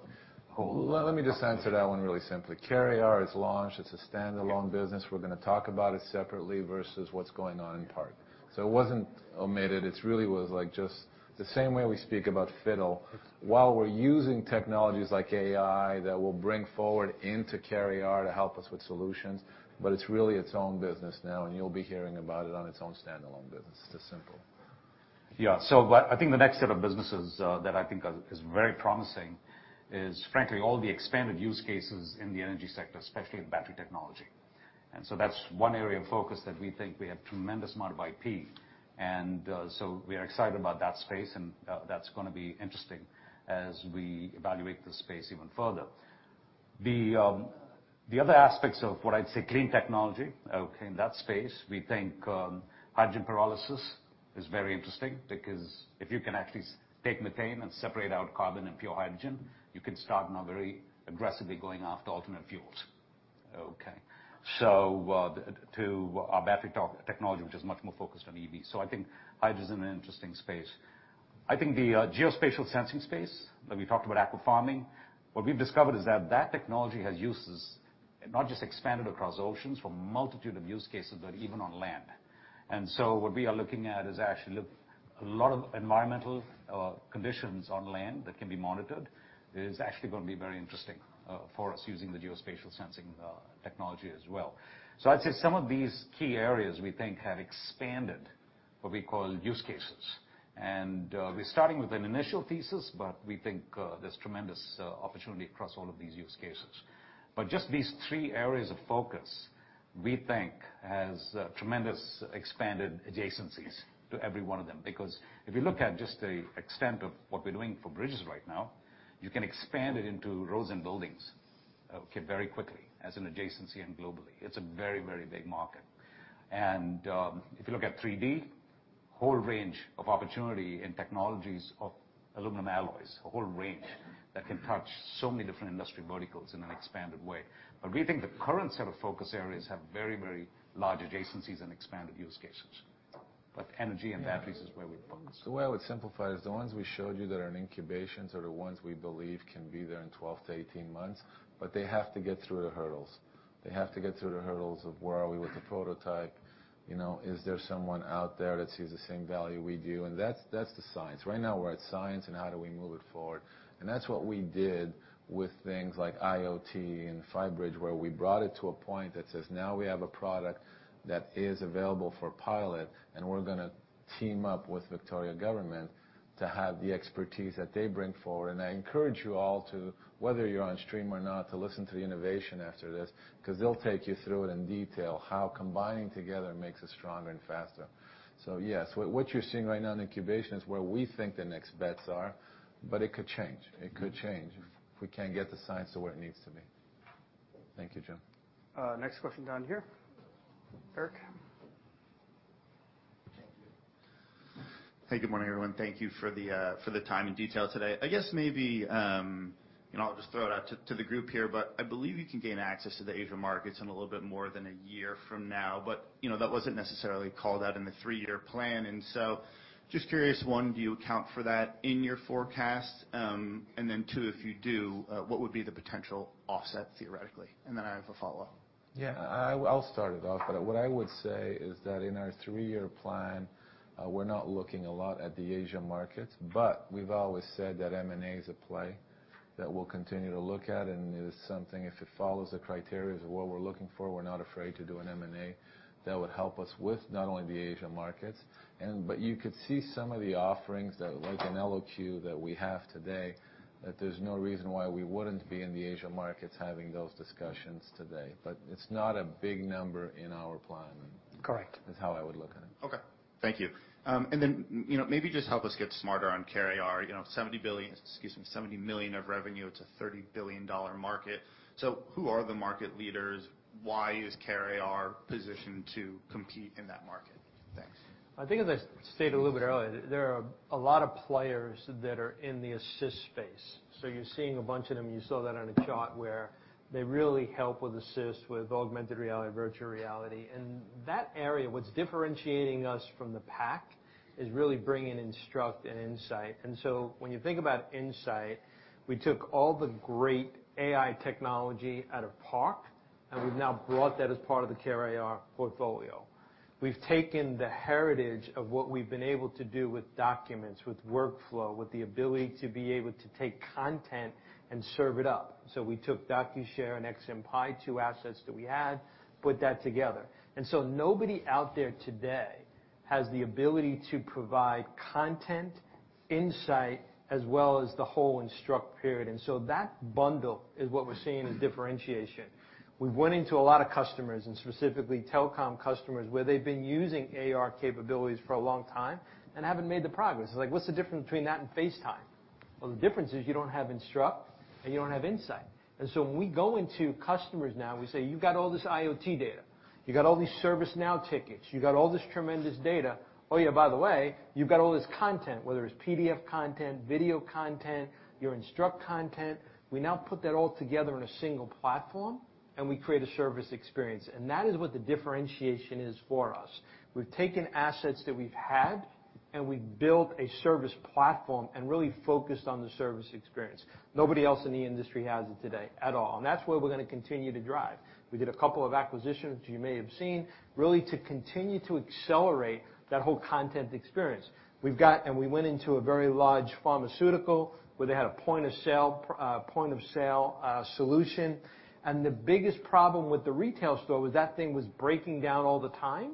whole. Let me just answer that one really simply. CareAR is launched. It's a standalone business. We're gonna talk about it separately versus what's going on in PARC. It wasn't omitted. It really was like just the same way we speak about FITTLE. While we're using technologies like AI that will bring forward into CareAR to help us with solutions, but it's really its own business now, and you'll be hearing about it on its own standalone business. It's simple. I think the next set of businesses that I think is very promising is frankly all the expanded use cases in the energy sector, especially with battery technology. That's one area of focus that we think we have tremendous amount of IP. We are excited about that space, and that's gonna be interesting as we evaluate the space even further. The other aspects of what I'd say clean technology, okay, in that space, we think hydrogen pyrolysis is very interesting because if you can actually take methane and separate out carbon and pure hydrogen, you can start now very aggressively going after alternate fuels, okay? To our battery technology, which is much more focused on EV. I think hydrogen is an interesting space. I think the geospatial sensing space, when we talked about aquafarming, what we've discovered is that technology has uses, not just expanded across oceans, for a multitude of use cases, but even on land. What we are looking at is actually a lot of environmental conditions on land that can be monitored is actually gonna be very interesting for us using the geospatial sensing technology as well. I'd say some of these key areas we think have expanded what we call use cases. We're starting with an initial thesis, but we think there's tremendous opportunity across all of these use cases. Just these three areas of focus, we think has tremendous expanded adjacencies to every one of them. Because if you look at just the extent of what we're doing for bridges right now, you can expand it into roads and buildings, okay, very quickly as an adjacency and globally. It's a very, very big market. If you look at 3D, whole range of opportunity in technologies of aluminum alloys, a whole range that can touch so many different industry verticals in an expanded way. We think the current set of focus areas have very, very large adjacencies and expanded use cases, but energy and batteries is where we're focused. The way I would simplify it is the ones we showed you that are in incubation are the ones we believe can be there in 12-18 months, but they have to get through the hurdles. They have to get through the hurdles of where are we with the prototype, you know, is there someone out there that sees the same value we do? That's the science. Right now we're at science and how do we move it forward. That's what we did with things like IoT and FiBridge, where we brought it to a point that says, now we have a product that is available for pilot, and we're gonna team up with Victorian Government to have the expertise that they bring forward. I encourage you all to, whether you're on stream or not, to listen to the innovation after this because they'll take you through it in detail, how combining together makes us stronger and faster. Yes, what you're seeing right now in incubation is where we think the next bets are, but it could change. It could change if we can't get the science to where it needs to be. Thank you, Jim. Next question down here. Erik. Thank you. Hey, good morning, everyone. Thank you for the time and detail today. I guess maybe, you know, I'll just throw it out to the group here, but I believe you can gain access to the Asian markets in a little bit more than a year from now, but, you know, that wasn't necessarily called out in the three-year plan. Just curious, one, do you account for that in your forecast? Two, if you do, what would be the potential offset theoretically? I have a follow-up. Yeah. I'll start it off. What I would say is that in our three-year plan, we're not looking a lot at the Asia markets, but we've always said that M&A is a play that we'll continue to look at and is something if it follows the criteria of what we're looking for, we're not afraid to do an M&A that would help us with not only the Asia markets but you could see some of the offerings that, like in Eloque that we have today, that there's no reason why we wouldn't be in the Asia markets having those discussions today. It's not a big number in our plan. Correct. That's how I would look at it. Thank you. You know, maybe just help us get smarter on CareAR. You know, $70 million of revenue to a $30 billion market. Who are the market leaders? Why is CareAR positioned to compete in that market? Thanks. I think, as I stated a little bit earlier, there are a lot of players that are in the assist space. You're seeing a bunch of them. You saw that on a chart where they really help with assist, with augmented reality, virtual reality. That area, what's differentiating us from the pack is really bringing Instruct and Insight. When you think about Insight, we took all the great AI technology out of PARC, and we've now brought that as part of the CareAR portfolio. We've taken the heritage of what we've been able to do with documents, with workflow, with the ability to be able to take content and serve it up. We took DocuShare and XMPie, two assets that we had, put that together. Nobody out there today has the ability to provide content, insight, as well as the whole instruct period. That bundle is what we're seeing as differentiation. We went into a lot of customers, and specifically telecom customers, where they've been using AR capabilities for a long time and haven't made the progress. It's like, what's the difference between that and FaceTime? Well, the difference is you don't have instruct and you don't have insight. When we go into customers now, we say, "You've got all this IoT data, you got all these ServiceNow tickets, you got all this tremendous data. Oh yeah, by the way, you've got all this content, whether it's PDF content, video content, your instruct content." We now put that all together in a single platform, and we create a service experience. That is what the differentiation is for us. We've taken assets that we've had, and we've built a service platform and really focused on the service experience. Nobody else in the industry has it today at all, and that's where we're gonna continue to drive. We did a couple of acquisitions you may have seen, really to continue to accelerate that whole content experience. We went into a very large pharmaceutical where they had a point of sale solution. The biggest problem with the retail store was that thing was breaking down all the time,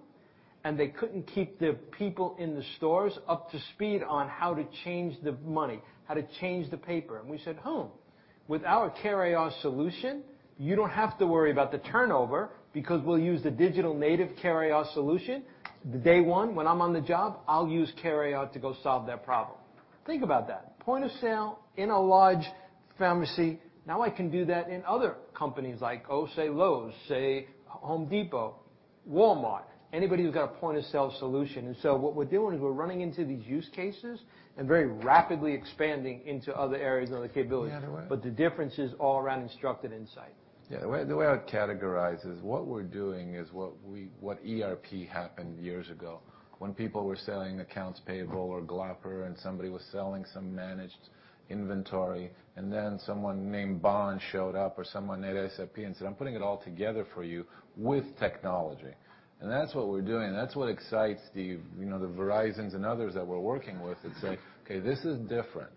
and they couldn't keep the people in the stores up to speed on how to change the money, how to change the paper. We said, "Hmm, with our CareAR solution, you don't have to worry about the turnover because we'll use the digital native CareAR solution. Day one, when I'm on the job, I'll use CareAR to go solve that problem." Think about that. Point-of-sale in a large pharmacy. Now I can do that in other companies like, oh, say Lowe's, say Home Depot, Walmart, anybody who's got a point-of-sale solution. What we're doing is we're running into these use cases and very rapidly expanding into other areas and other capabilities. The other way. The difference is all around Instruct and Insight. Yeah. The way I'd categorize is what we're doing is what ERP happened years ago when people were selling accounts payable or GL/AP/AR and somebody was selling some managed inventory, and then someone at Baan showed up or someone at SAP and said, "I'm putting it all together for you with technology." That's what we're doing, and that's what excites the, you know, the Verizon's and others that we're working with and say, "Okay, this is different.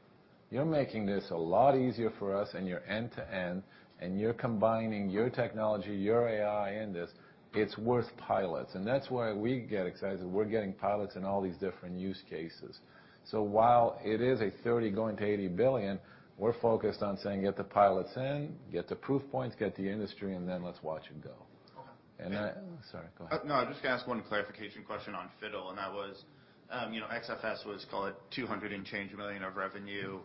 You're making this a lot easier for us, and you're end-to-end, and you're combining your technology, your AI in this. It's worth pilots." That's why we get excited is we're getting pilots in all these different use cases. While it is a $30 billion-$80 billion, we're focused on saying, "Get the pilots in, get the proof points, get the industry, and then let's watch it go. Okay. Sorry, go ahead. No, I'm just gonna ask one clarification question on FITTLE, and that was, you know, XFS was, call it $200 million and change of revenue.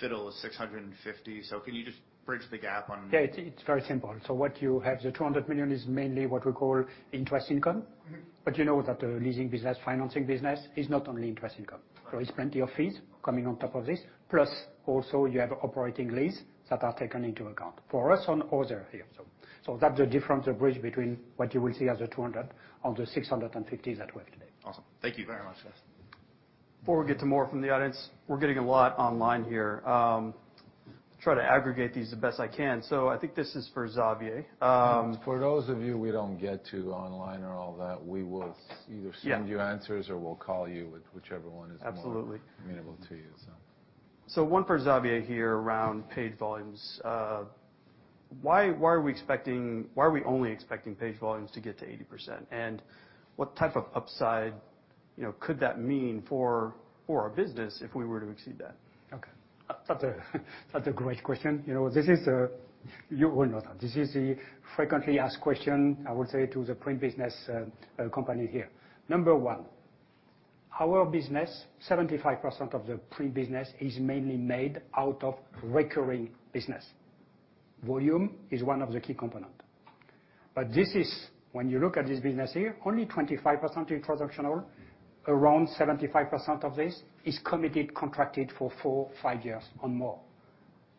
FITTLE is $650. Can you just bridge the gap on- Yeah, it's very simple. What you have, the $200 million is mainly what we call interest income. Mm-hmm. You know that the leasing business, financing business is not only interest income. Okay. There's plenty of fees coming on top of this. Plus also you have operating leases that are taken into account for us on the other hand. That's the difference, the bridge between what you will see as the $200 and the $650 that we have today. Awesome. Thank you very much, guys. Before we get to more from the audience, we're getting a lot online here. Try to aggregate these the best I can. I think this is for Xavier. For those of you we don't get to online or all that, we will either send you answers. Yeah or we'll call you, whichever one is more. Absolutely meant to you, so. One for Xavier here around paid volumes. Why are we only expecting paid volumes to get to 80%? What type of upside, you know, could that mean for our business if we were to exceed that? That's a great question. You know, you all know that this is a frequently asked question, I would say, to the print business, company here. Number one, our business, 75% of the print business is mainly made out of recurring business. Volume is one of the key component. When you look at this business here, only 25% is transactional. Around 75% of this is committed, contracted for four, five years or more.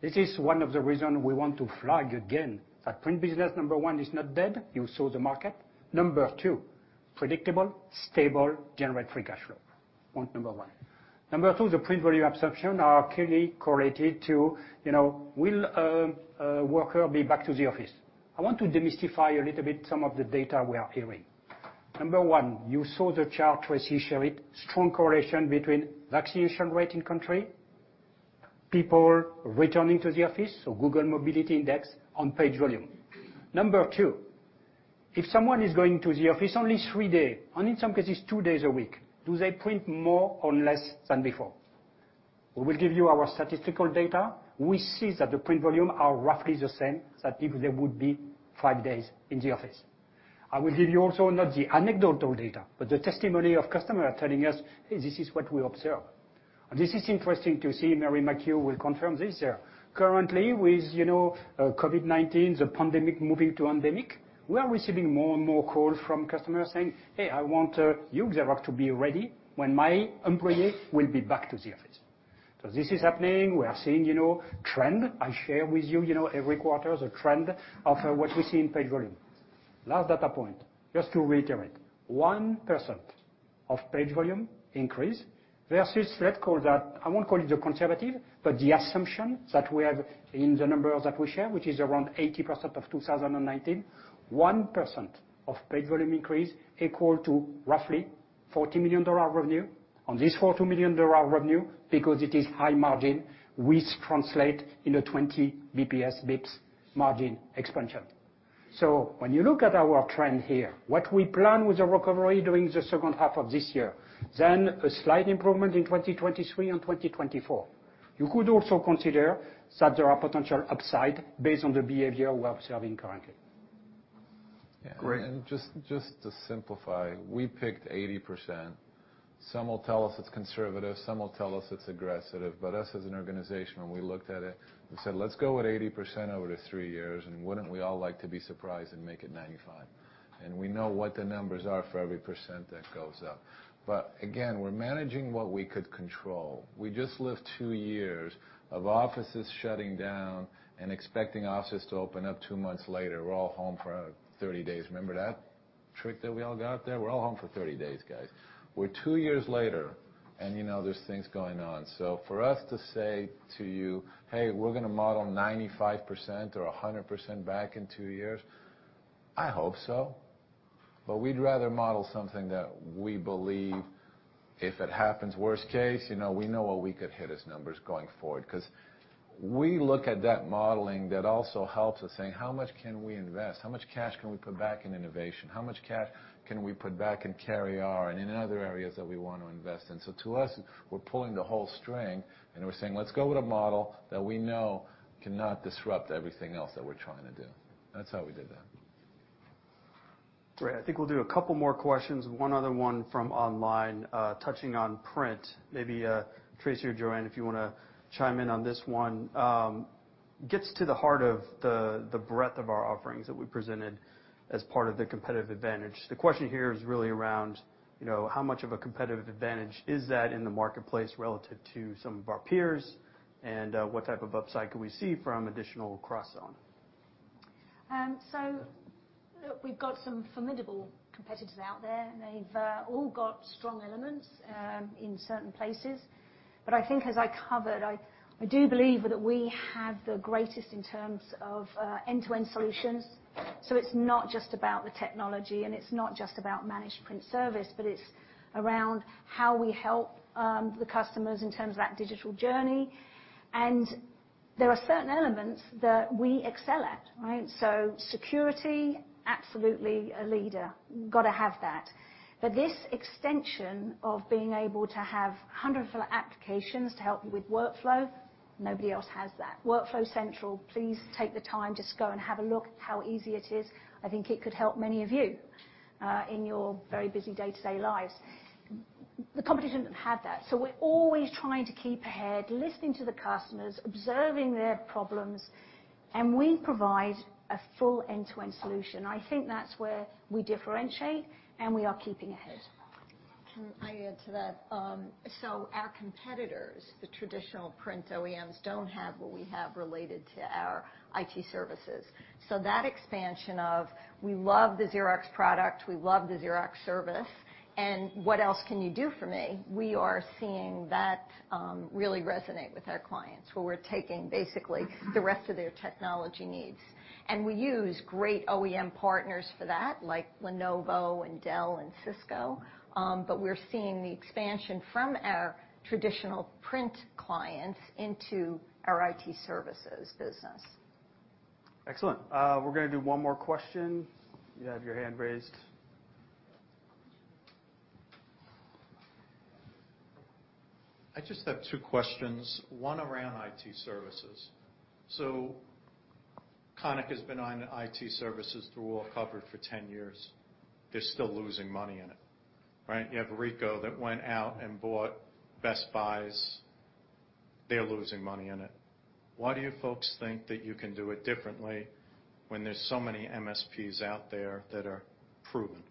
This is one of the reason we want to flag again that print business, number one, is not dead. You saw the market. Number two, predictable, stable, generate free cash flow. Point number one. Number two, the print volume assumption are clearly correlated to, you know, will a worker be back to the office? I want to demystify a little bit some of the data we are hearing. Number one, you saw the chart, Tracy showed it, strong correlation between vaccination rate in country, people returning to the office, so Google Mobility Index on page volume. Number two, if someone is going to the office only three day, and in some cases two days a week, do they print more or less than before? We will give you our statistical data. We see that the print volume are roughly the same as if they would be five days in the office. I will give you also not the anecdotal data, but the testimony of customer telling us, "Hey, this is what we observe." This is interesting to see, Mary McHugh will confirm this here. Currently, with you know, COVID-19, the pandemic moving to endemic, we are receiving more and more calls from customers saying, "Hey, I want you, Xerox, to be ready when my employee will be back to the office." This is happening. We are seeing, you know, trend. I share with you know, every quarter the trend of what we see in paid volume. Last data point, just to reiterate. 1% of page volume increase versus, let's call that, I won't call it the conservative, but the assumption that we have in the numbers that we share, which is around 80% of 2019. 1% of paid volume increase equal to roughly $40 million revenue. On this $40 million revenue, because it is high margin, which translates to a 20 bps margin expansion. When you look at our trend here, what we plan with the recovery during the second half of this year, then a slight improvement in 2023 and 2024. You could also consider that there are potential upside based on the behavior we are observing currently. Great. Just to simplify, we picked 80%. Some will tell us it's conservative, some will tell us it's aggressive, but us as an organization, when we looked at it, we said, "Let's go with 80% over the three years, and wouldn't we all like to be surprised and make it 95%?" We know what the numbers are for every percent that goes up. But again, we're managing what we could control. We just lived two years of offices shutting down and expecting offices to open up two months later. We're all home for 30 days. Remember that trick that we all got there? We're all home for 30 days, guys. We're two years later, and you know, there's things going on. So for us to say to you, "Hey, we're gonna model 95% or a hundred percent back in two years," I hope so. We'd rather model something that we believe if it happens, worst case, you know, we know what we could hit as numbers going forward. 'Cause we look at that modeling that also helps us saying, how much can we invest? How much cash can we put back in innovation? How much cash can we put back in CareAR and in other areas that we want to invest in? To us, we're pulling the whole string, and we're saying, let's go with a model that we know cannot disrupt everything else that we're trying to do. That's how we did that. Great. I think we'll do a couple more questions. One other one from online, touching on print. Maybe, Tracey or Joanne, if you wanna chime in on this one. Gets to the heart of the breadth of our offerings that we presented as part of the competitive advantage. The question here is really around, you know, how much of a competitive advantage is that in the marketplace relative to some of our peers, and what type of upside could we see from additional cross-sell? Look, we've got some formidable competitors out there, and they've all got strong elements in certain places. I think as I covered, I do believe that we have the greatest in terms of end-to-end solutions. It's not just about the technology, and it's not just about managed print service, but it's around how we help the customers in terms of that digital journey. There are certain elements that we excel at, right? Security, absolutely a leader. Gotta have that. This extension of being able to have 100 applications to help you with workflow, nobody else has that. Workflow Central, please take the time to just go and have a look how easy it is. I think it could help many of you in your very busy day-to-day lives. The competition doesn't have that. We're always trying to keep ahead, listening to the customers, observing their problems, and we provide a full end-to-end solution. I think that's where we differentiate, and we are keeping ahead. Can I add to that? Our competitors, the traditional print OEMs, don't have what we have related to our IT services. That expansion of we love the Xerox product, we love the Xerox service, and what else can you do for me, we are seeing that really resonate with our clients, where we're taking basically the rest of their technology needs. We use great OEM partners for that, like Lenovo and Dell and Cisco. We're seeing the expansion from our traditional print clients into our IT services business. Excellent. We're gonna do one more question. You had your hand raised. I just have two questions, one around IT services. Konica has been on IT services thoroughly covered for 10 years. They're still losing money in it, right? You have Ricoh that went out and bought Best Buy. They're losing money in it. Why do you folks think that you can do it differently when there's so many MSPs out there that are proven?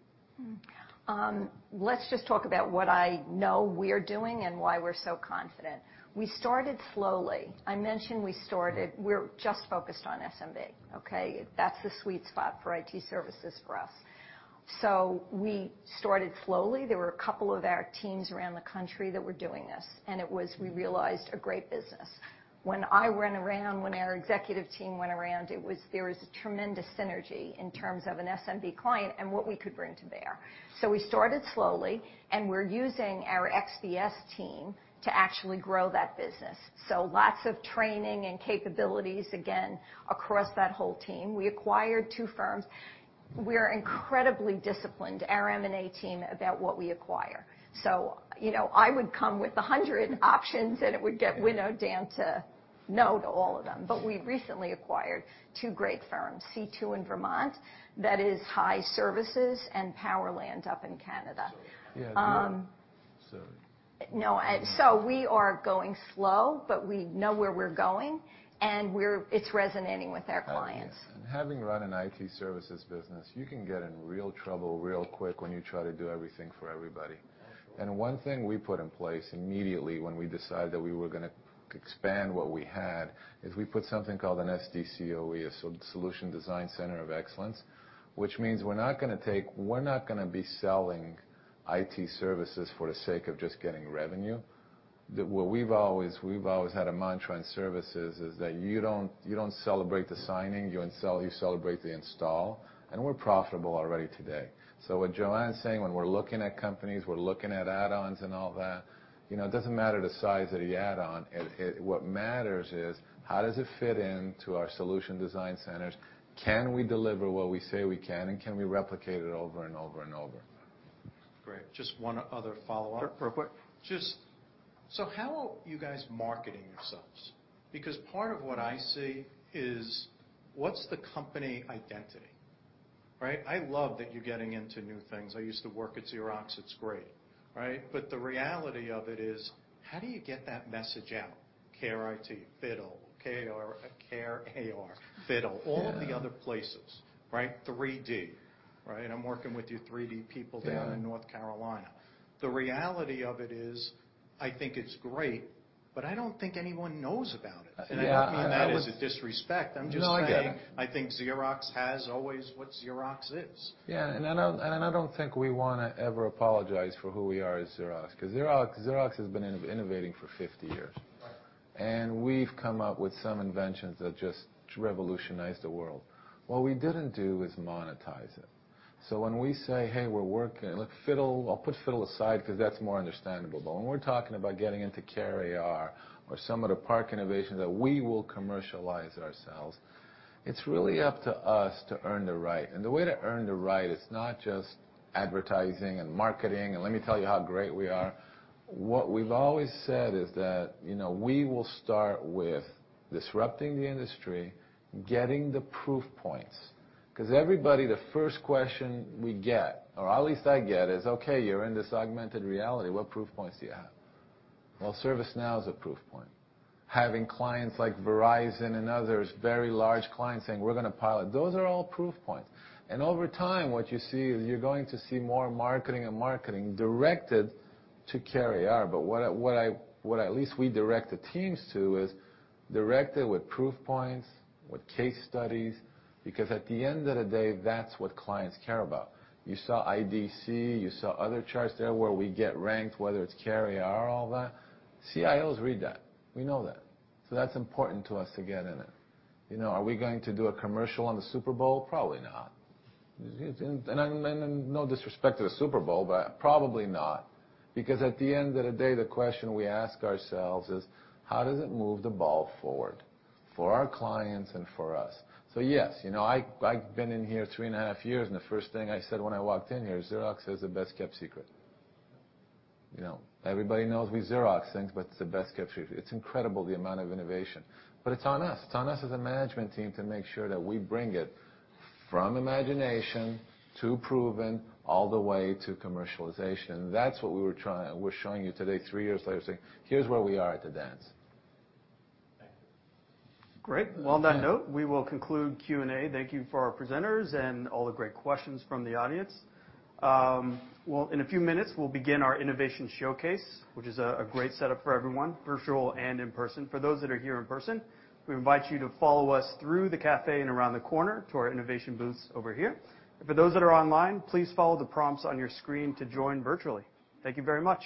Let's just talk about what I know we're doing and why we're so confident. We started slowly. We're just focused on SMB, okay? That's the sweet spot for IT services for us. We started slowly. There were a couple of our teams around the country that were doing this, and it was, we realized, a great business. When I went around, when our executive team went around, it was a tremendous synergy in terms of an SMB client and what we could bring to bear. We started slowly, and we're using our XBS team to actually grow that business. Lots of training and capabilities, again, across that whole team. We acquired two firms. We're incredibly disciplined, our M&A team, about what we acquire. You know, I would come with 100 options, and it would get winnowed down to no to all of them. We recently acquired two great firms, C2 in Vermont, that is high services, and Powerland up in Canada. Yeah. No. We are going slow, but we know where we're going, and it's resonating with our clients. Having run an IT services business, you can get in real trouble real quick when you try to do everything for everybody. One thing we put in place immediately when we decided that we were gonna expand what we had is we put something called an SDCOE, a Solution Design Center of Excellence, which means we're not gonna be selling IT services for the sake of just getting revenue. What we've always had a mantra in services is that you don't celebrate the signing, you celebrate the install, and we're profitable already today. What Joanne's saying, when we're looking at companies, we're looking at add-ons and all that, you know, it doesn't matter the size of the add-on. It what matters is how does it fit into our solution design centers? Can we deliver what we say we can, and can we replicate it over and over and over? Great. Just one other follow-up. So, how are you guys marketing yourselves? Because part of what I see is what's the company identity, right? I love that you're getting into new things. I used to work at Xerox, it's great, right? The reality of it is, how do you get that message out? CareAR, FITTLE, CareAR, FITTLE. Yeah. all of the other places, right? 3D, right? I'm working with your 3D people. Yeah. Down in North Carolina. The reality of it is, I think it's great, but I don't think anyone knows about it. Yeah. I don't mean that as a disrespect. I'm just saying. No, I get it. I think Xerox has always what Xerox is. Yeah. I don't think we wanna ever apologize for who we are as Xerox, 'cause Xerox has been innovating for 50 years. We've come up with some inventions that just revolutionized the world. What we didn't do is monetize it. When we say, "Hey, we're working. Look, FITTLE..." I'll put FITTLE aside 'cause that's more understandable. When we're talking about getting into CareAR or some of the PARC innovations that we will commercialize ourselves, it's really up to us to earn the right. The way to earn the right is not just advertising and marketing, and let me tell you how great we are. What we've always said is that, you know, we will start with disrupting the industry, getting the proof points. 'Cause everybody, the first question we get, or at least I get is, "Okay, you're in this augmented reality. What proof points do you have?" Well, ServiceNow is a proof point. Having clients like Verizon and others, very large clients saying, "We're gonna pilot." Those are all proof points. Over time, what you see is you're going to see more marketing and marketing directed to CareAR. What at least we direct the teams to is direct it with proof points, with case studies, because at the end of the day, that's what clients care about. You saw IDC, you saw other charts there where we get ranked, whether it's CareAR, all that. CIOs read that. We know that. That's important to us to get in it. You know, are we going to do a commercial on the Super Bowl? Probably not. No disrespect to the Super Bowl, but probably not. Because at the end of the day, the question we ask ourselves is how does it move the ball forward for our clients and for us? Yes, you know, I've been in here three and a half years, and the first thing I said when I walked in here, Xerox has the best-kept secret. You know, everybody knows we Xerox things, but it's the best-kept secret. It's incredible the amount of innovation. It's on us, it's on us as a management team to make sure that we bring it from imagination to proven all the way to commercialization. That's what we're showing you today, three years later saying, "Here's where we are at the dance. Great. Well, on that note, we will conclude Q&A. Thank you for our presenters and all the great questions from the audience. Well, in a few minutes, we'll begin our innovation showcase, which is a great setup for everyone, virtual and in person. For those that are here in person, we invite you to follow us through the cafe and around the corner to our innovation booths over here. For those that are online, please follow the prompts on your screen to join virtually. Thank you very much.